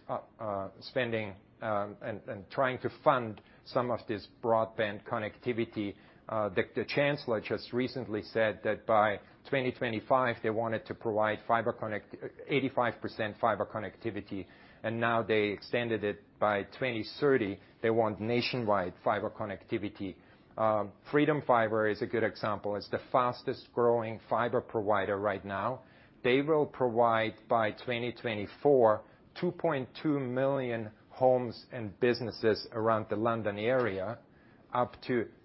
spending and trying to fund some of this broadband connectivity. The chancellor just recently said that by 2025, they wanted to provide 85% fiber connectivity, and now they extended it. By 2030, they want nationwide fiber connectivity. Freedom Fibre is a good example. It's the fastest-growing fiber provider right now. They will provide by 2024, 2.2 million homes and businesses around the London area.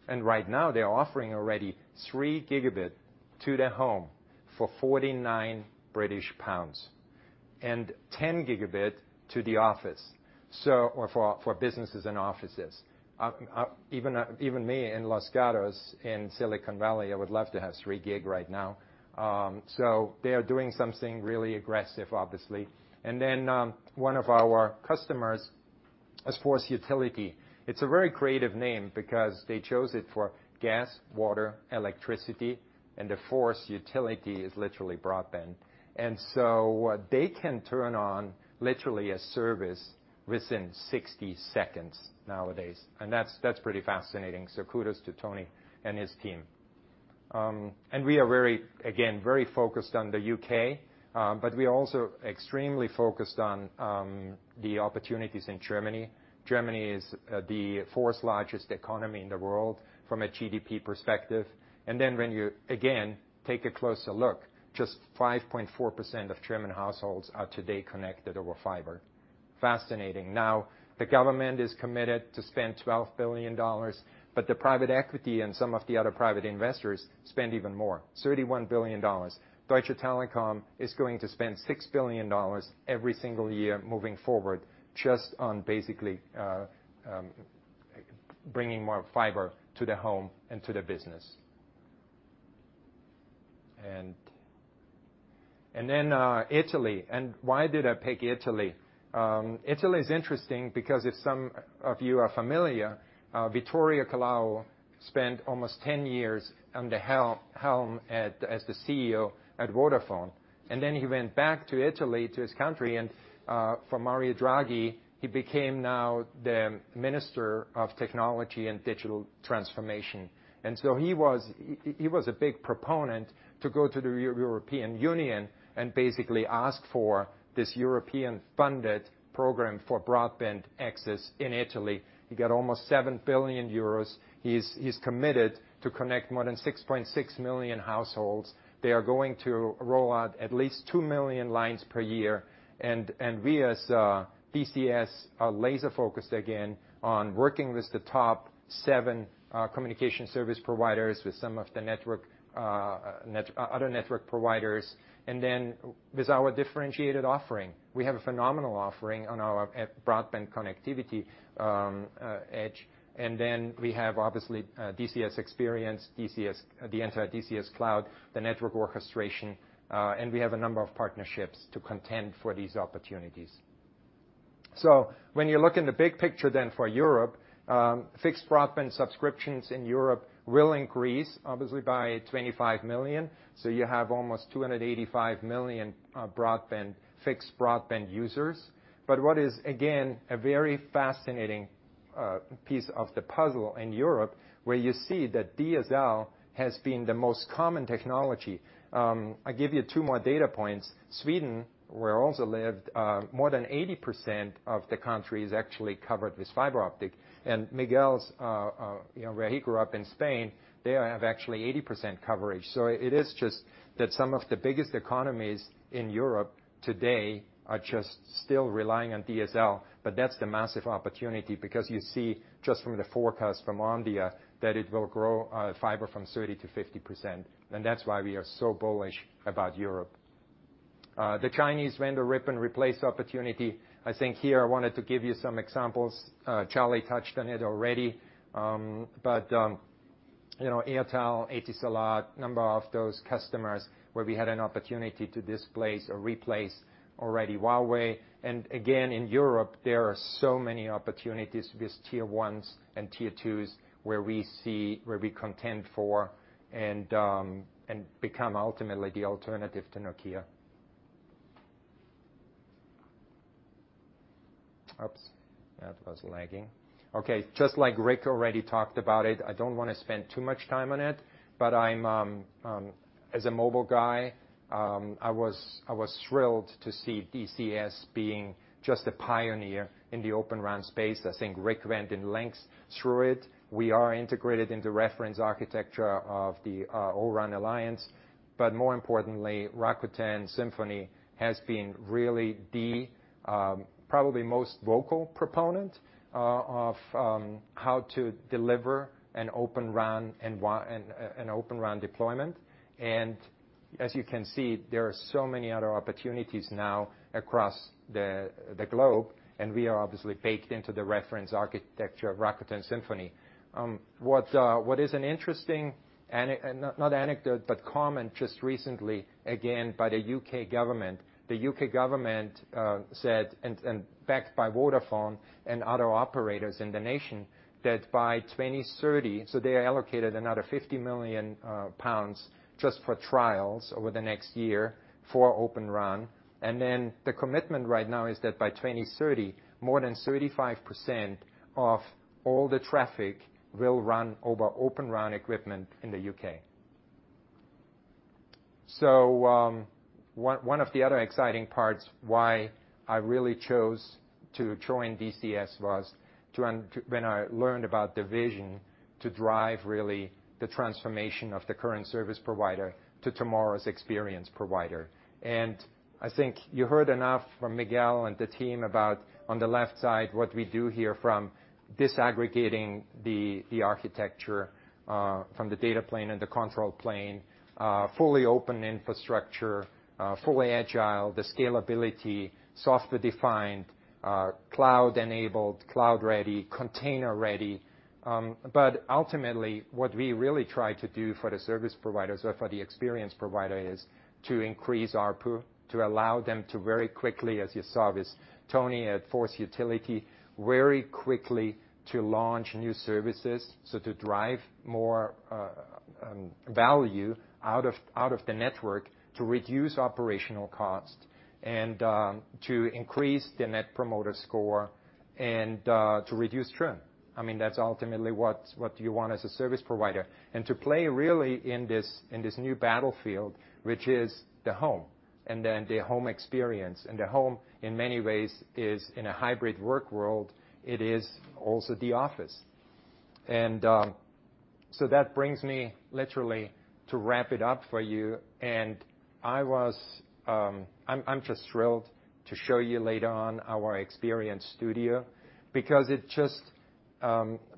Right now they're offering already 3 Gb to the home for 49 British pounds and 10 Gb to the office, or for businesses and offices. Even me in Los Gatos in Silicon Valley, I would love to have 3 gig right now. They are doing something really aggressive, obviously. One of our customers is 4th Utility. It's a very creative name because they chose it for gas, water, electricity, and the 4th utility is literally broadband. What they can turn on literally a service within 60 seconds nowadays, and that's pretty fascinating. Kudos to Tony and his team. We are very, again, very focused on the U.K., but we are also extremely focused on the opportunities in Germany. Germany is the fourth largest economy in the world from a GDP perspective. When you, again, take a closer look, just 5.4% of German households are today connected over fiber. Fascinating. The government is committed to spend $12 billion, but the private equity and some of the other private investors spend even more, $31 billion. Deutsche Telekom is going to spend $6 billion every single year moving forward just on basically bringing more fiber to the home and to the business. Italy. Why did I pick Italy? Italy is interesting because if some of you are familiar, Vittorio Colao spent almost 10 years at the helm as the CEO at Vodafone, and then he went back to Italy, to his country, and for Mario Draghi, he became now the Minister of Technology and Digital Transformation. He was a big proponent to go to the European Union and basically ask for this European-funded program for broadband access in Italy. He got almost 7 billion euros. He's committed to connect more than 6.6 million households. They are going to roll out at least 2 million lines per year, and we as DZS are laser-focused again on working with the top seven communication service providers with some of the other network providers. With our differentiated offering, we have a phenomenal offering on our broadband connectivity edge. We have obviously DZS Xperience, DZS, the entire DZS Cloud, the network orchestration, and we have a number of partnerships to contend for these opportunities. When you look in the big picture then for Europe, fixed broadband subscriptions in Europe will increase obviously by 25 million. You have almost 285 million fixed broadband users. What is again a very fascinating piece of the puzzle in Europe where you see that DSL has been the most common technology. I'll give you two more data points. Sweden, where I also lived, more than 80% of the country is actually covered with fiber optic. And Miguel's, you know, where he grew up in Spain, they have actually 80% coverage. It is just that some of the biggest economies in Europe today are just still relying on DSL, but that's the massive opportunity because you see just from the forecast from Omdia that it will grow fiber from 30%-50%, and that's why we are so bullish about Europe. The Chinese vendor rip and replace opportunity, I think here I wanted to give you some examples. Charlie touched on it already. You know, Airtel, Etisalat, number of those customers where we had an opportunity to displace or replace already Huawei. In Europe, there are so many opportunities with tier 1s and tier 2s where we contend for and become ultimately the alternative to Nokia. Just like Rick already talked about it, I don't wanna spend too much time on it, but I'm as a mobile guy, I was thrilled to see DZS being just a pioneer in the Open RAN space. I think Rick went at length through it. We are integrated in the reference architecture of the O-RAN ALLIANCE. More importantly, Rakuten Symphony has been really the probably most vocal proponent of how to deliver an Open RAN and an Open RAN deployment. As you can see, there are so many other opportunities now across the globe, and we are obviously baked into the reference architecture of Rakuten Symphony. What is an interesting not anecdote, but comment just recently, again, by the U.K. government. The U.K. government said, and backed by Vodafone and other operators in the nation, that by 2030, so they allocated another 50 million pounds just for trials over the next year for Open RAN. The commitment right now is that by 2030, more than 35% of all the traffic will run over Open RAN equipment in the U.K. One of the other exciting parts why I really chose to join DZS was when I learned about the vision to drive really the transformation of the current service provider to tomorrow's experience provider. I think you heard enough from Miguel and the team about on the left side what we do here from disaggregating the architecture from the data plane and the control plane, fully open infrastructure, fully agile, the scalability, software defined, cloud enabled, cloud ready, container ready. Ultimately what we really try to do for the service providers or for the experience provider is to increase ARPU, to allow them to very quickly, as you saw with Tony at 4th Utility, very quickly to launch new services, so to drive more value out of the network, to reduce operational costs and to increase the Net Promoter Score and to reduce churn. I mean, that's ultimately what you want as a service provider. To play really in this new battlefield, which is the home, and then the home experience. The home, in many ways, is in a hybrid work world, it is also the office. That brings me literally to wrap it up for you. I'm just thrilled to show you later on our Xperience studio because it just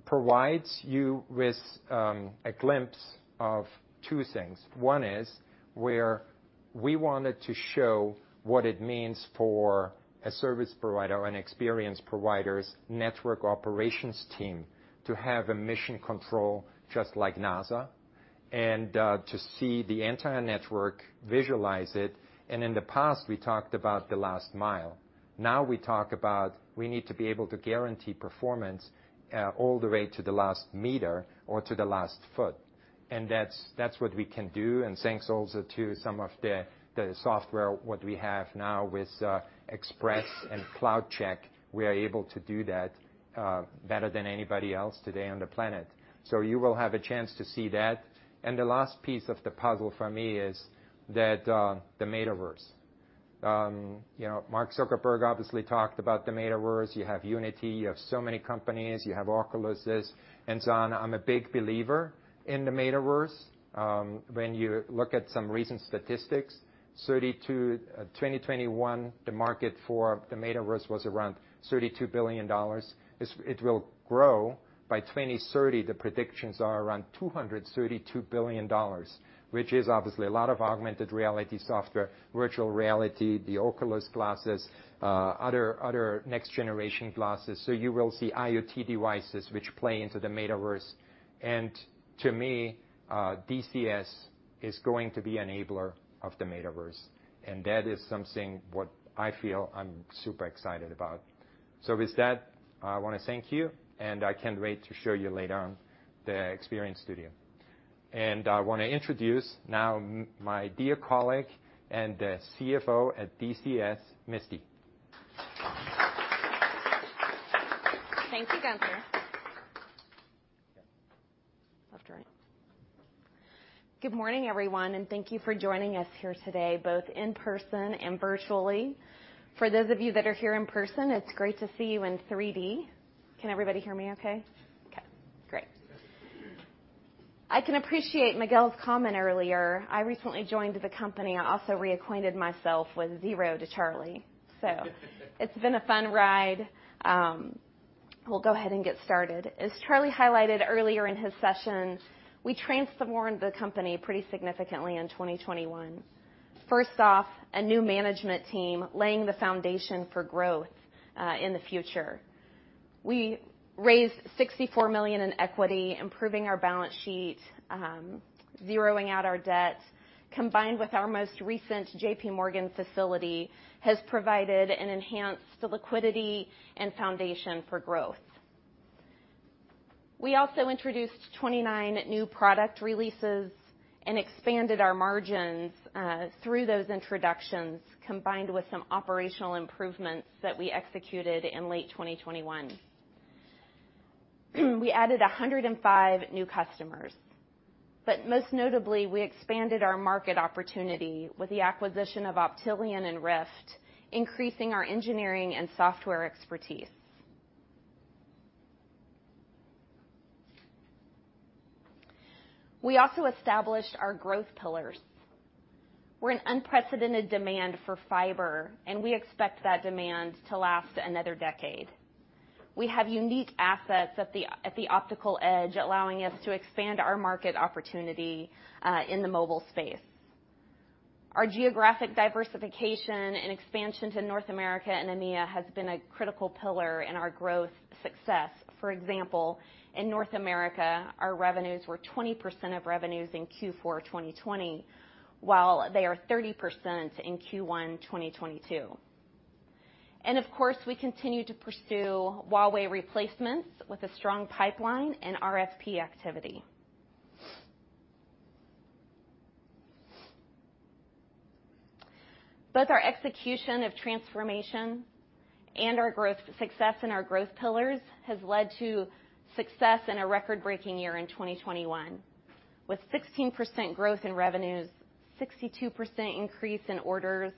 provides you with a glimpse of two things. One is where we wanted to show what it means for a service provider or an experience provider's network operations team to have a mission control just like NASA and to see the entire network visualize it. In the past, we talked about the last mile. Now we talk about we need to be able to guarantee performance all the way to the last meter or to the last foot. That's what we can do. Thanks also to some of the software what we have now with Expresse and CloudCheck, we are able to do that better than anybody else today on the planet. You will have a chance to see that. The last piece of the puzzle for me is that, the metaverse. You know, Mark Zuckerberg obviously talked about the metaverse. You have Unity, you have so many companies, you have Oculuses and so on. I'm a big believer in the metaverse. When you look at some recent statistics, 2021, the market for the metaverse was around $32 billion. It will grow. By 2030, the predictions are around $232 billion, which is obviously a lot of augmented reality software, virtual reality, the Oculus glasses, other next generation glasses. You will see IoT devices which play into the metaverse. To me, DZS is going to be enabler of the metaverse. That is something what I feel I'm super excited about. With that, I wanna thank you, and I can't wait to show you later on the experience studio. I wanna introduce now my dear colleague and the CFO at DZS, Misty. Thank you, Gunter. Love to run it. Good morning, everyone, and thank you for joining us here today, both in person and virtually. For those of you that are here in person, it's great to see you in 3D. Can everybody hear me okay? Okay, great. I can appreciate Miguel's comment earlier. I recently joined the company. I also reacquainted myself with Zero to Charlie. It's been a fun ride. We'll go ahead and get started. As Charlie highlighted earlier in his session, we transformed the company pretty significantly in 2021. First off, a new management team laying the foundation for growth in the future. We raised $64 million in equity, improving our balance sheet, zeroing out our debt, combined with our most recent JPMorgan facility has provided and enhanced the liquidity and foundation for growth. We also introduced 29 new product releases and expanded our margins through those introductions, combined with some operational improvements that we executed in late 2021. We added 105 new customers. Most notably, we expanded our market opportunity with the acquisition of Optelian and RIFT, increasing our engineering and software expertise. We also established our growth pillars. We're in unprecedented demand for fiber, and we expect that demand to last another decade. We have unique assets at the optical edge, allowing us to expand our market opportunity in the mobile space. Our geographic diversification and expansion to North America and EMEA has been a critical pillar in our growth success. For example, in North America, our revenues were 20% of revenues in Q4 2020, while they are 30% in Q1 2022. Of course, we continue to pursue Huawei replacements with a strong pipeline and RFP activity. Both our execution of transformation and our growth success in our growth pillars has led to success in a record-breaking year in 2021, with 16% growth in revenues, 62% increase in orders,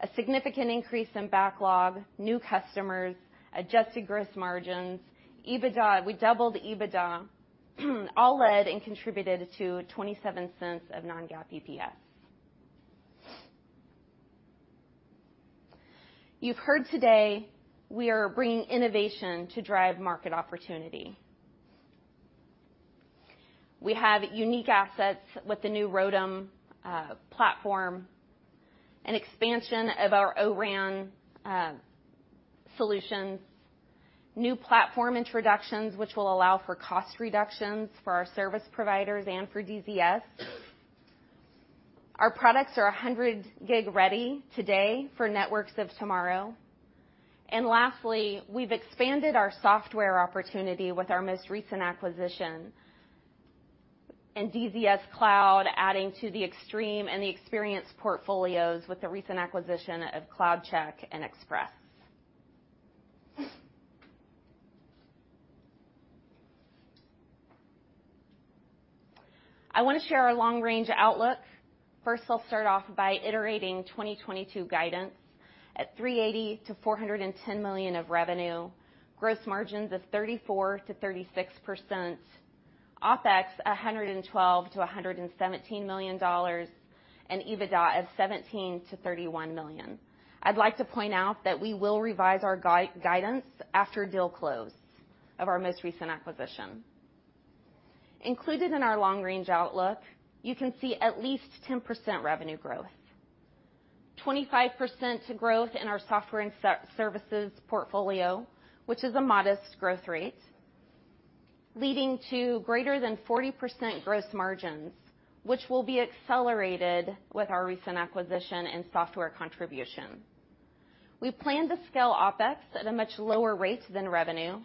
a significant increase in backlog, new customers, adjusted gross margins, EBITDA. We doubled EBITDA, all led and contributed to $0.27 non-GAAP EPS. You've heard today we are bringing innovation to drive market opportunity. We have unique assets with the new ROADM platform and expansion of our O-RAN solutions, new platform introductions, which will allow for cost reductions for our service providers and for DZS. Our products are 100 gig ready today for networks of tomorrow. Lastly, we've expanded our software opportunity with our most recent acquisition and DZS Cloud adding to the Xtreme and the Xperience portfolios with the recent acquisition of CloudCheck and Expresse. I wanna share our long-range outlook. First, I'll start off by reiterating 2022 guidance at $380 million-$410 million of revenue, gross margins of 34%-36%, OpEx $112 million-$117 million, and EBITDA of $17 million-$31 million. I'd like to point out that we will revise our guidance after deal close of our most recent acquisition. Included in our long-range outlook, you can see at least 10% revenue growth, 25% growth in our software and services portfolio, which is a modest growth rate, leading to greater than 40% gross margins, which will be accelerated with our recent acquisition and software contribution. We plan to scale OpEx at a much lower rate than revenue,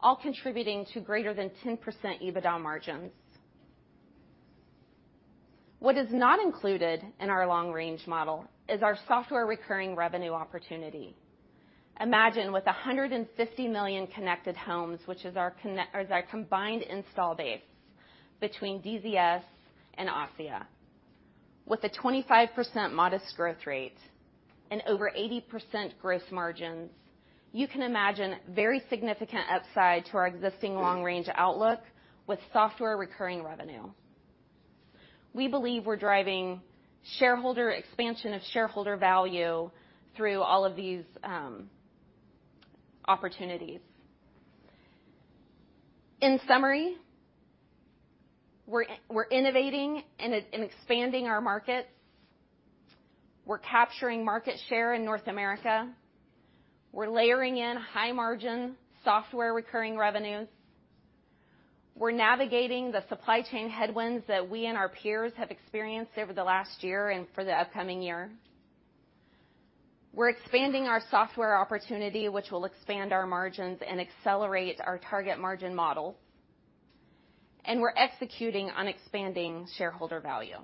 all contributing to greater than 10% EBITDA margins. What is not included in our long-range model is our software recurring revenue opportunity. Imagine with 150 million connected homes, which is our or is our combined install base between DZS and ASSIA. With a 25% modest growth rate and over 80% gross margins, you can imagine very significant upside to our existing long-range outlook with software recurring revenue. We believe we're driving shareholder expansion of shareholder value through all of these, opportunities. In summary, we're innovating and expanding our markets. We're capturing market share in North America. We're layering in high-margin software recurring revenues. We're navigating the supply chain headwinds that we and our peers have experienced over the last year and for the upcoming year. We're expanding our software opportunity, which will expand our margins and accelerate our target margin model. We're executing on expanding shareholder value.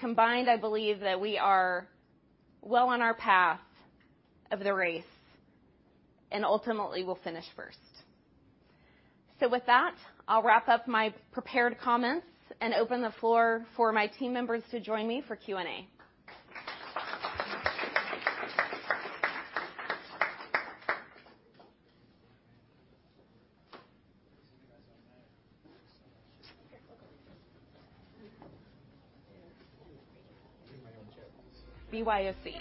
Combined, I believe that we are well on our path of the race and ultimately will finish first. With that, I'll wrap up my prepared comments and open the floor for my team members to join me for Q&A. BYFC.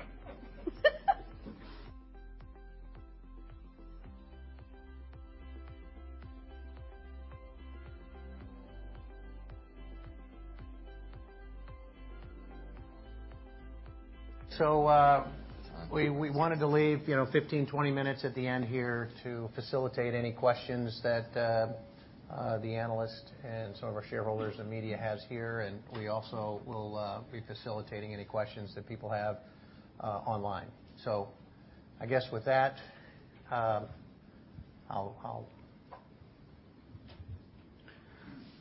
We wanted to leave, you know, 15, 20 minutes at the end here to facilitate any questions that the analysts and some of our shareholders and media has here, and we also will be facilitating any questions that people have online. I guess with that, I'll.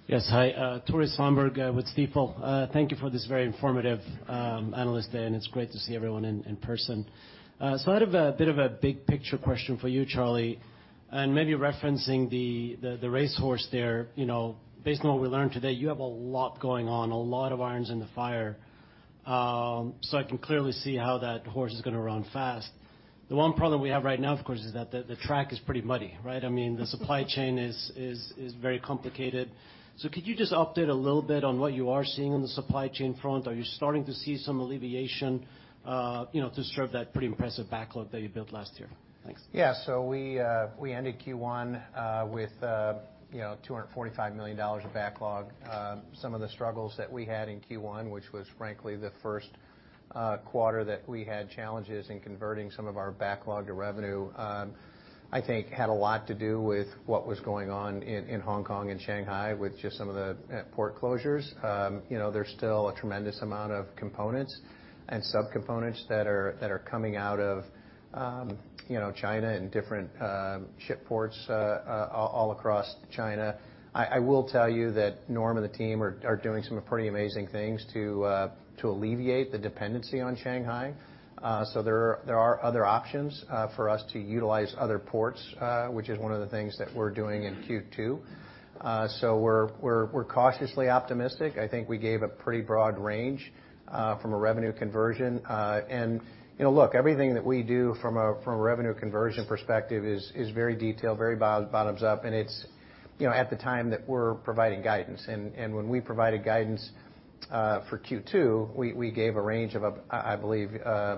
Yes. Hi, Tore Svanberg with Stifel. Thank you for this very informative analyst day, and it's great to see everyone in person. I have a bit of a big picture question for you, Charlie, and maybe referencing the racehorse there. You know, based on what we learned today, you have a lot going on, a lot of irons in the fire. I can clearly see how that horse is gonna run fast. The one problem we have right now, of course, is that the track is pretty muddy, right? I mean, the supply chain is very complicated. Could you just update a little bit on what you are seeing on the supply chain front? Are you starting to see some alleviation, you know, to serve that pretty impressive backlog that you built last year? Thanks. Yeah. We ended Q1 with, you know, $245 million of backlog. Some of the struggles that we had in Q1, which was frankly the first quarter that we had challenges in converting some of our backlog to revenue, I think had a lot to do with what was going on in Hong Kong and Shanghai with just some of the port closures. You know, there's still a tremendous amount of components and subcomponents that are coming out of, you know, China and different shipping ports all across China. I will tell you that Norm and the team are doing some pretty amazing things to alleviate the dependency on Shanghai. There are other options for us to utilize other ports, which is one of the things that we're doing in Q2. We're cautiously optimistic. I think we gave a pretty broad range from a revenue conversion. You know, look, everything that we do from a revenue conversion perspective is very detailed, very bottoms-up, and it's you know at the time that we're providing guidance. When we provided guidance for Q2, we gave a range of, I believe, $85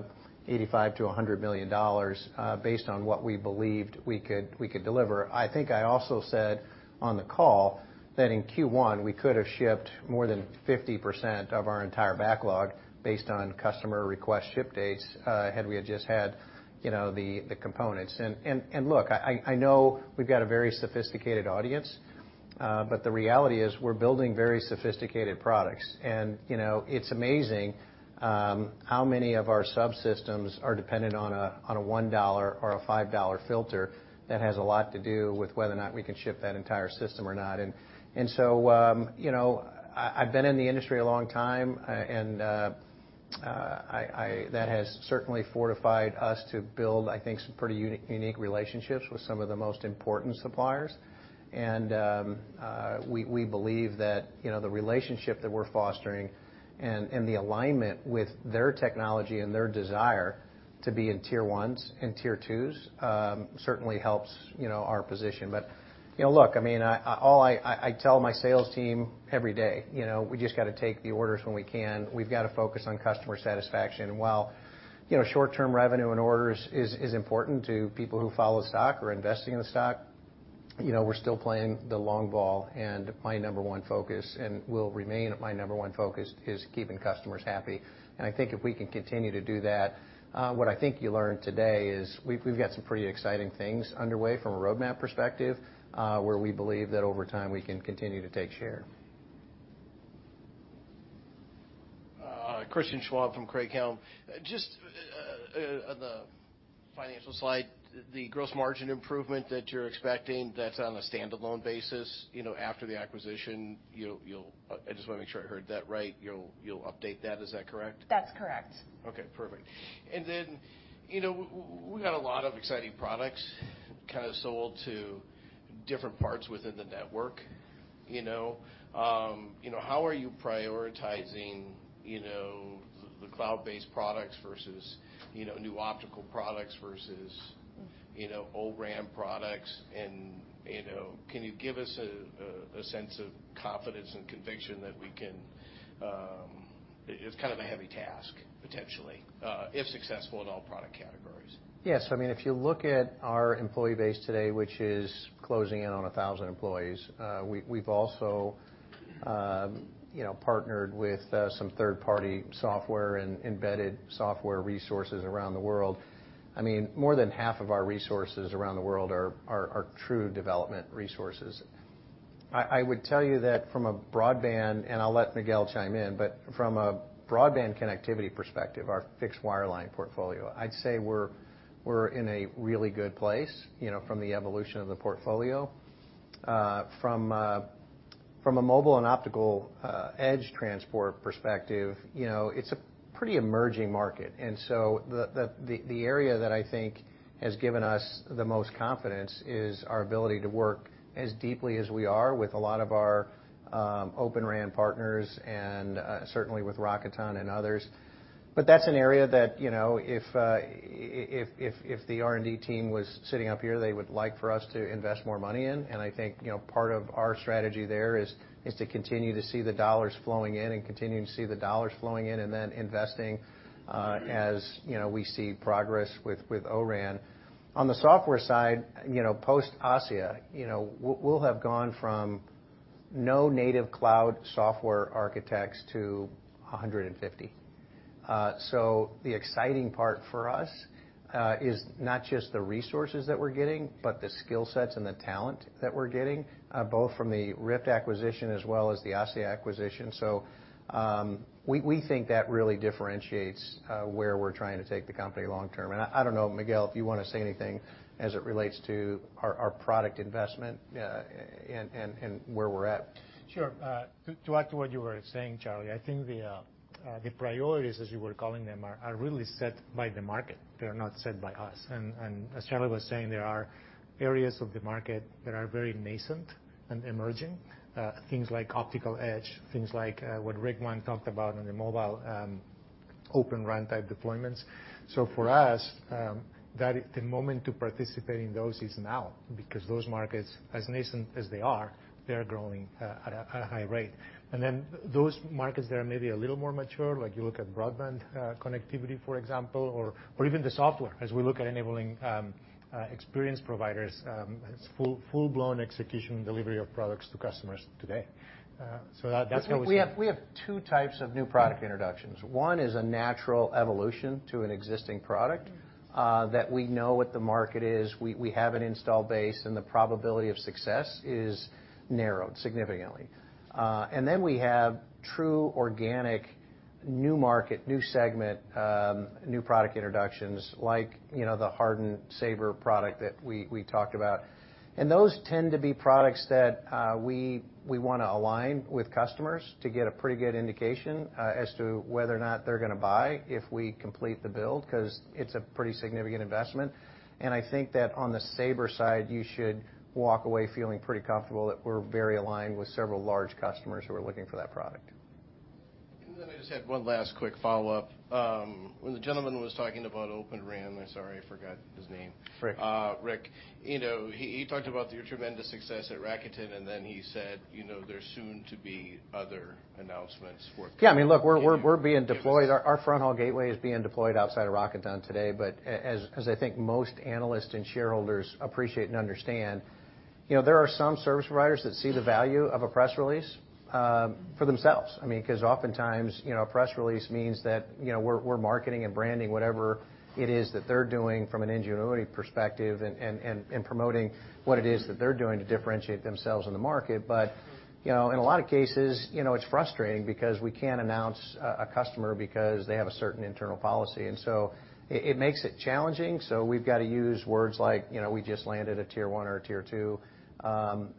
million-$100 million, based on what we believed we could deliver. I think I also said on the call that in Q1 we could have shipped more than 50% of our entire backlog based on customer request ship dates, had we just had, you know, the components. Look, I know we've got a very sophisticated audience, but the reality is we're building very sophisticated products. You know, it's amazing how many of our subsystems are dependent on a $1 or a $5 filter that has a lot to do with whether or not we can ship that entire system or not. You know, I've been in the industry a long time, that has certainly fortified us to build, I think, some pretty unique relationships with some of the most important suppliers. We believe that, you know, the relationship that we're fostering and the alignment with their technology and their desire to be in tier ones and tier twos certainly helps, you know, our position. You know, look, I mean, all I tell my sales team every day, you know, we just gotta take the orders when we can. We've got to focus on customer satisfaction. While, you know, short-term revenue and orders is important to people who follow stock or investing in the stock, you know, we're still playing the long ball, and my number one focus, and will remain my number one focus, is keeping customers happy. I think if we can continue to do that, what I think you learned today is we've got some pretty exciting things underway from a roadmap perspective, where we believe that over time we can continue to take share. Christian Schwab from Craig-Hallum. Just, on the financial slide, the gross margin improvement that you're expecting, that's on a standalone basis. You know, after the acquisition, I just wanna make sure I heard that right, you'll update that. Is that correct? That's correct. Okay, perfect. You know, we got a lot of exciting products kind of sold to different parts within the network, you know? You know, how are you prioritizing, you know, the cloud-based products versus, you know, new optical products versus, you know, old RAN products? You know, can you give us a sense of confidence and conviction that we can it's kind of a heavy task, potentially, if successful in all product categories. Yes. I mean, if you look at our employee base today, which is closing in on 1,000 employees, we've also, you know, partnered with some third-party software and embedded software resources around the world. I mean, more than half of our resources around the world are true development resources. I would tell you that from a broadband, and I'll let Miguel chime in, but from a broadband connectivity perspective, our fixed wireline portfolio, I'd say we're in a really good place, you know, from the evolution of the portfolio. From a mobile and optical edge transport perspective, you know, it's a pretty emerging market. The area that I think has given us the most confidence is our ability to work as deeply as we are with a lot of our Open RAN partners and certainly with Rakuten and others. But that's an area that, you know, if the R&D team was sitting up here, they would like for us to invest more money in. I think, you know, part of our strategy there is to continue to see the dollars flowing in and continuing to see the dollars flowing in and then investing as, you know, we see progress with O-RAN. On the software side, you know, post ASSIA, you know, we'll have gone from no native cloud software architects to 150. The exciting part for us is not just the resources that we're getting, but the skill sets and the talent that we're getting, both from the RIFT acquisition as well as the ASSIA acquisition. We think that really differentiates where we're trying to take the company long term. I don't know, Miguel, if you wanna say anything as it relates to our product investment and where we're at. Sure. To add to what you were saying, Charlie, I think the priorities, as you were calling them, are really set by the market. They're not set by us. As Charlie was saying, there are areas of the market that are very nascent and emerging, things like optical edge, things like what Rick Wank talked about on the mobile, Open RAN-type deployments. For us, the moment to participate in those is now because those markets, as nascent as they are, they're growing at a high rate. Then those markets that are maybe a little more mature, like you look at broadband connectivity, for example, or even the software as we look at enabling experience providers, its full-blown execution and delivery of products to customers today. That, that's how we see it. We have two types of new product introductions. One is a natural evolution to an existing product that we know what the market is, we have an install base, and the probability of success is narrowed significantly. We have true organic new market, new segment, new product introductions like, you know, the hardened Saber product that we talked about. Those tend to be products that we wanna align with customers to get a pretty good indication as to whether or not they're gonna buy if we complete the build, 'cause it's a pretty significant investment. I think that on the Saber side, you should walk away feeling pretty comfortable that we're very aligned with several large customers who are looking for that product. I just had one last quick follow-up. When the gentleman was talking about Open RAN, I'm sorry, I forgot his name. Rick. Rick. You know, he talked about your tremendous success at Rakuten, and then he said, you know, there's soon to be other announcements for- Yeah. I mean, look, we're being deployed. Our Fronthaul Gateway is being deployed outside of Rakuten today. As I think most analysts and shareholders appreciate and understand, you know, there are some service providers that see the value of a press release for themselves. I mean, 'cause oftentimes, you know, a press release means that, you know, we're marketing and branding whatever it is that they're doing from an ingenuity perspective and promoting what it is that they're doing to differentiate themselves in the market. You know, in a lot of cases, you know, it's frustrating because we can't announce a customer because they have a certain internal policy. It makes it challenging, so we've gotta use words like, you know, we just landed a tier one or a tier 2.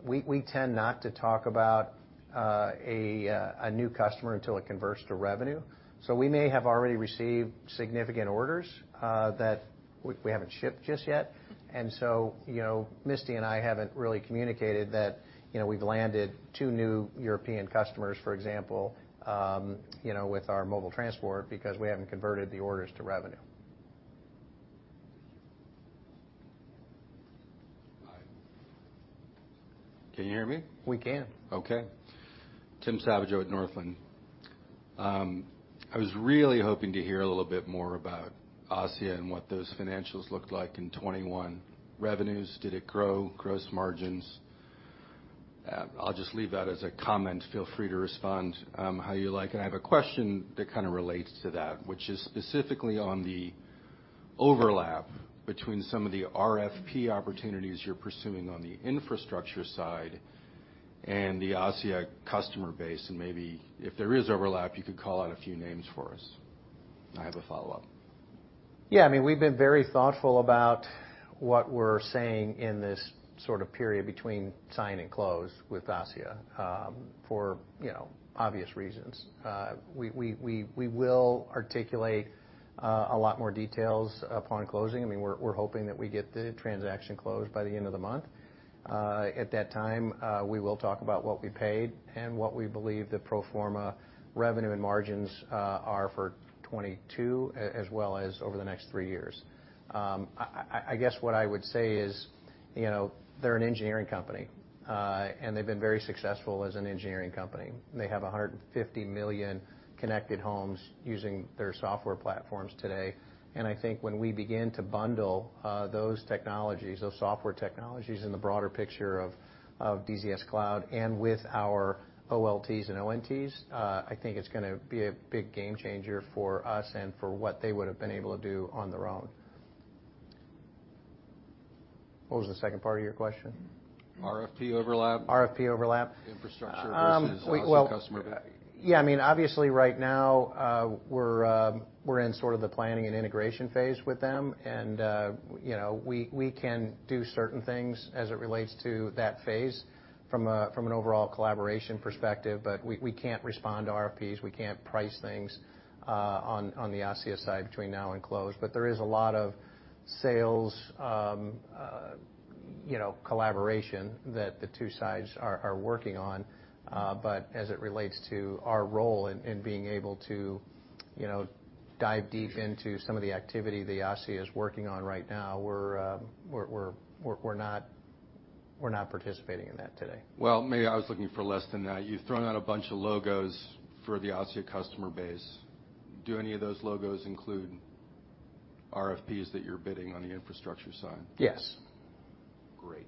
We tend not to talk about a new customer until it converts to revenue. We may have already received significant orders that we haven't shipped just yet. You know, Misty and I haven't really communicated that, you know, we've landed two new European customers, for example, with our mobile transport because we haven't converted the orders to revenue. Hi. Can you hear me? We can. Okay. Tim Savageaux with Northland. I was really hoping to hear a little bit more about ASSIA and what those financials looked like in 2021. Revenues, did it grow? Gross margins? I'll just leave that as a comment. Feel free to respond, how you like. I have a question that kinda relates to that, which is specifically on the overlap between some of the RFP opportunities you're pursuing on the infrastructure side and the ASSIA customer base. Maybe if there is overlap, you could call out a few names for us. I have a follow-up. Yeah. I mean, we've been very thoughtful about what we're saying in this sort of period between sign and close with ASSIA, for, you know, obvious reasons. We will articulate a lot more details upon closing. I mean, we're hoping that we get the transaction closed by the end of the month. At that time, we will talk about what we paid and what we believe the pro forma revenue and margins are for 2022, as well as over the next three years. I guess what I would say is, you know, they're an engineering company, and they've been very successful as an engineering company. They have 150 million connected homes using their software platforms today. I think when we begin to bundle those technologies, those software technologies in the broader picture of DZS Cloud and with our OLTs and ONTs, I think it's gonna be a big game changer for us and for what they would've been able to do on their own. What was the second part of your question? RFP overlap. RFP overlap. Infrastructure versus ASSIA customer base. Well, yeah, I mean, obviously right now, we're in sort of the planning and integration phase with them and, you know, we can do certain things as it relates to that phase from an overall collaboration perspective, but we can't respond to RFPs, we can't price things on the ASSIA side between now and close. There is a lot of sales, you know, collaboration that the two sides are working on. As it relates to our role in being able to, you know, dive deep into some of the activity that ASSIA is working on right now, we're not participating in that today. Well, maybe I was looking for less than that. You've thrown out a bunch of logos for the ASSIA customer base. Do any of those logos include RFPs that you're bidding on the infrastructure side? Yes. Great.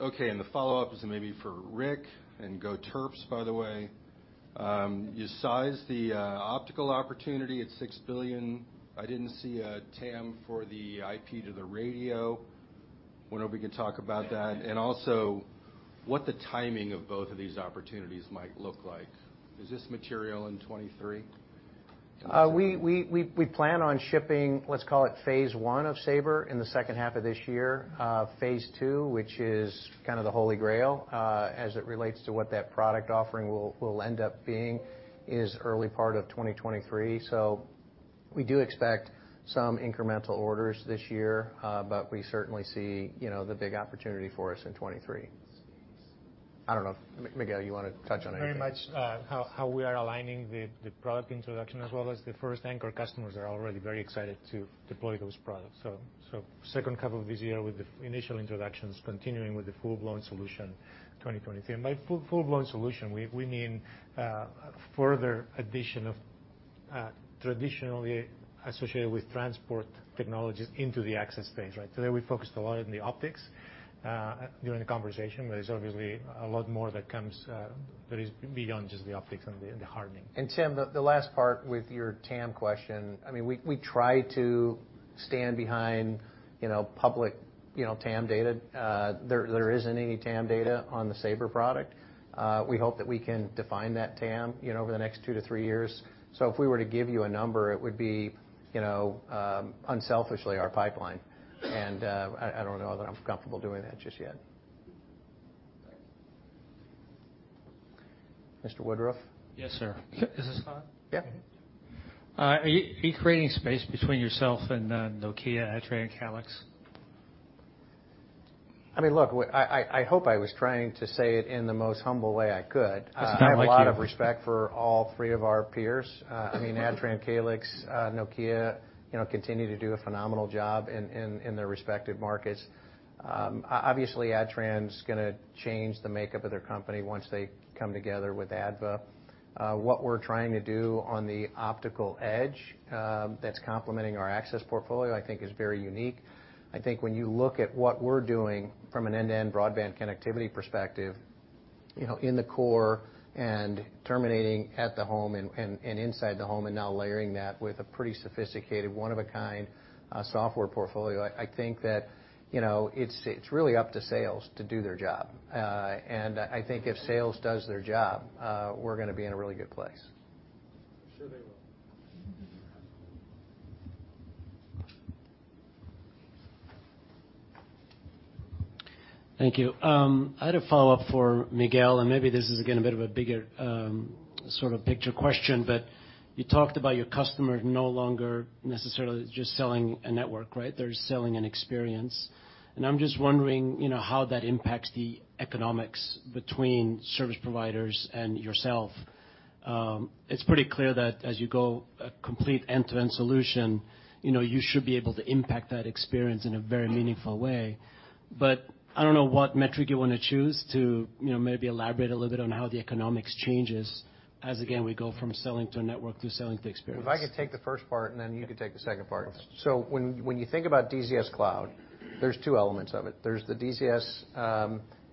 Okay, the follow-up is maybe for Rick, and go Terps, by the way. You sized the optical opportunity at $6 billion. I didn't see a TAM for the IP to the radio. I wonder if we could talk about that. Also, what the timing of both of these opportunities might look like. Is this material in 2023? We plan on shipping, let's call it phase one of Saber in the second half of this year. Phase II, which is kind of the holy grail, as it relates to what that product offering will end up being, is early part of 2023. We do expect some incremental orders this year, but we certainly see, you know, the big opportunity for us in 2023. I don't know, Miguel, you wanna touch on anything? Very much how we are aligning the product introduction as well as the first anchor customers are already very excited to deploy those products. Second half of this year with the initial introductions, continuing with the full-blown solution 2023. By full-blown solution, we mean further addition of traditionally associated with transport technologies into the access phase, right? Today, we focused a lot on the optics during the conversation, but there's obviously a lot more that comes that is beyond just the optics and the hardening. Tim, the last part with your TAM question, I mean, we try to stand behind, you know, public, you know, TAM data. There isn't any TAM data on the Saber product. We hope that we can define that TAM, you know, over the next two to three years. If we were to give you a number, it would be, you know, unselfishly our pipeline. I don't know that I'm comfortable doing that just yet. Mr. Woodruff? Yes, sir. Is this on? Yeah. Are you creating space between yourself and Nokia, Adtran, and Calix? I mean, look, I hope I was trying to say it in the most humble way I could. It's not like you. I have a lot of respect for all three of our peers. I mean, Adtran, Calix, Nokia, you know, continue to do a phenomenal job in their respective markets. Obviously, Adtran's gonna change the makeup of their company once they come together with ADVA. What we're trying to do on the optical edge, that's complementing our access portfolio, I think is very unique. I think when you look at what we're doing from an end-to-end broadband connectivity perspective, you know, in the core and terminating at the home and inside the home, and now layering that with a pretty sophisticated, one of a kind, software portfolio, I think that, you know, it's really up to sales to do their job. I think if sales does their job, we're gonna be in a really good place. I'm sure they will. Thank you. I had a follow-up for Miguel, and maybe this is again, a bit of a bigger, sort of picture question. You talked about your customers no longer necessarily just selling a network, right? They're selling an experience. I'm just wondering, you know, how that impacts the economics between service providers and yourself. It's pretty clear that as you go a complete end-to-end solution, you know, you should be able to impact that experience in a very meaningful way. I don't know what metric you wanna choose to, you know, maybe elaborate a little bit on how the economics changes as, again, we go from selling to a network to selling the experience. If I could take the first part, and then you could take the second part. Of course. When you think about DZS Cloud, there's two elements of it. There's the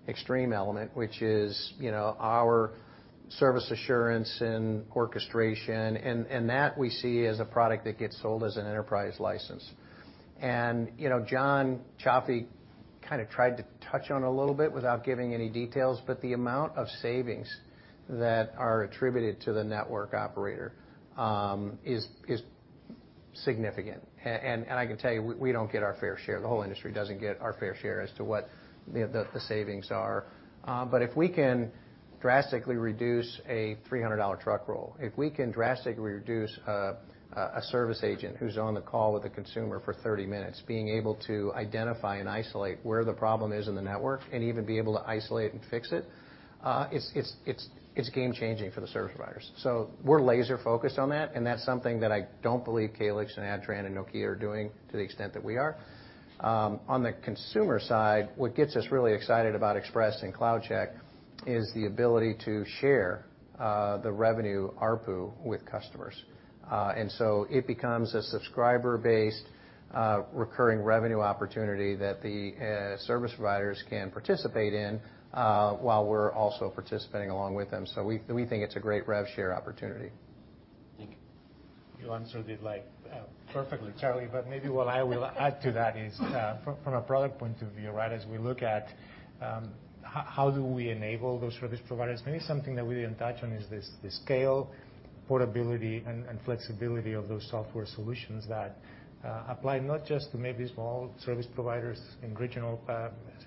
Xtreme element, which is, you know, our service assurance and orchestration, and that we see as a product that gets sold as an enterprise license. You know, John Cioffi kind of tried to touch on a little bit without giving any details, but the amount of savings that are attributed to the network operator is significant. I can tell you, we don't get our fair share. The whole industry doesn't get our fair share as to what the savings are. If we can drastically reduce a $300 truck roll, if we can drastically reduce a service agent who's on the call with a consumer for 30 minutes, being able to identify and isolate where the problem is in the network and even be able to isolate and fix it's game-changing for the service providers. We're laser focused on that, and that's something that I don't believe Calix and Adtran and Nokia are doing to the extent that we are. On the consumer side, what gets us really excited about Expresse and CloudCheck is the ability to share the revenue ARPU with customers. It becomes a subscriber-based recurring revenue opportunity that the service providers can participate in while we're also participating along with them. We think it's a great rev share opportunity. Thank you. You answered it, like, perfectly, Charlie. Maybe what I will add to that is, from a product point of view, right? As we look at how do we enable those service providers? Maybe something that we didn't touch on is the scale, portability and flexibility of those software solutions that apply not just to maybe small service providers in regional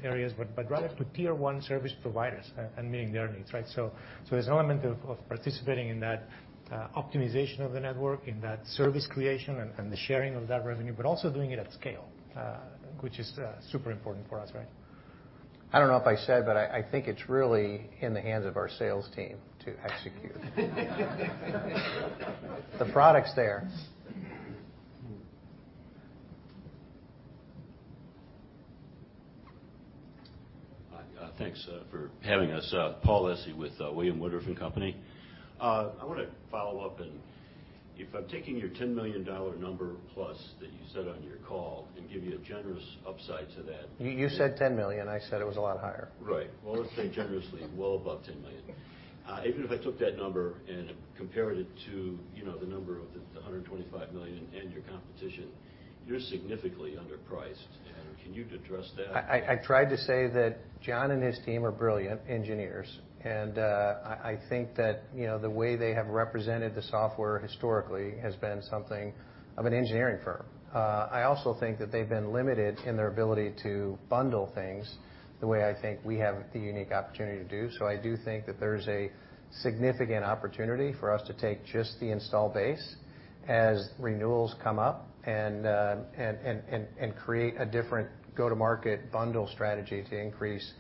areas, but rather to tier one service providers and meeting their needs, right? There's an element of participating in that optimization of the network, in that service creation and the sharing of that revenue, but also doing it at scale, which is super important for us, right? I don't know if I said, but I think it's really in the hands of our sales team to execute. The product's there. Thanks for having us. Paul Essi with William K. Woodruff & Company. I wanna follow up, and if I'm taking your $10 million number plus that you said on your call and give you a generous upside to that- You said $10 million. I said it was a lot higher. Right. Well, let's say generously well above $10 million. Even if I took that number and compared it to the number of the $125 million and your competition, you're significantly underpriced. Can you address that? I tried to say that John and his team are brilliant engineers, and I think that, you know, the way they have represented the software historically has been something of an engineering firm. I also think that they've been limited in their ability to bundle things the way I think we have the unique opportunity to do. I do think that there's a significant opportunity for us to take just the install base as renewals come up and create a different go-to-market bundle strategy to increase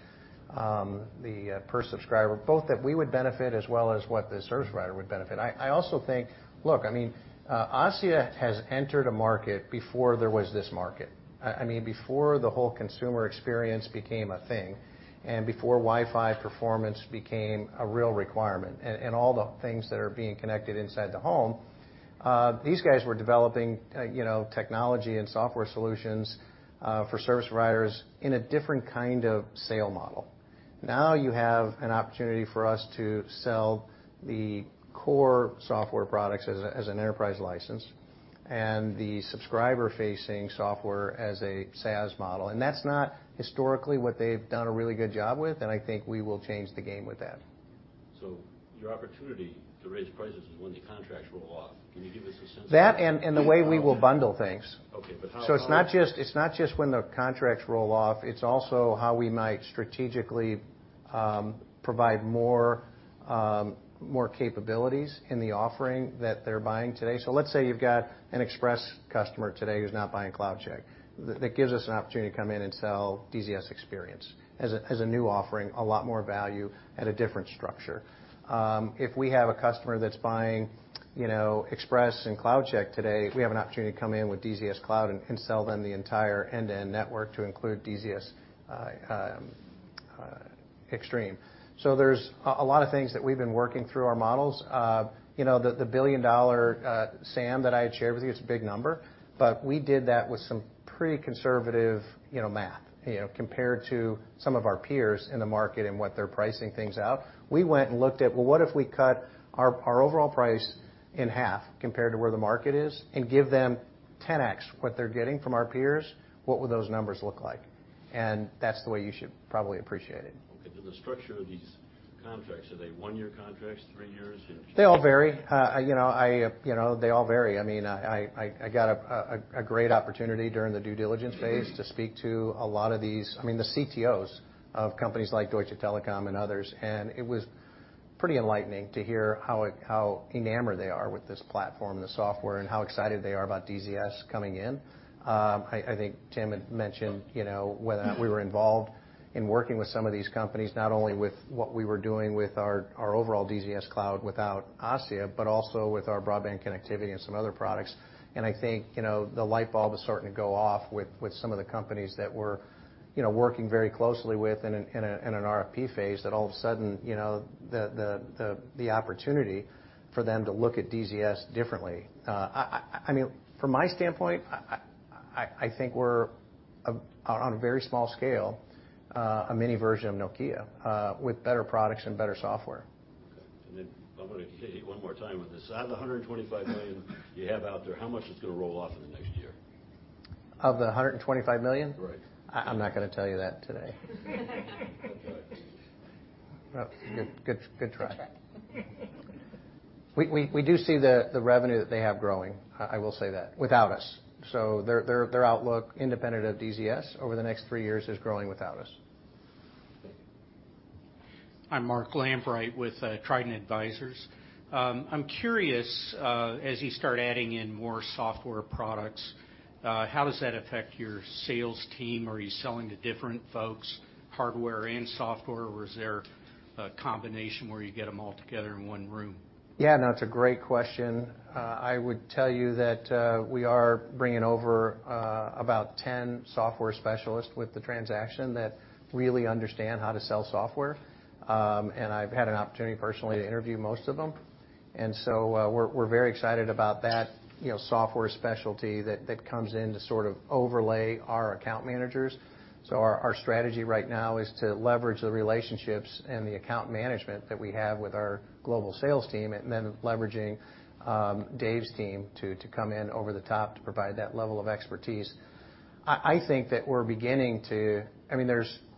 the per subscriber, both that we would benefit as well as what the service provider would benefit. I also think Look, I mean, ASSIA has entered a market before there was this market, I mean, before the whole consumer experience became a thing and before Wi-Fi performance became a real requirement and all the things that are being connected inside the home. These guys were developing, you know, technology and software solutions for service providers in a different kind of sale model. Now you have an opportunity for us to sell the core software products as an enterprise license and the subscriber-facing software as a SaaS model, and that's not historically what they've done a really good job with, and I think we will change the game with that. Your opportunity to raise prices is when the contracts roll off. Can you give us a sense of that? That and the way we will bundle things. Okay, how? It's not just when the contracts roll off, it's also how we might strategically provide more capabilities in the offering that they're buying today. Let's say you've got an Expresse customer today who's not buying CloudCheck. That gives us an opportunity to come in and sell DZS Xperience as a new offering, a lot more value at a different structure. If we have a customer that's buying, you know, Expresse and CloudCheck today, we have an opportunity to come in with DZS Cloud and sell them the entire end-to-end network to include DZS Xtreme. There's a lot of things that we've been working through our models. You know, the $1 billion SAM that I had shared with you, it's a big number, but we did that with some pretty conservative, you know, math. You know, compared to some of our peers in the market and what they're pricing things out, we went and looked at, well, what if we cut our overall price in half compared to where the market is and give them 10X what they're getting from our peers? What would those numbers look like? That's the way you should probably appreciate it. Okay. The structure of these contracts, are they one-year contracts, three years? You know- They all vary. You know, they all vary. I mean, I got a great opportunity during the due diligence phase to speak to a lot of these, I mean, the CTOs of companies like Deutsche Telekom and others, and it was pretty enlightening to hear how enamored they are with this platform, the software, and how excited they are about DZS coming in. I think Tim had mentioned, you know, when we were involved in working with some of these companies, not only with what we were doing with our overall DZS Cloud without ASSIA, but also with our broadband connectivity and some other products. I think, you know, the light bulb is starting to go off with some of the companies that we're, you know, working very closely with in an RFP phase that all of a sudden, you know, the opportunity for them to look at DZS differently. I mean, from my standpoint, I think we're on a very small scale, a mini version of Nokia with better products and better software. Okay. I'm gonna hit you one more time with this. Out of the $125 million you have out there, how much is gonna roll off in the next year? Of the $125 million? Right. I'm not gonna tell you that today. Good try. Well, good try. We do see the revenue that they have growing. I will say that, without us. Their outlook independent of DZS over the next three years is growing without us. Okay. I'm Mark Lambright with Trident Advisors. I'm curious, as you start adding in more software products, how does that affect your sales team? Are you selling to different folks, hardware and software, or is there a combination where you get them all together in one room? Yeah, no, it's a great question. I would tell you that we are bringing over about 10 software specialists with the transaction that really understand how to sell software. I've had an opportunity personally to interview most of them. We're very excited about that, you know, software specialty that comes in to sort of overlay our account managers. Our strategy right now is to leverage the relationships and the account management that we have with our global sales team, and then leveraging Dave's team to come in over the top to provide that level of expertise. I think that we're beginning to. I mean,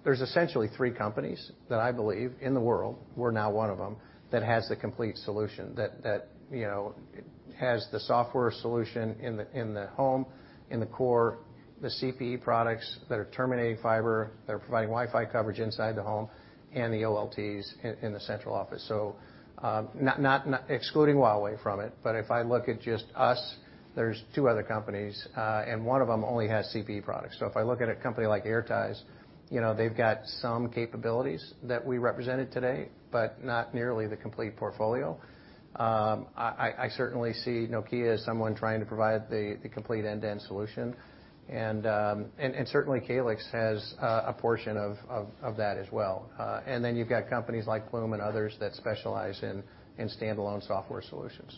there's essentially three companies that I believe in the world, we're now one of them, that has the complete solution that you know has the software solution in the home, in the core, the CPE products that are terminating fiber, that are providing Wi-Fi coverage inside the home, and the OLTs in the central office. Not excluding Huawei from it, but if I look at just us, there's two other companies, and one of them only has CPE products. If I look at a company like Airties, you know, they've got some capabilities that we represented today, but not nearly the complete portfolio. I certainly see Nokia as someone trying to provide the complete end-to-end solution. Certainly Calix has a portion of that as well. You've got companies like Plume and others that specialize in stand-alone software solutions.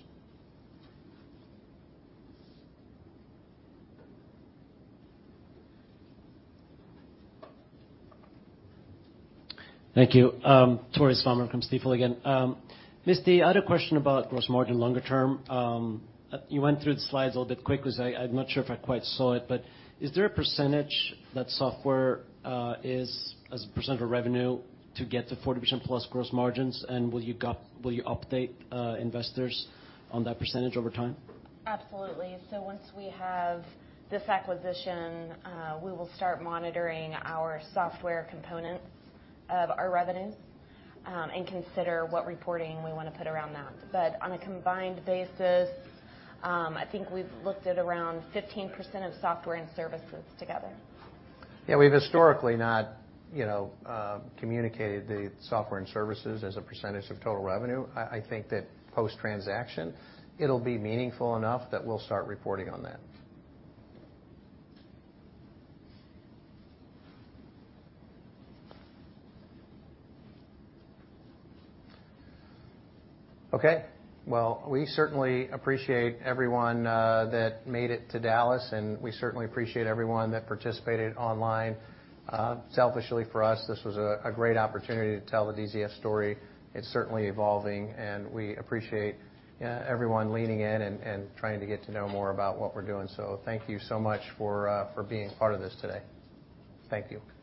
Thank you. Tore Svanberg from Stifel again. Misty, I had a question about gross margin longer term. You went through the slides a little bit quickly, so I'm not sure if I quite saw it, but is there a percentage that software is as a percentage of revenue to get to 40%+ gross margins? Will you update investors on that percentage over time? Absolutely. Once we have this acquisition, we will start monitoring our software component of our revenue, and consider what reporting we wanna put around that. On a combined basis, I think we've looked at around 15% of software and services together. Yeah, we've historically not, you know, communicated the software and services as a percentage of total revenue. I think that post-transaction it'll be meaningful enough that we'll start reporting on that. Okay. Well, we certainly appreciate everyone that made it to Dallas, and we certainly appreciate everyone that participated online. Selfishly for us, this was a great opportunity to tell the DZS story. It's certainly evolving, and we appreciate everyone leaning in and trying to get to know more about what we're doing. Thank you so much for being part of this today. Thank you.